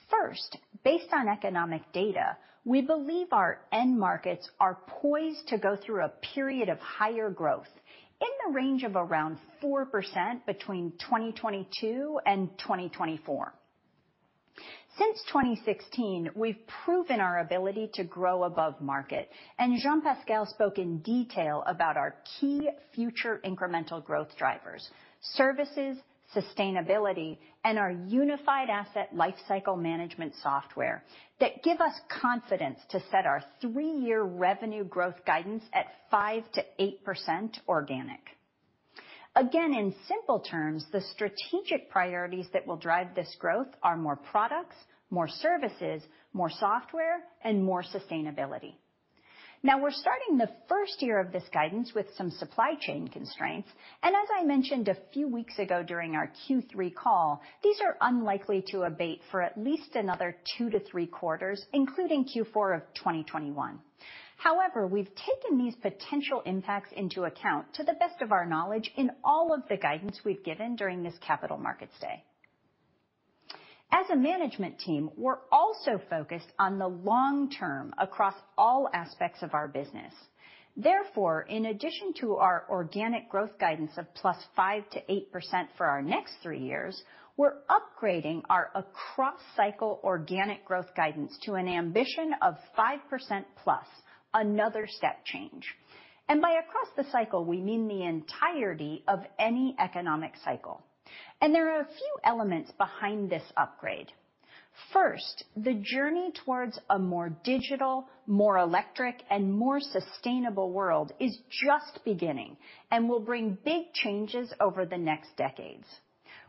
First, based on economic data, we believe our end markets are poised to go through a period of higher growth in the range of around 4% between 2022 and 2024. Since 2016, we've proven our ability to grow above market, and Jean-Pascal Tricoire spoke in detail about our key future incremental growth drivers: services, sustainability, and our unified asset lifecycle management software that give us confidence to set our three-year revenue growth guidance at 5%-8% organic. Again, in simple terms, the strategic priorities that will drive this growth are more products, more services, more software, and more sustainability. Now, we're starting the first year of this guidance with some supply chain constraints, and as I mentioned a few weeks ago, during our Q3 call, these are unlikely to abate for at least another two to three quarters, including Q4 of 2021. However, we've taken these potential impacts into account to the best of our knowledge in all of the guidance we've given during this capital markets day. As a management team, we're also focused on the long term across all aspects of our business. Therefore, in addition to our organic growth guidance of +5% to 8% for our next three years, we're upgrading our across cycle organic growth guidance to an ambition of 5%+, another step change. By across the cycle, we mean the entirety of any economic cycle, and there are a few elements behind this upgrade. First, the journey towards a more digital, more electric, and more sustainable world is just beginning and will bring big changes over the next decades.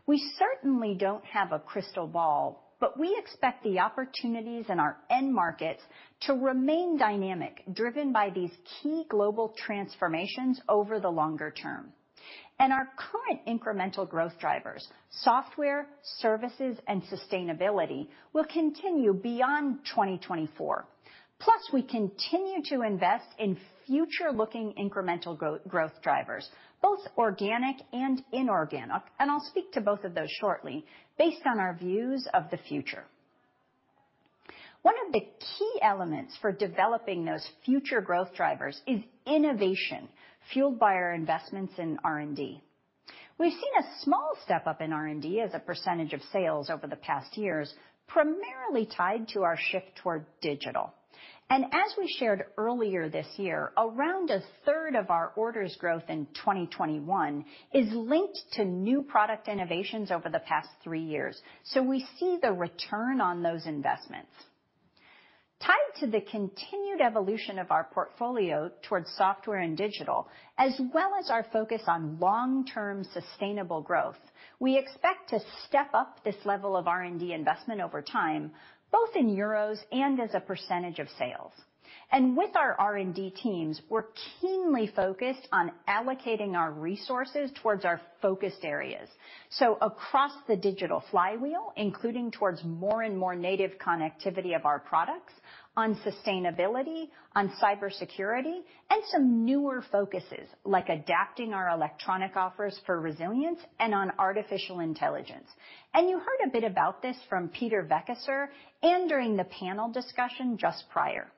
We certainly don't have a crystal ball, but we expect the opportunities in our end markets to remain dynamic, driven by these key global transformations over the longer term. Our current incremental growth drivers, software, services, and sustainability, will continue beyond 2024. Plus, we continue to invest in future-looking incremental growth drivers, both organic and inorganic, and I'll speak to both of those shortly based on our views of the future. One of the key elements for developing those future growth drivers is innovation fueled by our investments in R&D. We've seen a small step up in R&D as a percentage of sales over the past years, primarily tied to our shift toward digital. As we shared earlier this year, around 1/3 of our orders growth in 2021 is linked to new product innovations over the past three years. We see the return on those investments. Tied to the continued evolution of our portfolio towards software and digital, as well as our focus on long-term sustainable growth, we expect to step up this level of R&D investment over time, both in euros and as a percentage of sales. With our R&D teams, we're keenly focused on allocating our resources towards our focused areas. Across the Digital Flywheel, including towards more and more native connectivity of our products, on sustainability, on cybersecurity, and some newer focuses like adapting our electronic offers for resilience and on artificial intelligence. You heard a bit about this from Peter Weckesser and during the panel discussion just prior.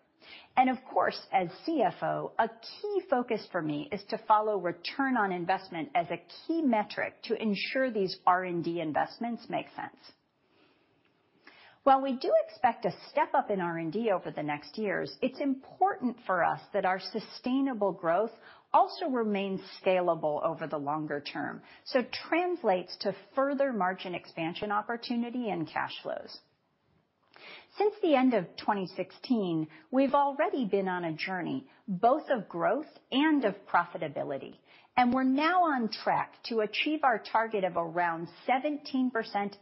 Of course, as CFO, a key focus for me is to follow return on investment as a key metric to ensure these R&D investments make sense. While we do expect a step up in R&D over the next years, it's important for us that our sustainable growth also remains scalable over the longer term, so translates to further margin expansion opportunity and cash flows. Since the end of 2016, we've already been on a journey, both of growth and of profitability, and we're now on track to achieve our target of around 17%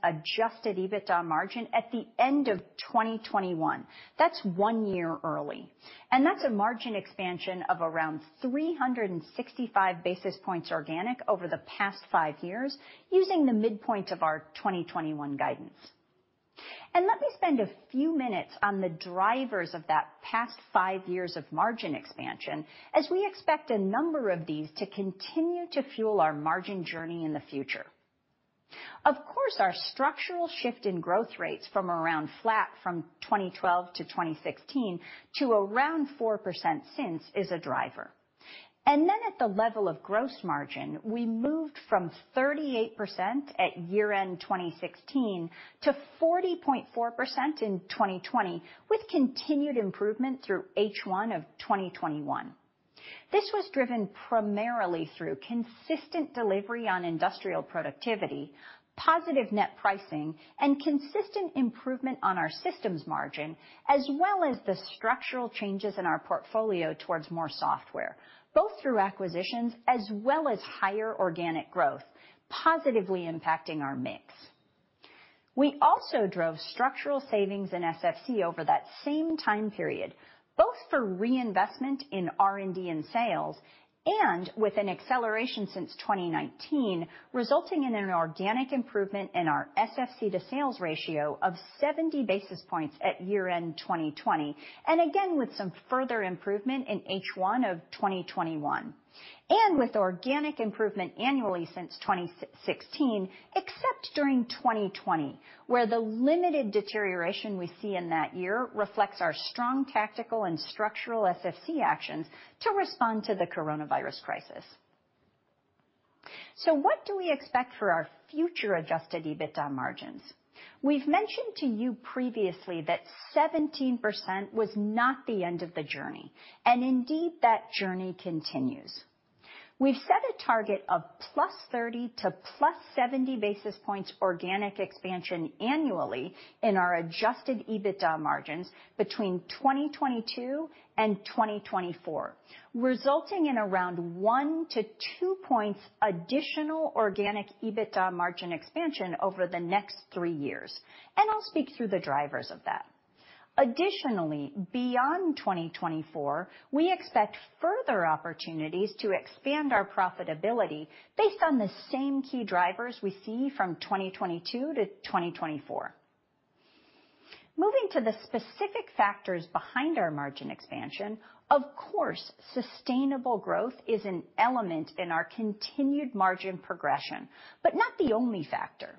adjusted EBITDA margin at the end of 2021. That's one year early, and that's a margin expansion of around 365 basis points organic over the past five years using the midpoint of our 2021 guidance. Let me spend a few minutes on the drivers of that past five years of margin expansion, as we expect a number of these to continue to fuel our margin journey in the future. Of course, our structural shift in growth rates from around flat from 2012 to 2016 to around 4% since is a driver. At the level of gross margin, we moved from 38% at year-end 2016 to 40.4% in 2020, with continued improvement through H1 of 2021. This was driven primarily through consistent delivery on industrial productivity, positive net pricing, and consistent improvement on our systems margin, as well as the structural changes in our portfolio towards more software, both through acquisitions as well as higher organic growth, positively impacting our mix. We also drove structural savings in SFC over that same time period, both for reinvestment in R&D and sales, and with an acceleration since 2019, resulting in an organic improvement in our SFC to sales ratio of 70 basis points at year-end 2020, and again with some further improvement in H1 of 2021. With organic improvement annually since 2016, except during 2020, where the limited deterioration we see in that year reflects our strong tactical and structural SFC actions to respond to the coronavirus crisis. What do we expect for our future adjusted EBITDA margins? We've mentioned to you previously that 17% was not the end of the journey, and indeed, that journey continues. We've set a target of +30 to +70 basis points organic expansion annually in our adjusted EBITDA margins between 2022 and 2024, resulting in around one to two points additional organic EBITDA margin expansion over the next three years. I'll speak through the drivers of that. Additionally, beyond 2024, we expect further opportunities to expand our profitability based on the same key drivers we see from 2022 to 2024. Moving to the specific factors behind our margin expansion, of course, sustainable growth is an element in our continued margin progression, but not the only factor.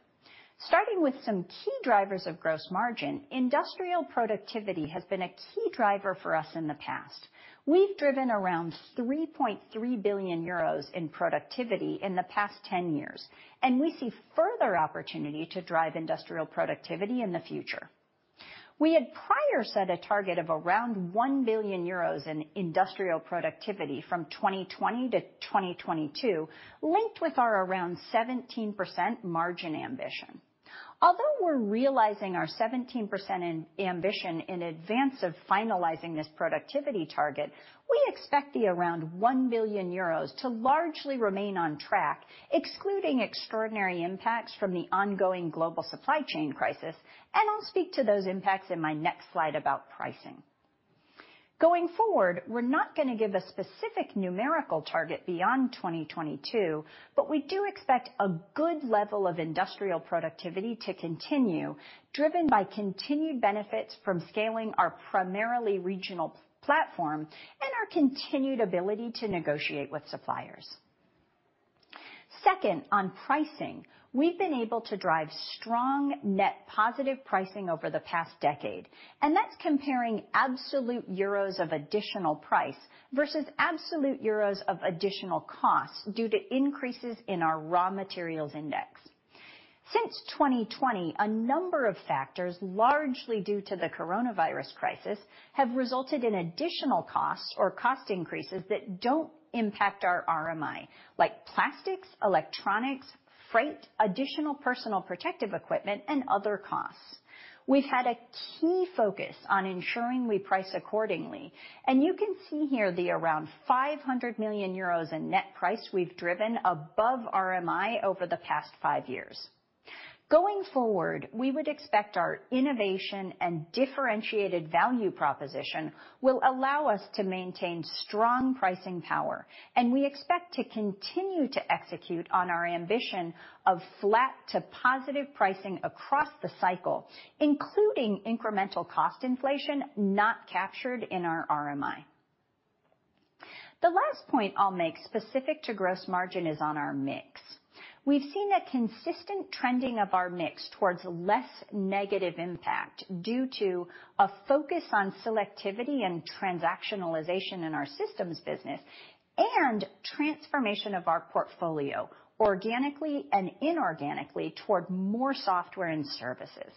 Starting with some key drivers of gross margin, industrial productivity has been a key driver for us in the past. We've driven around 3.3 billion euros in productivity in the past 10 years, and we see further opportunity to drive industrial productivity in the future. We had prior set a target of around 1 billion euros in industrial productivity from 2020 to 2022, linked with our around 17% margin ambition. Although we're realizing our 17% ambition in advance of finalizing this productivity target, we expect the around 1 billion euros to largely remain on track, excluding extraordinary impacts from the ongoing global supply chain crisis, and I'll speak to those impacts in my next slide about pricing. Going forward, we're not gonna give a specific numerical target beyond 2022, but we do expect a good level of industrial productivity to continue, driven by continued benefits from scaling our primarily regional platform and our continued ability to negotiate with suppliers. Second, on pricing, we've been able to drive strong net positive pricing over the past decade, and that's comparing absolute euros of additional price versus absolute euros of additional costs due to increases in our raw materials index. Since 2020, a number of factors, largely due to the coronavirus crisis, have resulted in additional costs or cost increases that don't impact our RMI, like plastics, electronics, freight, additional personal protective equipment, and other costs. We've had a key focus on ensuring we price accordingly, and you can see here around 500 million euros in net price we've driven above RMI over the past five years. Going forward, we would expect our innovation and differentiated value proposition will allow us to maintain strong pricing power, and we expect to continue to execute on our ambition of flat to positive pricing across the cycle, including incremental cost inflation not captured in our RMI. The last point I'll make specific to gross margin is on our mix. We've seen a consistent trending of our mix towards less negative impact due to a focus on selectivity and transactionalization in our systems business and transformation of our portfolio, organically and inorganically, toward more software and services.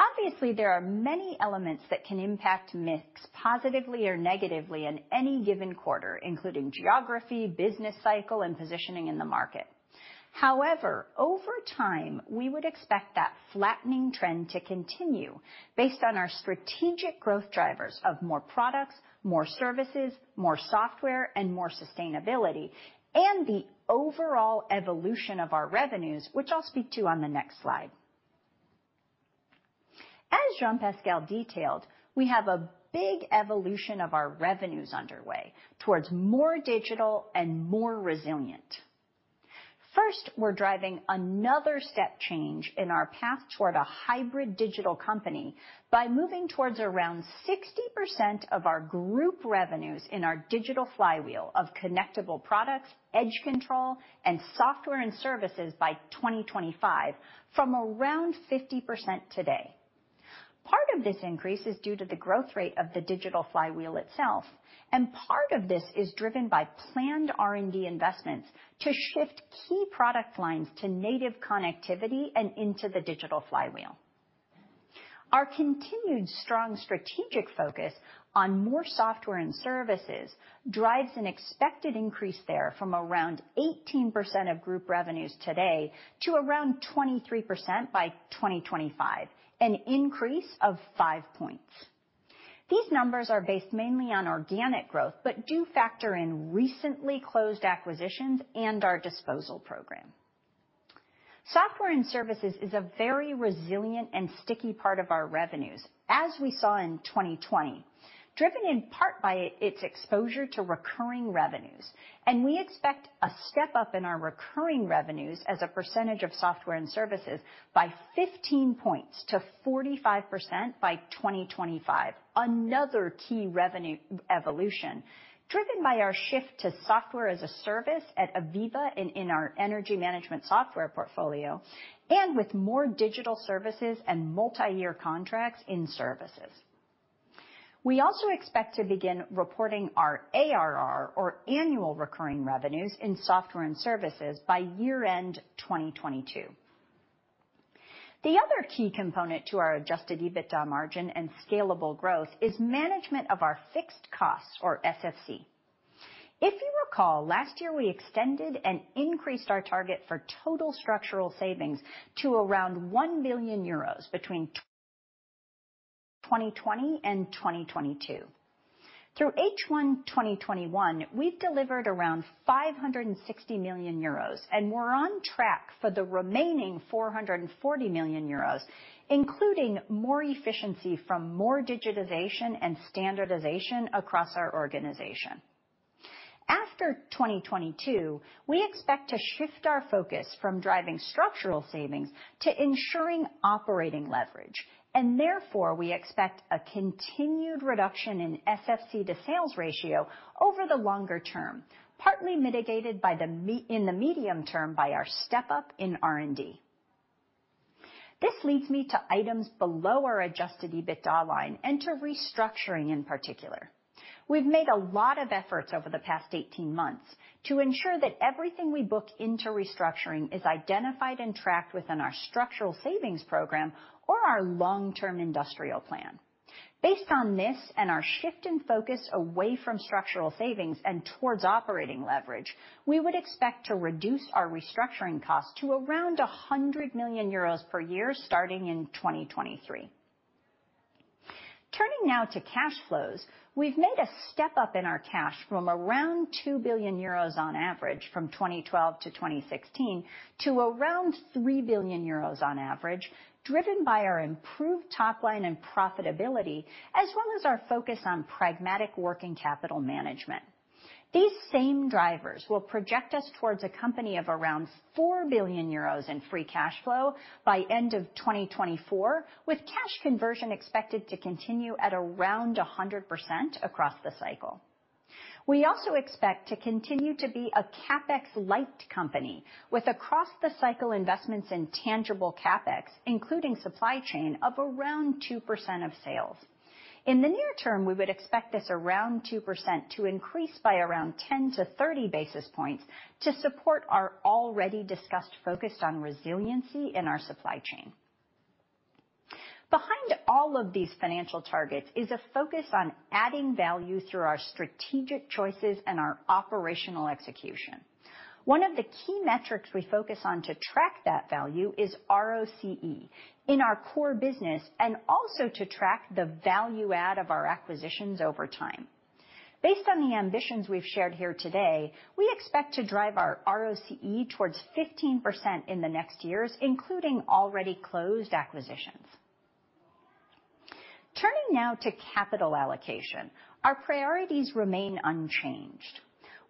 Obviously, there are many elements that can impact mix positively or negatively in any given quarter, including geography, business cycle, and positioning in the market. However, over time, we would expect that flattening trend to continue based on our strategic growth drivers of more products, more services, more software, and more sustainability, and the overall evolution of our revenues, which I'll speak to on the next slide. As Jean-Pascal detailed, we have a big evolution of our revenues underway towards more digital and more resilient. First, we're driving another step change in our path toward a hybrid digital company by moving towards around 60% of our group revenues in our Digital Flywheel of connectable products, edge control, and software and services by 2025 from around 50% today. Part of this increase is due to the growth rate of the Digital Flywheel itself, and part of this is driven by planned R&D investments to shift key product lines to native connectivity and into the Digital Flywheel. Our continued strong strategic focus on more software and services drives an expected increase there from around 18% of group revenues today to around 23% by 2025, an increase of five points. These numbers are based mainly on organic growth but do factor in recently closed acquisitions and our disposal program. Software and services is a very resilient and sticky part of our revenues, as we saw in 2020, driven in part by its exposure to recurring revenues. We expect a step up in our recurring revenues as a percentage of software and services by 15 points to 45% by 2025, another key revenue evolution, driven by our shift to software as a service at AVEVA and in our energy management software portfolio, and with more digital services and multi-year contracts in services. We also expect to begin reporting our ARR, or annual recurring revenues, in software and services by year-end 2022. The other key component to our adjusted EBITDA margin and scalable growth is management of our fixed costs, or SFC. If you recall, last year we extended and increased our target for total structural savings to around 1 billion euros between 2020 and 2022. Through H1 2021, we've delivered around 560 million euros, and we're on track for the remaining 440 million euros, including more efficiency from more digitization and standardization across our organization. After 2022, we expect to shift our focus from driving structural savings to ensuring operating leverage, and therefore we expect a continued reduction in SFC to sales ratio over the longer term, partly mitigated in the medium term by our step-up in R&D. This leads me to items below our adjusted EBITDA line and to restructuring in particular. We've made a lot of efforts over the past 18 months to ensure that everything we book into restructuring is identified and tracked within our structural savings program or our long-term industrial plan. Based on this and our shift in focus away from structural savings and towards operating leverage, we would expect to reduce our restructuring costs to around 100 million euros per year starting in 2023. Turning now to cash flows, we've made a step up in our cash from around 2 billion euros on average from 2012 to 2016 to around 3 billion euros on average, driven by our improved top line and profitability, as well as our focus on pragmatic working capital management. These same drivers will project us towards a company of around 4 billion euros in free cash flow by end of 2024, with cash conversion expected to continue at around 100% across the cycle. We also expect to continue to be a CapEx-light company with across-the-cycle investments in tangible CapEx, including supply chain of around 2% of sales. In the near term, we would expect this around 2% to increase by around 10-30 basis points to support our already discussed focus on resiliency in our supply chain. Behind all of these financial targets is a focus on adding value through our strategic choices and our operational execution. One of the key metrics we focus on to track that value is ROCE in our core business and also to track the value add of our acquisitions over time. Based on the ambitions we've shared here today, we expect to drive our ROCE towards 15% in the next years, including already closed acquisitions. Turning now to capital allocation, our priorities remain unchanged.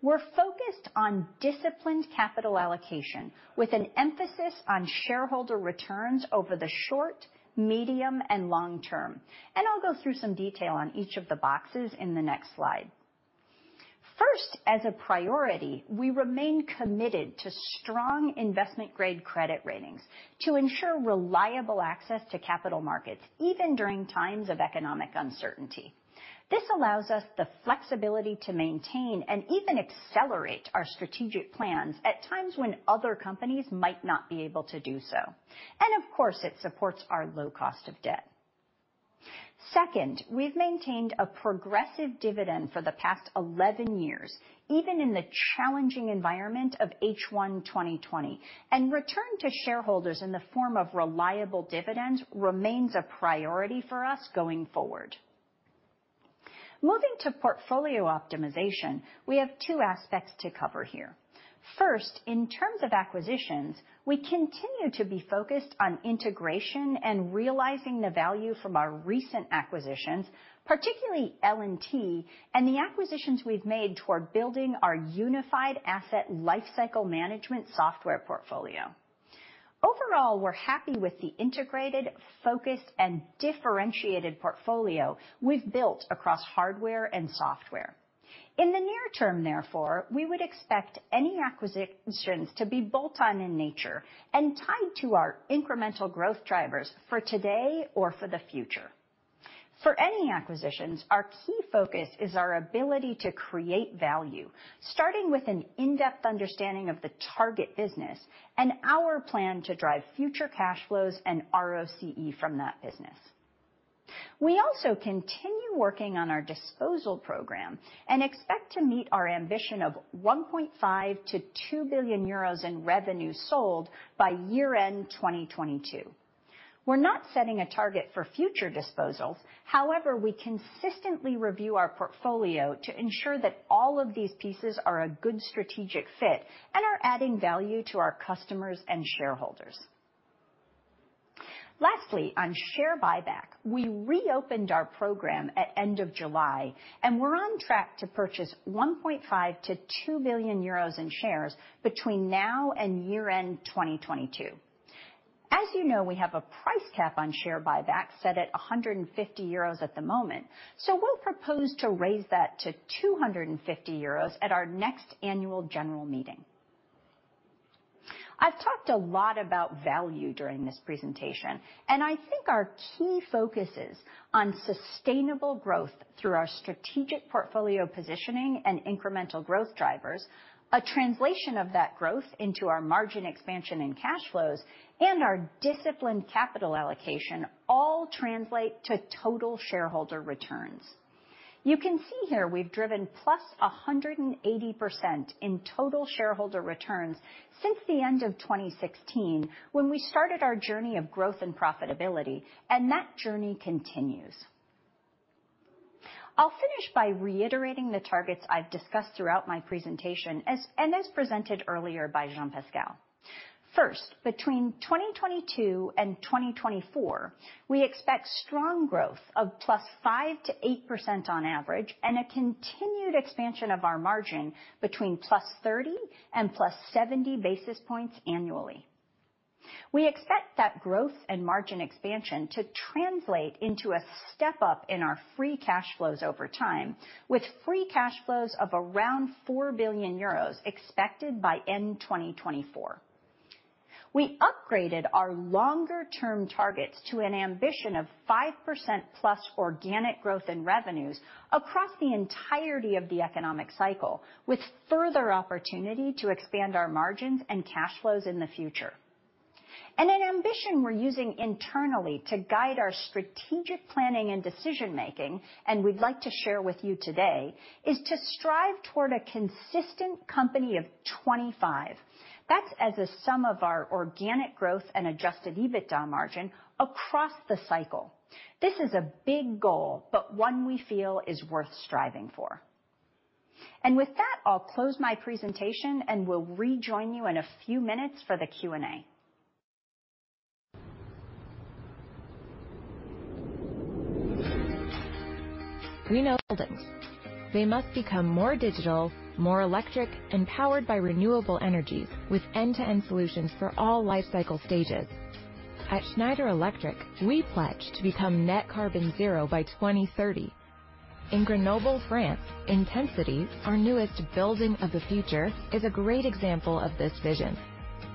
We're focused on disciplined capital allocation with an emphasis on shareholder returns over the short, medium, and long term, and I'll go through some detail on each of the boxes in the next slide. First, as a priority, we remain committed to strong investment-grade credit ratings to ensure reliable access to capital markets, even during times of economic uncertainty. This allows us the flexibility to maintain and even accelerate our strategic plans at times when other companies might not be able to do so. Of course, it supports our low cost of debt. Second, we've maintained a progressive dividend for the past 11 years, even in the challenging environment of H1 2020, and return to shareholders in the form of reliable dividends remains a priority for us going forward. Moving to portfolio optimization, we have two aspects to cover here. First, in terms of acquisitions, we continue to be focused on integration and realizing the value from our recent acquisitions, particularly L&T and the acquisitions we've made toward building our unified asset lifecycle management software portfolio. Overall, we're happy with the integrated, focused, and differentiated portfolio we've built across hardware and software. In the near term, therefore, we would expect any acquisitions to be bolt-on in nature and tied to our incremental growth drivers for today or for the future. For any acquisitions, our key focus is our ability to create value, starting with an in-depth understanding of the target business and our plan to drive future cash flows and ROCE from that business. We also continue working on our disposal program and expect to meet our ambition of 1.5 billion-2 billion euros in revenue sold by year-end 2022. We're not setting a target for future disposals. However, we consistently review our portfolio to ensure that all of these pieces are a good strategic fit and are adding value to our customers and shareholders. Lastly, on share buyback, we reopened our program at end of July, and we're on track to purchase 1.5 billion-2 billion euros in shares between now and year-end 2022. As you know, we have a price cap on share buyback set at 150 euros at the moment, so we'll propose to raise that to 250 euros at our next annual general meeting. I've talked a lot about value during this presentation, and I think our key focus is on sustainable growth through our strategic portfolio positioning and incremental growth drivers, a translation of that growth into our margin expansion and cash flows, and our disciplined capital allocation all translate to total shareholder returns. You can see here we've driven +180% in total shareholder returns since the end of 2016, when we started our journey of growth and profitability, and that journey continues. I'll finish by reiterating the targets I've discussed throughout my presentation, as presented earlier by Jean-Pascal. First, between 2022 and 2024, we expect strong growth of +5%-8% on average, and a continued expansion of our margin between +30 and +70 basis points annually. We expect that growth and margin expansion to translate into a step up in our free cash flows over time, with free cash flows of around 4 billion euros expected by end 2024. We upgraded our longer-term targets to an ambition of 5%+ organic growth in revenues across the entirety of the economic cycle, with further opportunity to expand our margins and cash flows in the future. An ambition we're using internally to guide our strategic planning and decision-making, and we'd like to share with you today, is to strive toward a consistent company of 25%. That's as a sum of our organic growth and adjusted EBITDA margin across the cycle. This is a big goal, but one we feel is worth striving for. With that, I'll close my presentation, and we'll rejoin you in a few minutes for the Q&A. We know buildings. They must become more digital, more electric, and powered by renewable energies, with end-to-end solutions for all life cycle stages. At Schneider Electric, we pledge to become net carbon zero by 2030. In Grenoble, France, IntenCity, our newest building of the future, is a great example of this vision.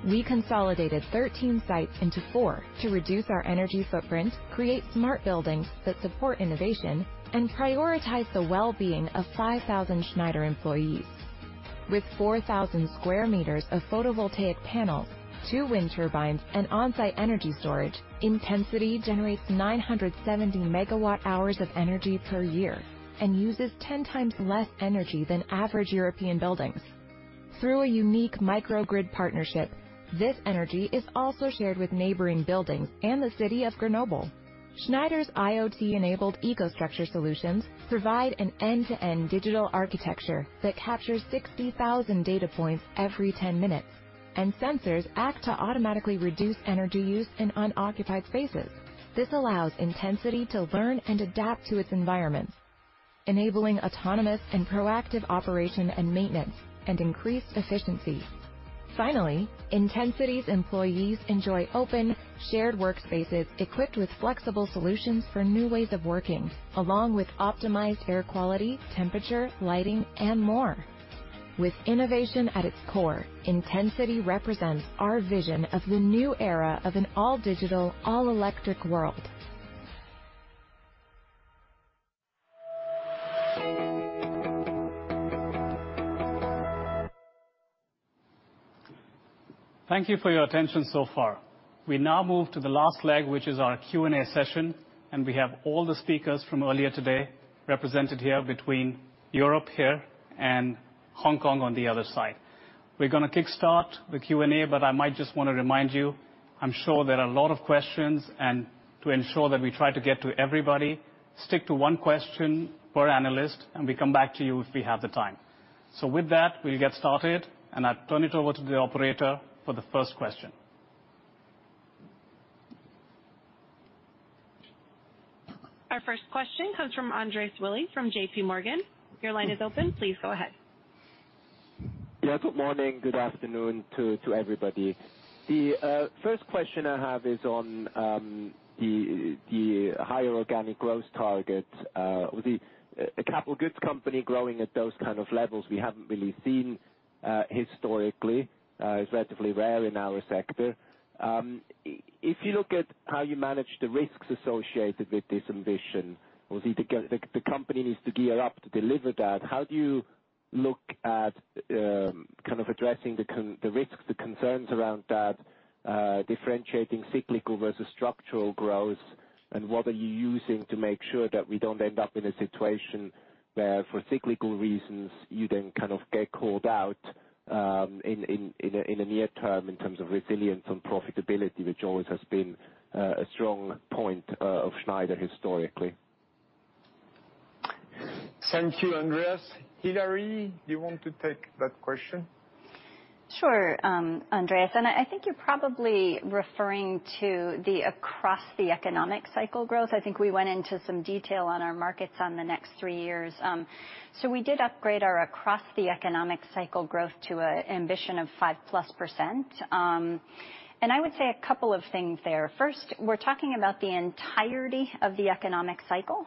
We consolidated 13 sites into four to reduce our energy footprint, create smart buildings that support innovation, and prioritize the well-being of 5,000 Schneider employees. With 4,000 sq m of photovoltaic panels, two wind turbines, and on-site energy storage, IntenCity generates 970 MWh of energy per year and uses 10x less energy than average European buildings. Through a unique microgrid partnership, this energy is also shared with neighboring buildings and the city of Grenoble. Schneider's IoT-enabled EcoStruxure solutions provide an end-to-end digital architecture that captures 60,000 data points every 10 minutes, and sensors act to automatically reduce energy use in unoccupied spaces. This allows IntenCity to learn and adapt to its environments, enabling autonomous and proactive operation and maintenance and increased efficiency. Finally, IntenCity's employees enjoy open, shared workspaces equipped with flexible solutions for new ways of working, along with optimized air quality, temperature, lighting, and more. With innovation at its core, IntenCity represents our vision of the new era of an all-digital, all-electric world. Thank you for your attention so far. We now move to the last leg, which is our Q&A session, and we have all the speakers from earlier today represented here between Europe here and Hong Kong on the other side. We're gonna kick-start the Q&A, but I might just wanna remind you, I'm sure there are a lot of questions, and to ensure that we try to get to everybody, stick to one question per analyst, and we come back to you if we have the time. With that, we'll get started, and I turn it over to the operator for the first question. Our first question comes from Andreas Willi from JPMorgan. Your line is open. Please go ahead. Yeah. Good morning, good afternoon to everybody. The first question I have is on the higher organic growth target. A capital goods company growing at those kind of levels we haven't really seen historically. It's relatively rare in our sector. If you look at how you manage the risks associated with this ambition, or the company needs to gear up to deliver that, how do you look at kind of addressing the risks, the concerns around that, differentiating cyclical versus structural growth? What are you using to make sure that we don't end up in a situation where, for cyclical reasons, you then kind of get called out in a near term in terms of resilience and profitability, which always has been a strong point of Schneider historically? Thank you, Andreas. Hilary, do you want to take that question? Sure, Andreas, I think you're probably referring to the across the economic cycle growth. I think we went into some detail on our markets on the next three years. We did upgrade our across the economic cycle growth to an ambition of 5%+. I would say a couple of things there. First, we're talking about the entirety of the economic cycle,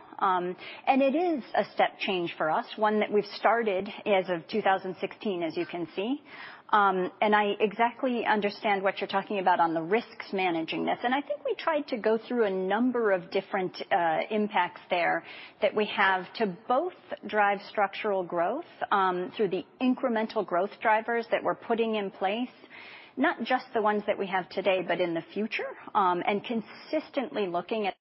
it is a step change for us, one that we've started as of 2016, as you can see. I exactly understand what you're talking about on the risks managing this. I think we tried to go through a number of different impacts there that we have to both drive structural growth through the incremental growth drivers that we're putting in place, not just the ones that we have today, but in the future, and consistently looking at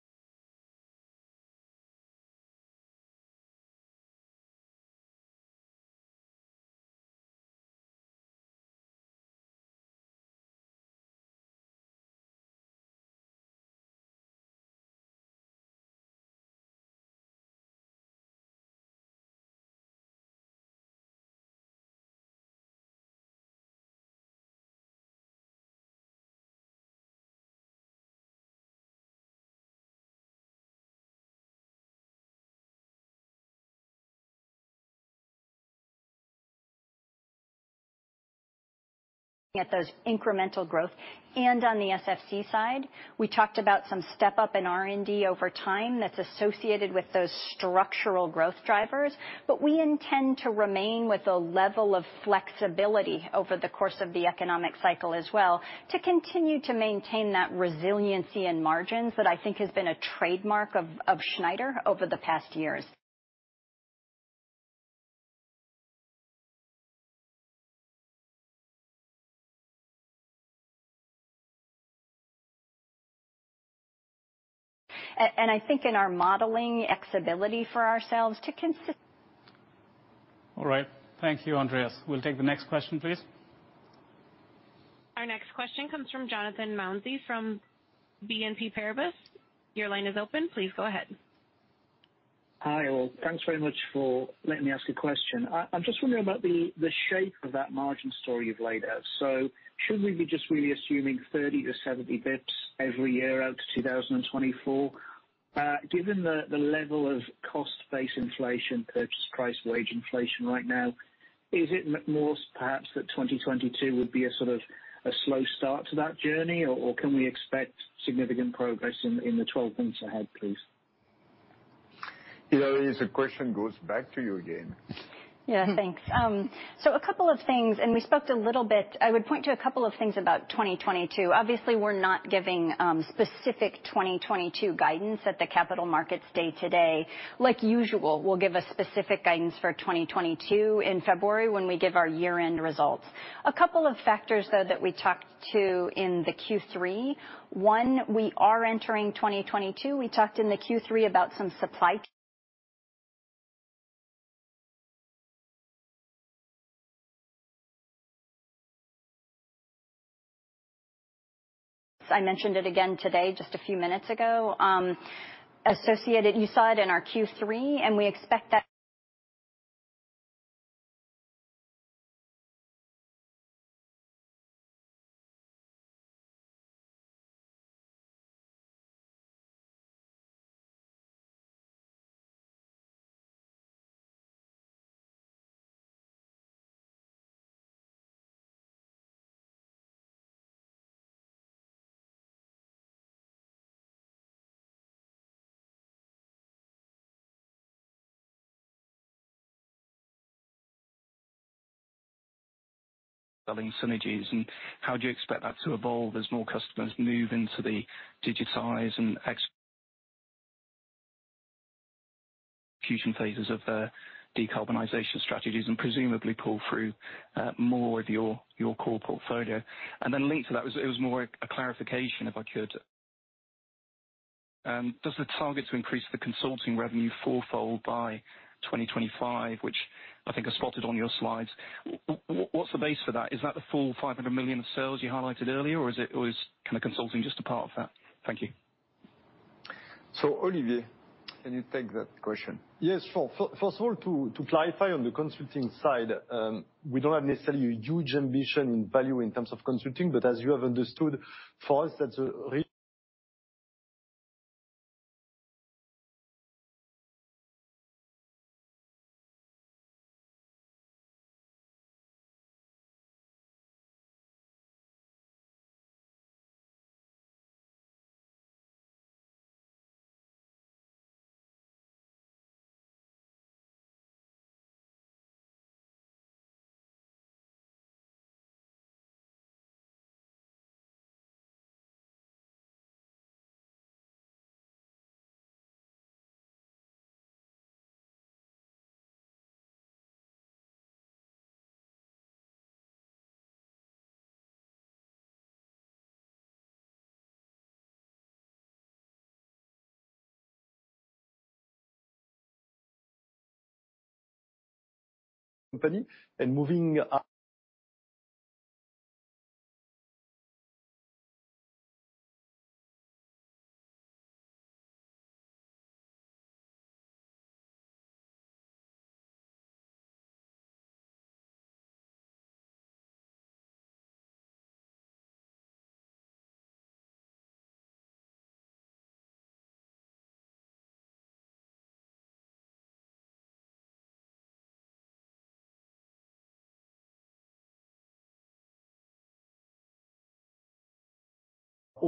at those incremental growth. On the SFC side, we talked about some step up in R&D over time that's associated with those structural growth drivers. We intend to remain with a level of flexibility over the course of the economic cycle as well, to continue to maintain that resiliency in margins that I think has been a trademark of Schneider over the past years. I think in our modeling flexibility for ourselves to consis- All right. Thank you, Andreas. We'll take the next question, please. Our next question comes from Jonathan Mounsey from BNP Paribas. Your line is open. Please go ahead. Hi, all. Thanks very much for letting me ask a question. I'm just wondering about the shape of that margin story you've laid out. Should we be just really assuming 30-70 basis points every year out to 2024? Given the level of cost base inflation versus price wage inflation right now, is it more perhaps that 2022 would be a sort of a slow start to that journey? Or can we expect significant progress in the 12 months ahead, please? Hilary, it's a question goes back to you again. Yeah, thanks. So a couple of things, we spoke a little bit. I would point to a couple of things about 2022. Obviously, we're not giving specific 2022 guidance at the Capital Markets Day today. As usual, we'll give a specific guidance for 2022 in February when we give our year-end results. A couple of factors, though, that we talked to in the Q3. One, we are entering 2022. We talked in the Q3 about some supply I mentioned it again today just a few minutes ago. You saw it in our Q3, and we expect that. Selling synergies, and how do you expect that to evolve as more customers move into the digitize and execution phases of their decarbonization strategies and presumably pull through more of your core portfolio. Then linked to that was more a clarification, if I could. Does the target to increase the consulting revenue four-fold by 2025, which I think I spotted on your slides, what's the base for that? Is that the full 500 million of sales you highlighted earlier, or is kinda consulting just a part of that? Thank you. Olivier, can you take that question? Yes, sure. First of all, to clarify on the consulting side, we don't have necessarily a huge ambition in value in terms of consulting, but as you have understood, for us, that's a really company and moving.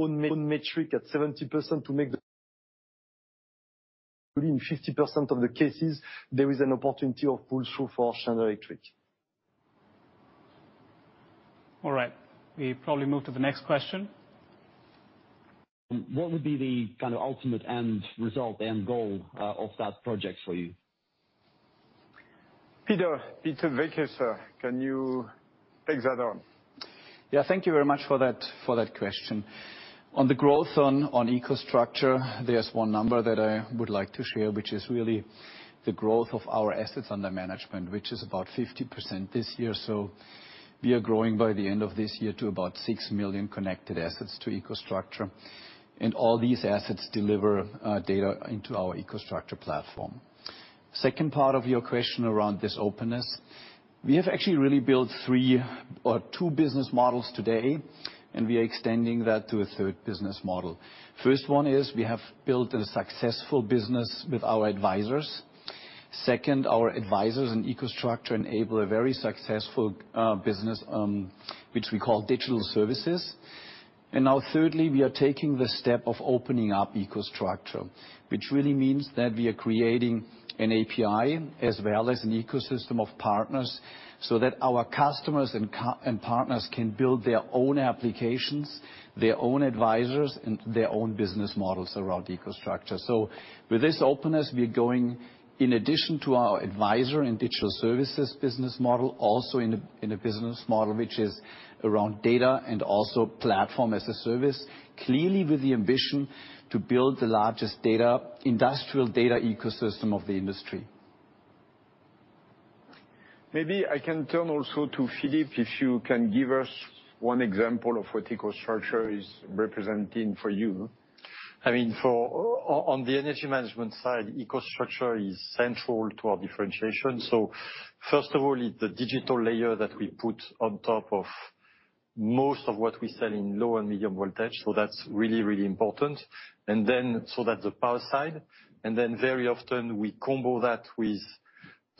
On my own metric at 70% in 50% of the cases, there is an opportunity of pull-through for Schneider Electric. All right, we probably move to the next question. What would be the kind of ultimate end result, end goal, of that project for you? Peter Weckesser, can you take that on? Yeah. Thank you very much for that, for that question. On the growth on EcoStruxure, there's one number that I would like to share, which is really the growth of our assets under management, which is about 50% this year. We are growing by the end of this year to about 6 million connected assets to EcoStruxure. All these assets deliver data into our EcoStruxure platform. Second part of your question around this openness, we have actually really built three or two business models today, and we are extending that to a third business model. First one is we have built a successful business with our advisors. Second, our advisors in EcoStruxure enable a very successful business, which we call digital services. Now thirdly, we are taking the step of opening up EcoStruxure, which really means that we are creating an API as well as an ecosystem of partners, so that our customers and partners can build their own applications, their own advisors, and their own business models around EcoStruxure. With this openness, we are going, in addition to our advisor and digital services business model, also in a business model which is around data and also platform as a service, clearly with the ambition to build the largest data, industrial data ecosystem of the industry. Maybe I can turn also to Philippe, if you can give us one example of what EcoStruxure is representing for you. I mean, for on the energy management side, EcoStruxure is central to our differentiation. First of all, it's the digital layer that we put on top of most of what we sell in low and medium voltage. That's really, really important. That's the power side. Very often we combo that with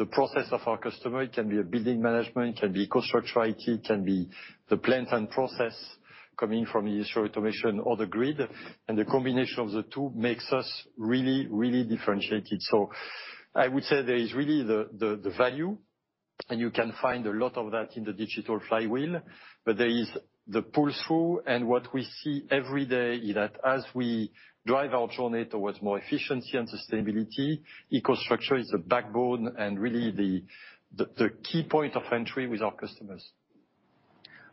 the process of our customer. It can be a building management, it can be EcoStruxure IT, it can be the plant and process coming from industrial automation or the grid. The combination of the two makes us really, really differentiated. I would say there is really the value, and you can find a lot of that in the Digital Flywheel, but there is the pull-through. What we see every day is that as we drive our journey towards more efficiency and sustainability, EcoStruxure is the backbone and really the key point of entry with our customers.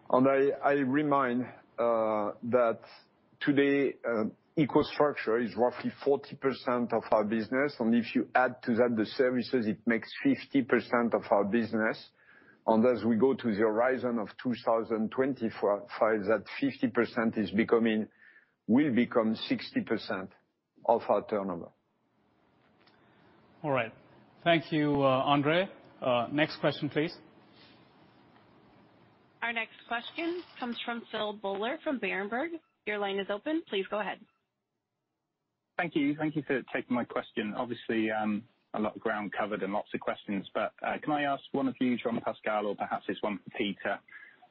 I remind that today EcoStruxure is roughly 40% of our business, and if you add to that the services, it makes 50% of our business. As we go to the horizon of 2024-2025, that 50% will become 60% of our turnover. All right. Thank you, Andre. Next question, please. Our next question comes from Phil Buller from Berenberg. Your line is open. Please go ahead. Thank you. Thank you for taking my question. Obviously, a lot of ground covered and lots of questions, but can I ask one of you, Jean-Pascal, or perhaps it's one for Peter,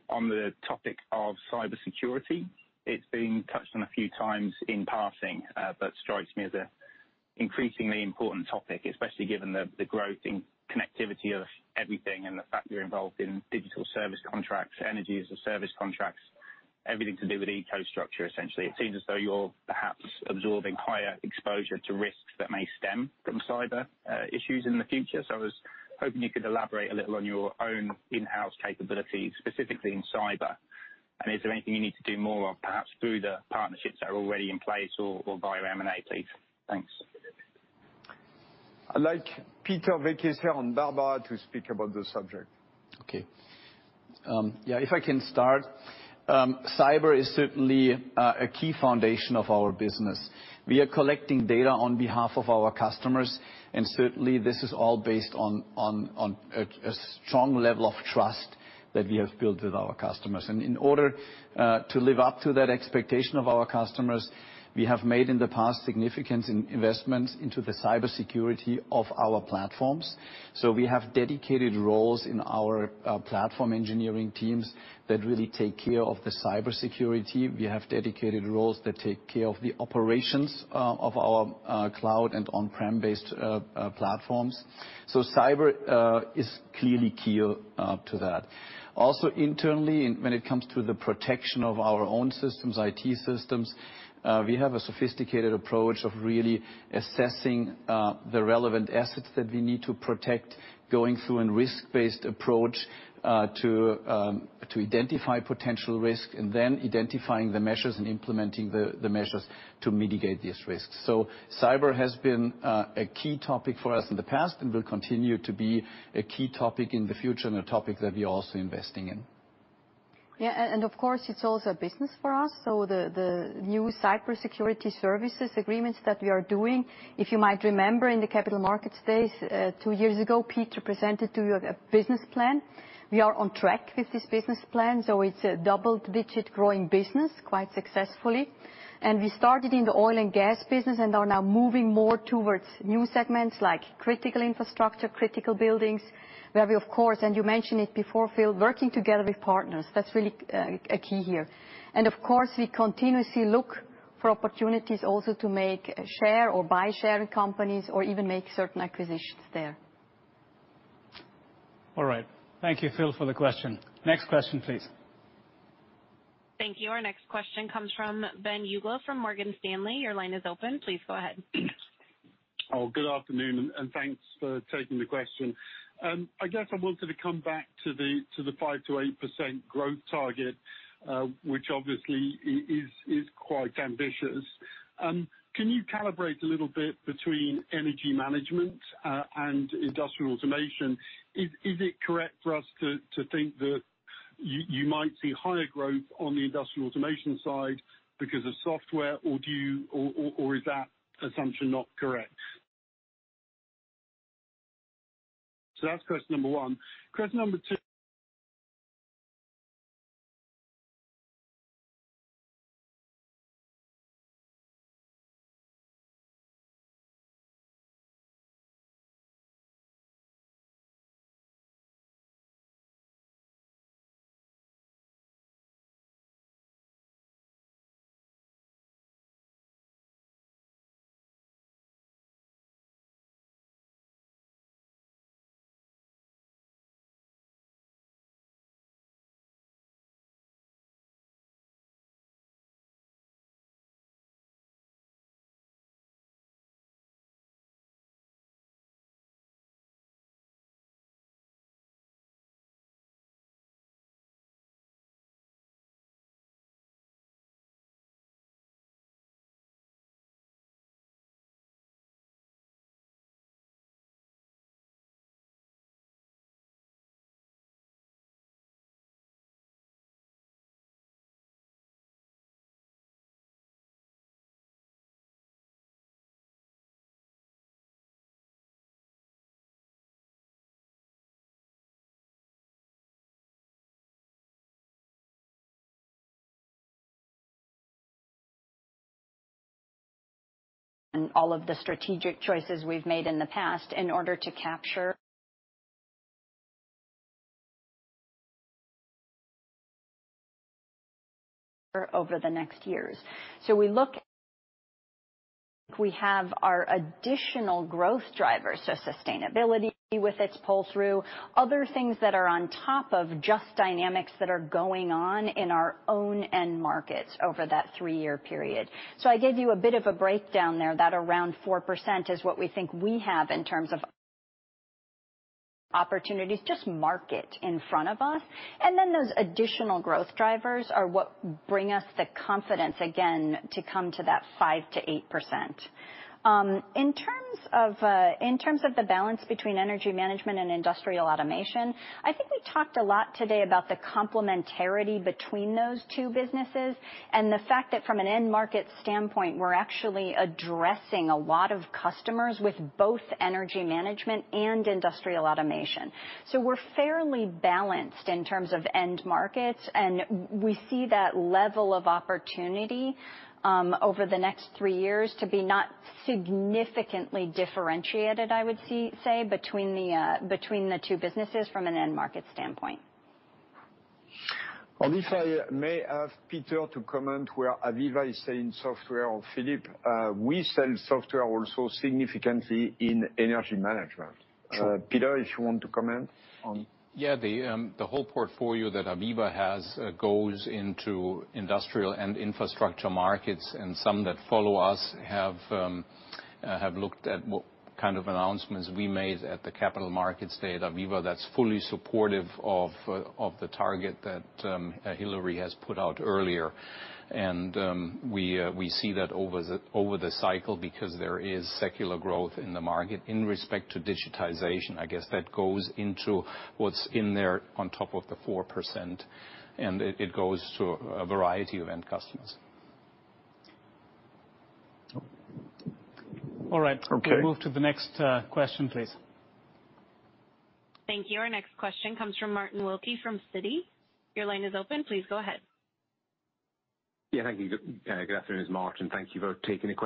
on the topic of cybersecurity? It's been touched on a few times in passing, but strikes me as an increasingly important topic, especially given the growth in connectivity of everything and the fact you're involved in digital service contracts, energy as a service contracts, everything to do with EcoStruxure, essentially. It seems as though you're perhaps absorbing higher exposure to risks that may stem from cyber issues in the future. I was hoping you could elaborate a little on your own in-house capability, specifically in cyber. And is there anything you need to do more of, perhaps through the partnerships that are already in place or via M&A, please? Thanks. I'd like Peter Weckesser and Barbara to speak about this subject. Okay. Yeah, if I can start, cyber is certainly a key foundation of our business. We are collecting data on behalf of our customers, and certainly this is all based on a strong level of trust that we have built with our customers. In order to live up to that expectation of our customers, we have made, in the past, significant investments into the cybersecurity of our platforms. We have dedicated roles in our platform engineering teams that really take care of the cybersecurity. We have dedicated roles that take care of the operations of our cloud and on-prem based platforms. Cyber is clearly key to that. Also internally, when it comes to the protection of our own systems, IT systems, we have a sophisticated approach of really assessing the relevant assets that we need to protect, going through a risk-based approach to identify potential risk and then identifying the measures and implementing the measures to mitigate these risks. Cyber has been a key topic for us in the past and will continue to be a key topic in the future and a topic that we are also investing in. Yeah, of course, it's also a business for us. The new cybersecurity services agreements that we are doing, if you might remember in the capital markets day, two years ago, Peter presented to you a business plan. We are on track with this business plan, so it's a double-digit growing business, quite successfully. We started in the oil and gas business and are now moving more towards new segments like critical infrastructure, critical buildings, where we of course, and you mentioned it before, Phil, working together with partners, that's really a key here. We continuously look for opportunities also to make, share or buy share in companies or even make certain acquisitions there. All right. Thank you, Phil, for the question. Next question, please. Thank you. Our next question comes from Ben Uglow from Morgan Stanley. Your line is open. Please go ahead. Oh, good afternoon, and thanks for taking the question. I guess I wanted to come back to the 5%-8% growth target, which obviously is quite ambitious. Can you calibrate a little bit between Energy Management and Industrial Automation? Is it correct for us to think that you might see higher growth on the Industrial Automation side because of software? Or is that assumption not correct? That's question number one. Question number two-. And all of the strategic choices we made in the past in order to capture over the next years. We have our additional growth drivers of sustainability with its pull-through, other things that are on top of just dynamics that are going on in our end markets over that three-year period. So I gave you a bit of a breakdown there that around 4% is what we think we have in terms of opportunities just mark it in front of us. And then those additional growth drivers are what bring us the confidence again to come to that 5% to 8%. In terms of the balance between Energy Management and Industrial Automation, I think we talked a lot today about the complementarity between those two businesses and the fact that from an end market point, we're actually addressing a lot of customers with both Energy Management and Industrial Automation. So we're fairly balanced in terms of end markets, and we see that level of opportunity over the next three years to be not significantly differentiated, I would say, between the two businesses from an end market standpoint. And if I may ask Peter to comment where AVEVA is selling software or Philippe, we sell software also significantly in Energy Management. Peter, if you want to comment on... The whole portfolio that AVEVA has goes into industrial and infrastructure markets, and some that follow us have looked at kind of announcements we made at the Capital Markets Day the AVEVA that's fully supportive of the target that Hilary has put out earlier. And we see that over the cycle because there is secular growth in the market in respect to digitization, I guess that goes into what's in there on top of the 4%, and it goes to a variety of end customers. All right. We'll move to the next question, please. Our next question comes from Martin Wilkie from Citi.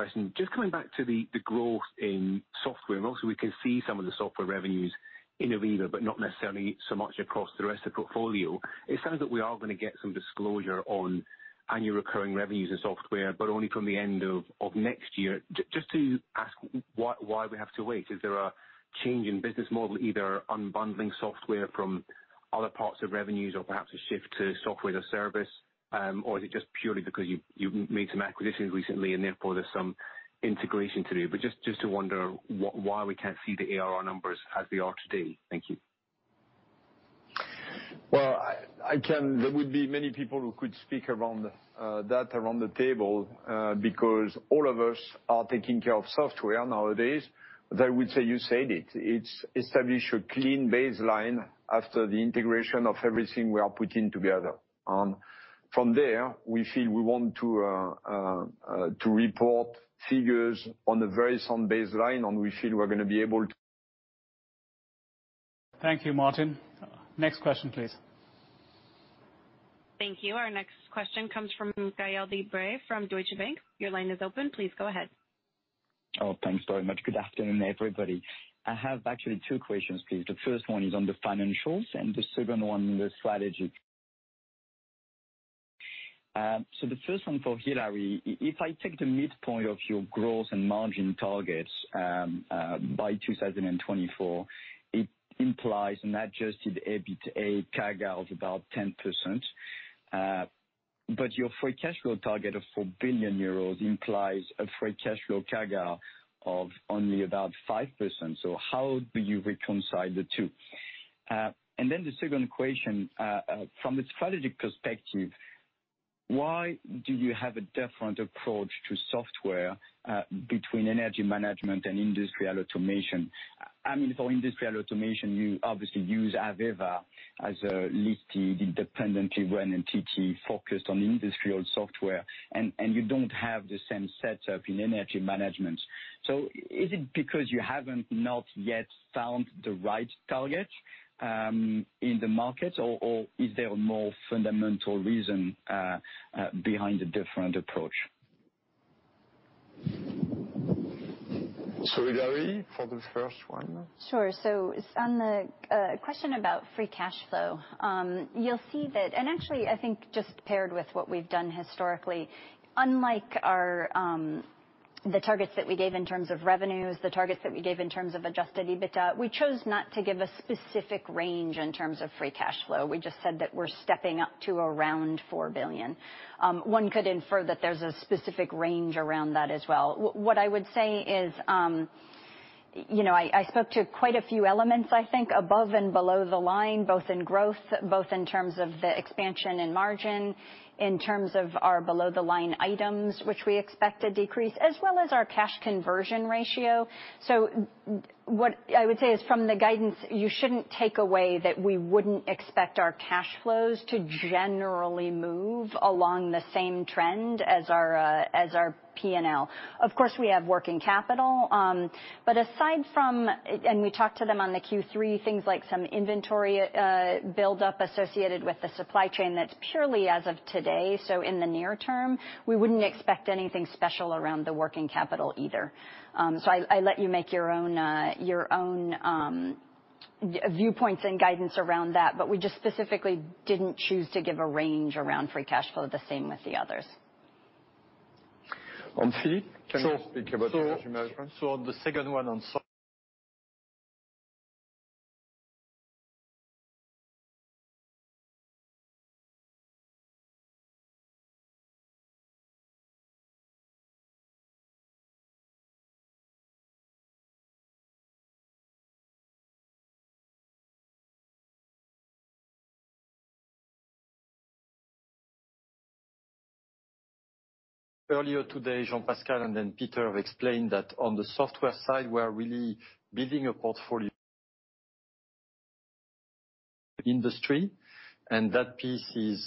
Yes. Just coming back to the growth in software. And also, we can see some of the software revenues in AVEVA, but not necessarily so much across the rest of the portfolio. It sounds that we are going to get some disclosure on annual recurring revenues in software, but only from the end of next year. Just to ask why we have to wait. Is there a change in business model, either unbundling software from other parts of revenues or perhaps a shift to software-as-a-service? Or is it just purely because you've made some acquisitions recently, and therefore, there's some integration to do? But just to wonder why we can't see the ARR numbers as they are today. Well, I can. There would be many people who could speak around that around the table because all of us are taking care of software nowadays but I would say you said it. It's established a clean baseline after the integration of everything we are putting together. From there, we feel we want to report figures on a very strong baseline, and we feel we're going to be able to. Thank you, Martin. Next question, please. Thank you. Our next question comes from Gael de-Bray from Deutsche Bank. Your line is open. Please go ahead. Thanks very much. Good afternoon, everybody. I have actually two questions, please. The first one is on the financials, and the second one is the strategy. The first one for Hilary. If I take the midpoint of your growth and margin targets, by 2024, it implies an adjusted EBITDA CAGR of about 10%. But your free cash flow target of 4 billion euros implies a free cash flow CAGR of only about 5%, so how do you reconcile the two? The second question. From a strategy perspective, why do you have a different approach to software, between Energy Management and Industrial Automation? I mean, for Industrial Automation, you obviously use AVEVA as a listed, independently run entity focused on industrial software, and you don't have the same setup in Energy Management. Is it because you haven't yet found the right target in the market? Or is there a more fundamental reason behind the different approach? Hilary, for the first one. Sure. On the question about free cash flow, you'll see that. Actually, I think just paired with what we've done historically, unlike the targets that we gave in terms of revenues, the targets that we gave in terms of adjusted EBITDA, we chose not to give a specific range in terms of free cash flow. We just said that we're stepping up to around 4 billion. One could infer that there's a specific range around that as well. What I would say is, you know, I spoke to quite a few elements, I think, above and below the line, both in growth, both in terms of the expansion in margin, in terms of our below-the-line items, which we expect to decrease, as well as our cash conversion ratio. What I would say is from the guidance, you shouldn't take away that we wouldn't expect our cash flows to generally move along the same trend as our P&L. Of course, we have working capital. We talked to them on the Q3, things like some inventory buildup associated with the supply chain. That's purely as of today, so in the near term, we wouldn't expect anything special around the working capital either. I let you make your own viewpoints and guidance around that. We just specifically didn't choose to give a range around free cash flow, the same with the others. Philippe, can you speak about energy management? Sure. On the second one, earlier today, Jean-Pascal and then Peter explained that on the software side, we are really building a portfolio industry, and that piece is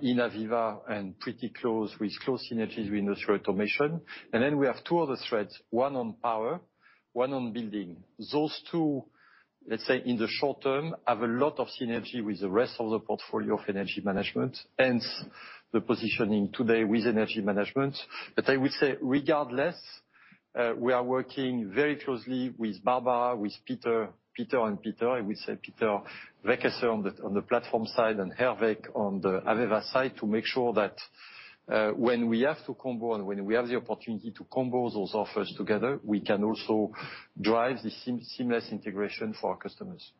in AVEVA and pretty close with close synergies with Industrial Automation. We have two other threads, one on power, one on building. Those two, let's say in the short term, have a lot of synergy with the rest of the portfolio of Energy Management, hence the positioning today with Energy Management. I would say regardless, we are working very closely with Barbara, with Peter and Peter. I would say Peter Weckesser on the platform side and Peter Herweck on the AVEVA side to make sure that when we have to combo and when we have the opportunity to combo those offers together, we can also drive the seamless integration for our customers.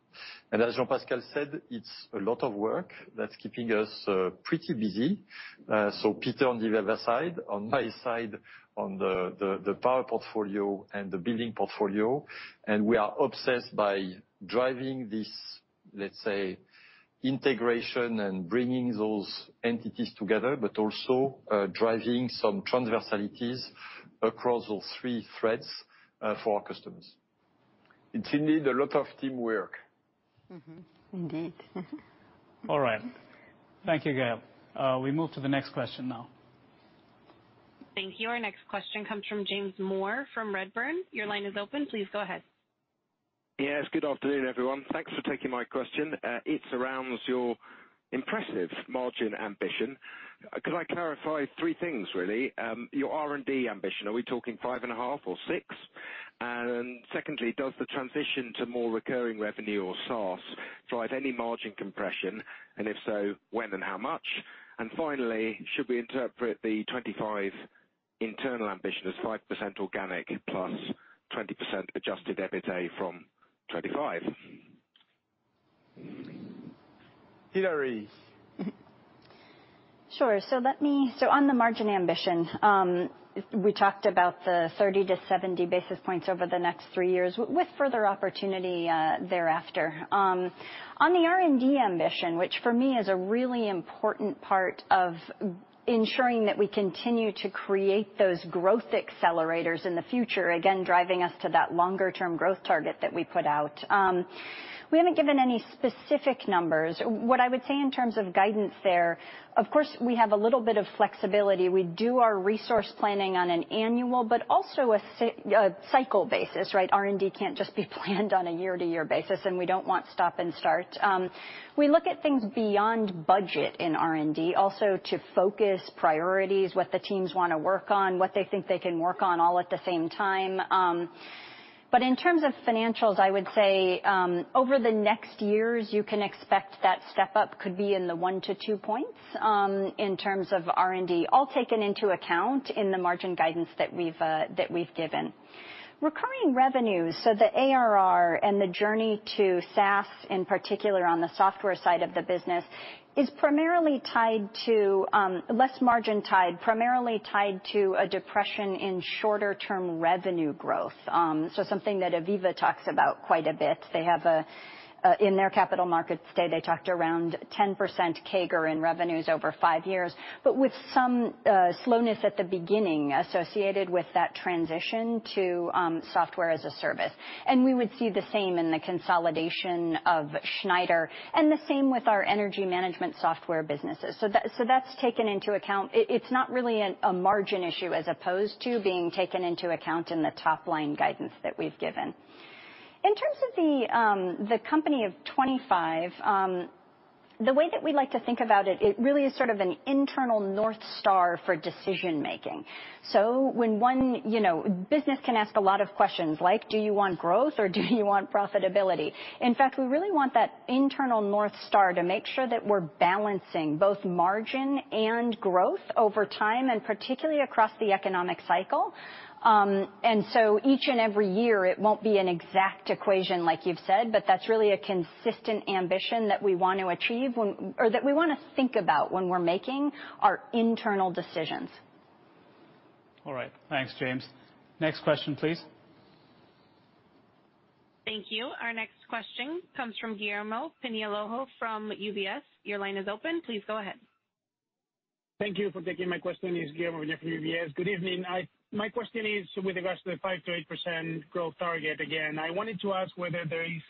As Jean-Pascal said, it's a lot of work that's keeping us pretty busy. Peter on the AVEVA side, on my side, on the power portfolio and the building portfolio. We are obsessed by driving this, let's say, integration and bringing those entities together, but also driving some transversalities across those three threads for our customers. It's indeed a lot of teamwork. Mm-hmm. Indeed. All right. Thank you, Gael. We move to the next question now. Thank you. Our next question comes from James Moore from Redburn. Your line is open. Please go ahead. Yes, good afternoon, everyone. Thanks for taking my question. It surrounds your impressive margin ambition. Could I clarify three things really? Your R&D ambition, are we talking 5.5% or 6%? And secondly, does the transition to more recurring revenue or SaaS drive any margin compression? And if so, when and how much? And finally, should we interpret the 25% internal ambition as 5% organic +20% adjusted EBITDA from 25%? Hilary? On the margin ambition, we talked about the 30-70 basis points over the next three years with further opportunity thereafter. On the R&D ambition, which for me is a really important part of ensuring that we continue to create those growth accelerators in the future, again driving us to that longer-term growth target that we put out, we haven't given any specific numbers. What I would say in terms of guidance there, of course, we have a little bit of flexibility. We do our resource planning on an annual but also a cycle basis, right? R&D can't just be planned on a year-to-year basis, and we don't want stop and start. We look at things beyond budget in R&D also to focus priorities, what the teams wanna work on, what they think they can work on all at the same time. In terms of financials, I would say, over the next years, you can expect that step up could be in the one to two points in terms of R&D, all taken into account in the margin guidance that we've given. Recurring revenues, the ARR and the journey to SaaS, in particular on the software side of the business, is primarily tied to less margin tied, primarily tied to a de-emphasis in shorter-term revenue growth. Something that AVEVA talks about quite a bit. In their Capital Markets Day, they talked around 10% CAGR in revenues over five years, but with some slowness at the beginning associated with that transition to software as a service. We would see the same in the consolidation of Schneider and the same with our energy management software businesses. That's taken into account. It's not really a margin issue as opposed to being taken into account in the top line guidance that we've given. In terms of the company of 25%, the way that we like to think about it really is sort of an internal North Star for decision making. Business can ask a lot of questions like, "Do you want growth or do you want profitability?" In fact, we really want that internal North Star to make sure that we're balancing both margin and growth over time, and particularly across the economic cycle. Each and every year, it won't be an exact equation, like you've said, but that's really a consistent ambition that we want to achieve or that we wanna think about when we're making our internal decisions. All right. Thanks, James. Next question, please. Thank you. Our next question comes from Guillermo Peigneux-Lojo from UBS. Your line is open. Please go ahead. Thank you for taking my question. It's Guillermo from UBS. Good evening. My question is with regards to the 5%-8% growth target. Again, I wanted to ask whether there is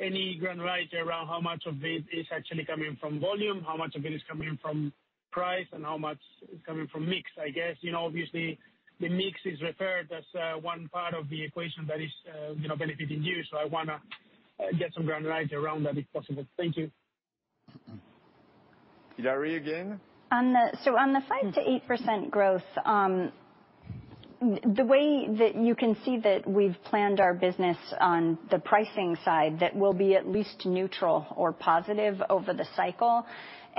any granularity around how much of it is actually coming from volume, how much of it is coming from price, and how much is coming from mix. I guess, you know, obviously the mix is referred as one part of the equation that is, you know, benefiting you. I wanna get some granularity around that, if possible. Thank you. Hilary, again. On the 5%-8% growth, the way that you can see that we've planned our business on the pricing side, that will be at least neutral or positive over the cycle.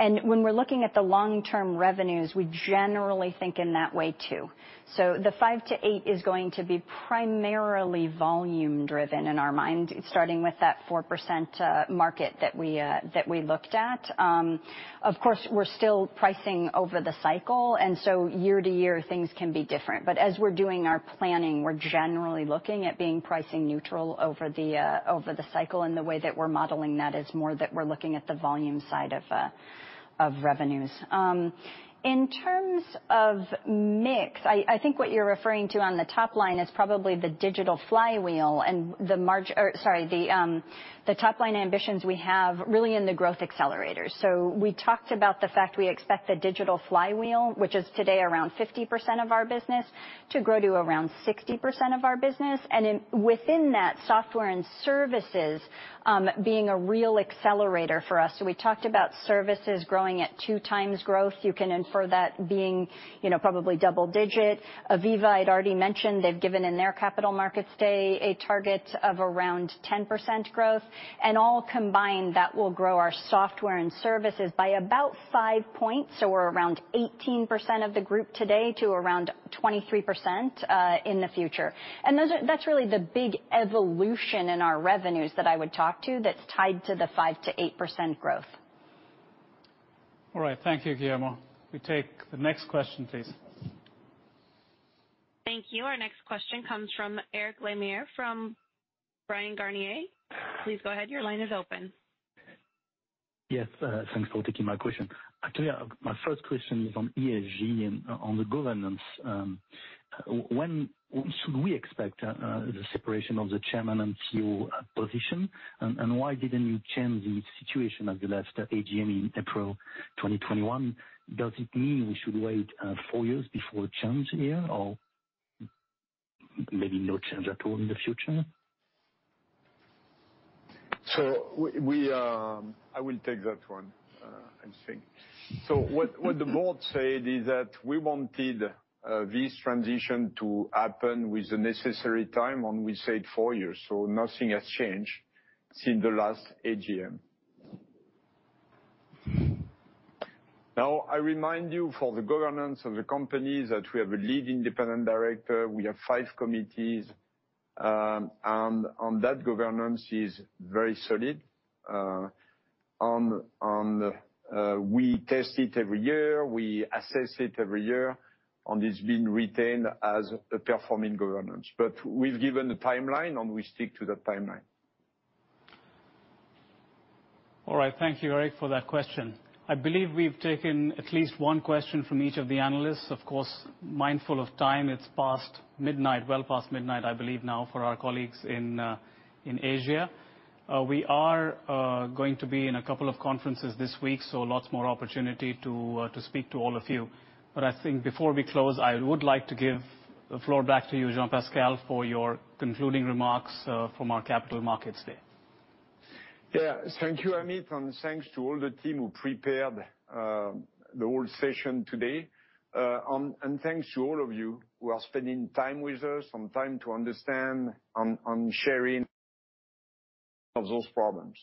When we're looking at the long-term revenues, we generally think in that way too. The 5%-8% is going to be primarily volume driven in our mind, starting with that 4% market that we looked at. Of course, we're still pricing over the cycle, and so year to year things can be different. As we're doing our planning, we're generally looking at being pricing neutral over the cycle. The way that we're modeling that is more that we're looking at the volume side of revenues. In terms of mix, I think what you're referring to on the top line is probably the Digital Flywheel and the top line ambitions we have really in the growth accelerators. We talked about the fact we expect the Digital Flywheel, which is today around 50% of our business, to grow to around 60% of our business. Within that, software and services being a real accelerator for us. We talked about services growing at 2x growth. You can infer that being, you know, probably double-digit. AVEVA, I'd already mentioned, they've given in their Capital Markets Day a target of around 10% growth. All combined, that will grow our software and services by about five points. We're around 18% of the group today to around 23% in the future. That's really the big evolution in our revenues that I would talk to that's tied to the 5%-8% growth. All right. Thank you, Guillermo. We take the next question, please. Thank you. Our next question comes from Eric Lemarié from Bryan, Garnier. Please go ahead. Your line is open. Yes. Thanks for taking my question. Actually, my first question is on ESG and on the governance. When should we expect the separation of the chairman and CEO position, and why didn't you change the situation at the last AGM in April 2021? Does it mean we should wait four years before a change here or maybe no change at all in the future? I will take that one, I think. What the board said is that we wanted this transition to happen with the necessary time, and we said four years. Nothing has changed since the last AGM. Now, I remind you for the governance of the company, that we have a lead independent director. We have five committees. On that governance is very solid. We test it every year, we assess it every year, and it's been retained as a performing governance. We've given a timeline, and we stick to that timeline. All right. Thank you, Eric, for that question. I believe we've taken at least one question from each of the analysts. Of course, mindful of time, it's past midnight, well past midnight, I believe now, for our colleagues in Asia. We are going to be in a couple of conferences this week, so lots more opportunity to speak to all of you. I think before we close, I would like to give the floor back to you, Jean-Pascal, for your concluding remarks from our Capital Markets Day. Yeah. Thank you, Amit, and thanks to all the team who prepared the whole session today. Thanks to all of you who are spending time with us and time to understand on sharing of those problems.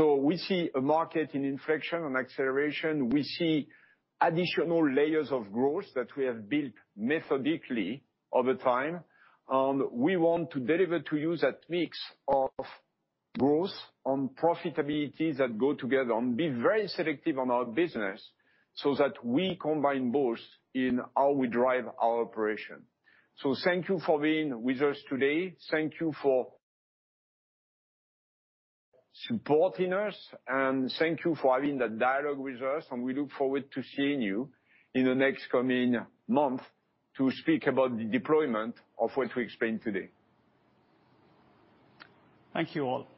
We see a market in inflection and acceleration. We see additional layers of growth that we have built methodically over time. We want to deliver to you that mix of growth and profitability that go together and be very selective on our business so that we combine both in how we drive our operation. Thank you for being with us today. Thank you for supporting us, and thank you for having that dialogue with us, and we look forward to seeing you in the next coming month to speak about the deployment of what we explained today. Thank you all.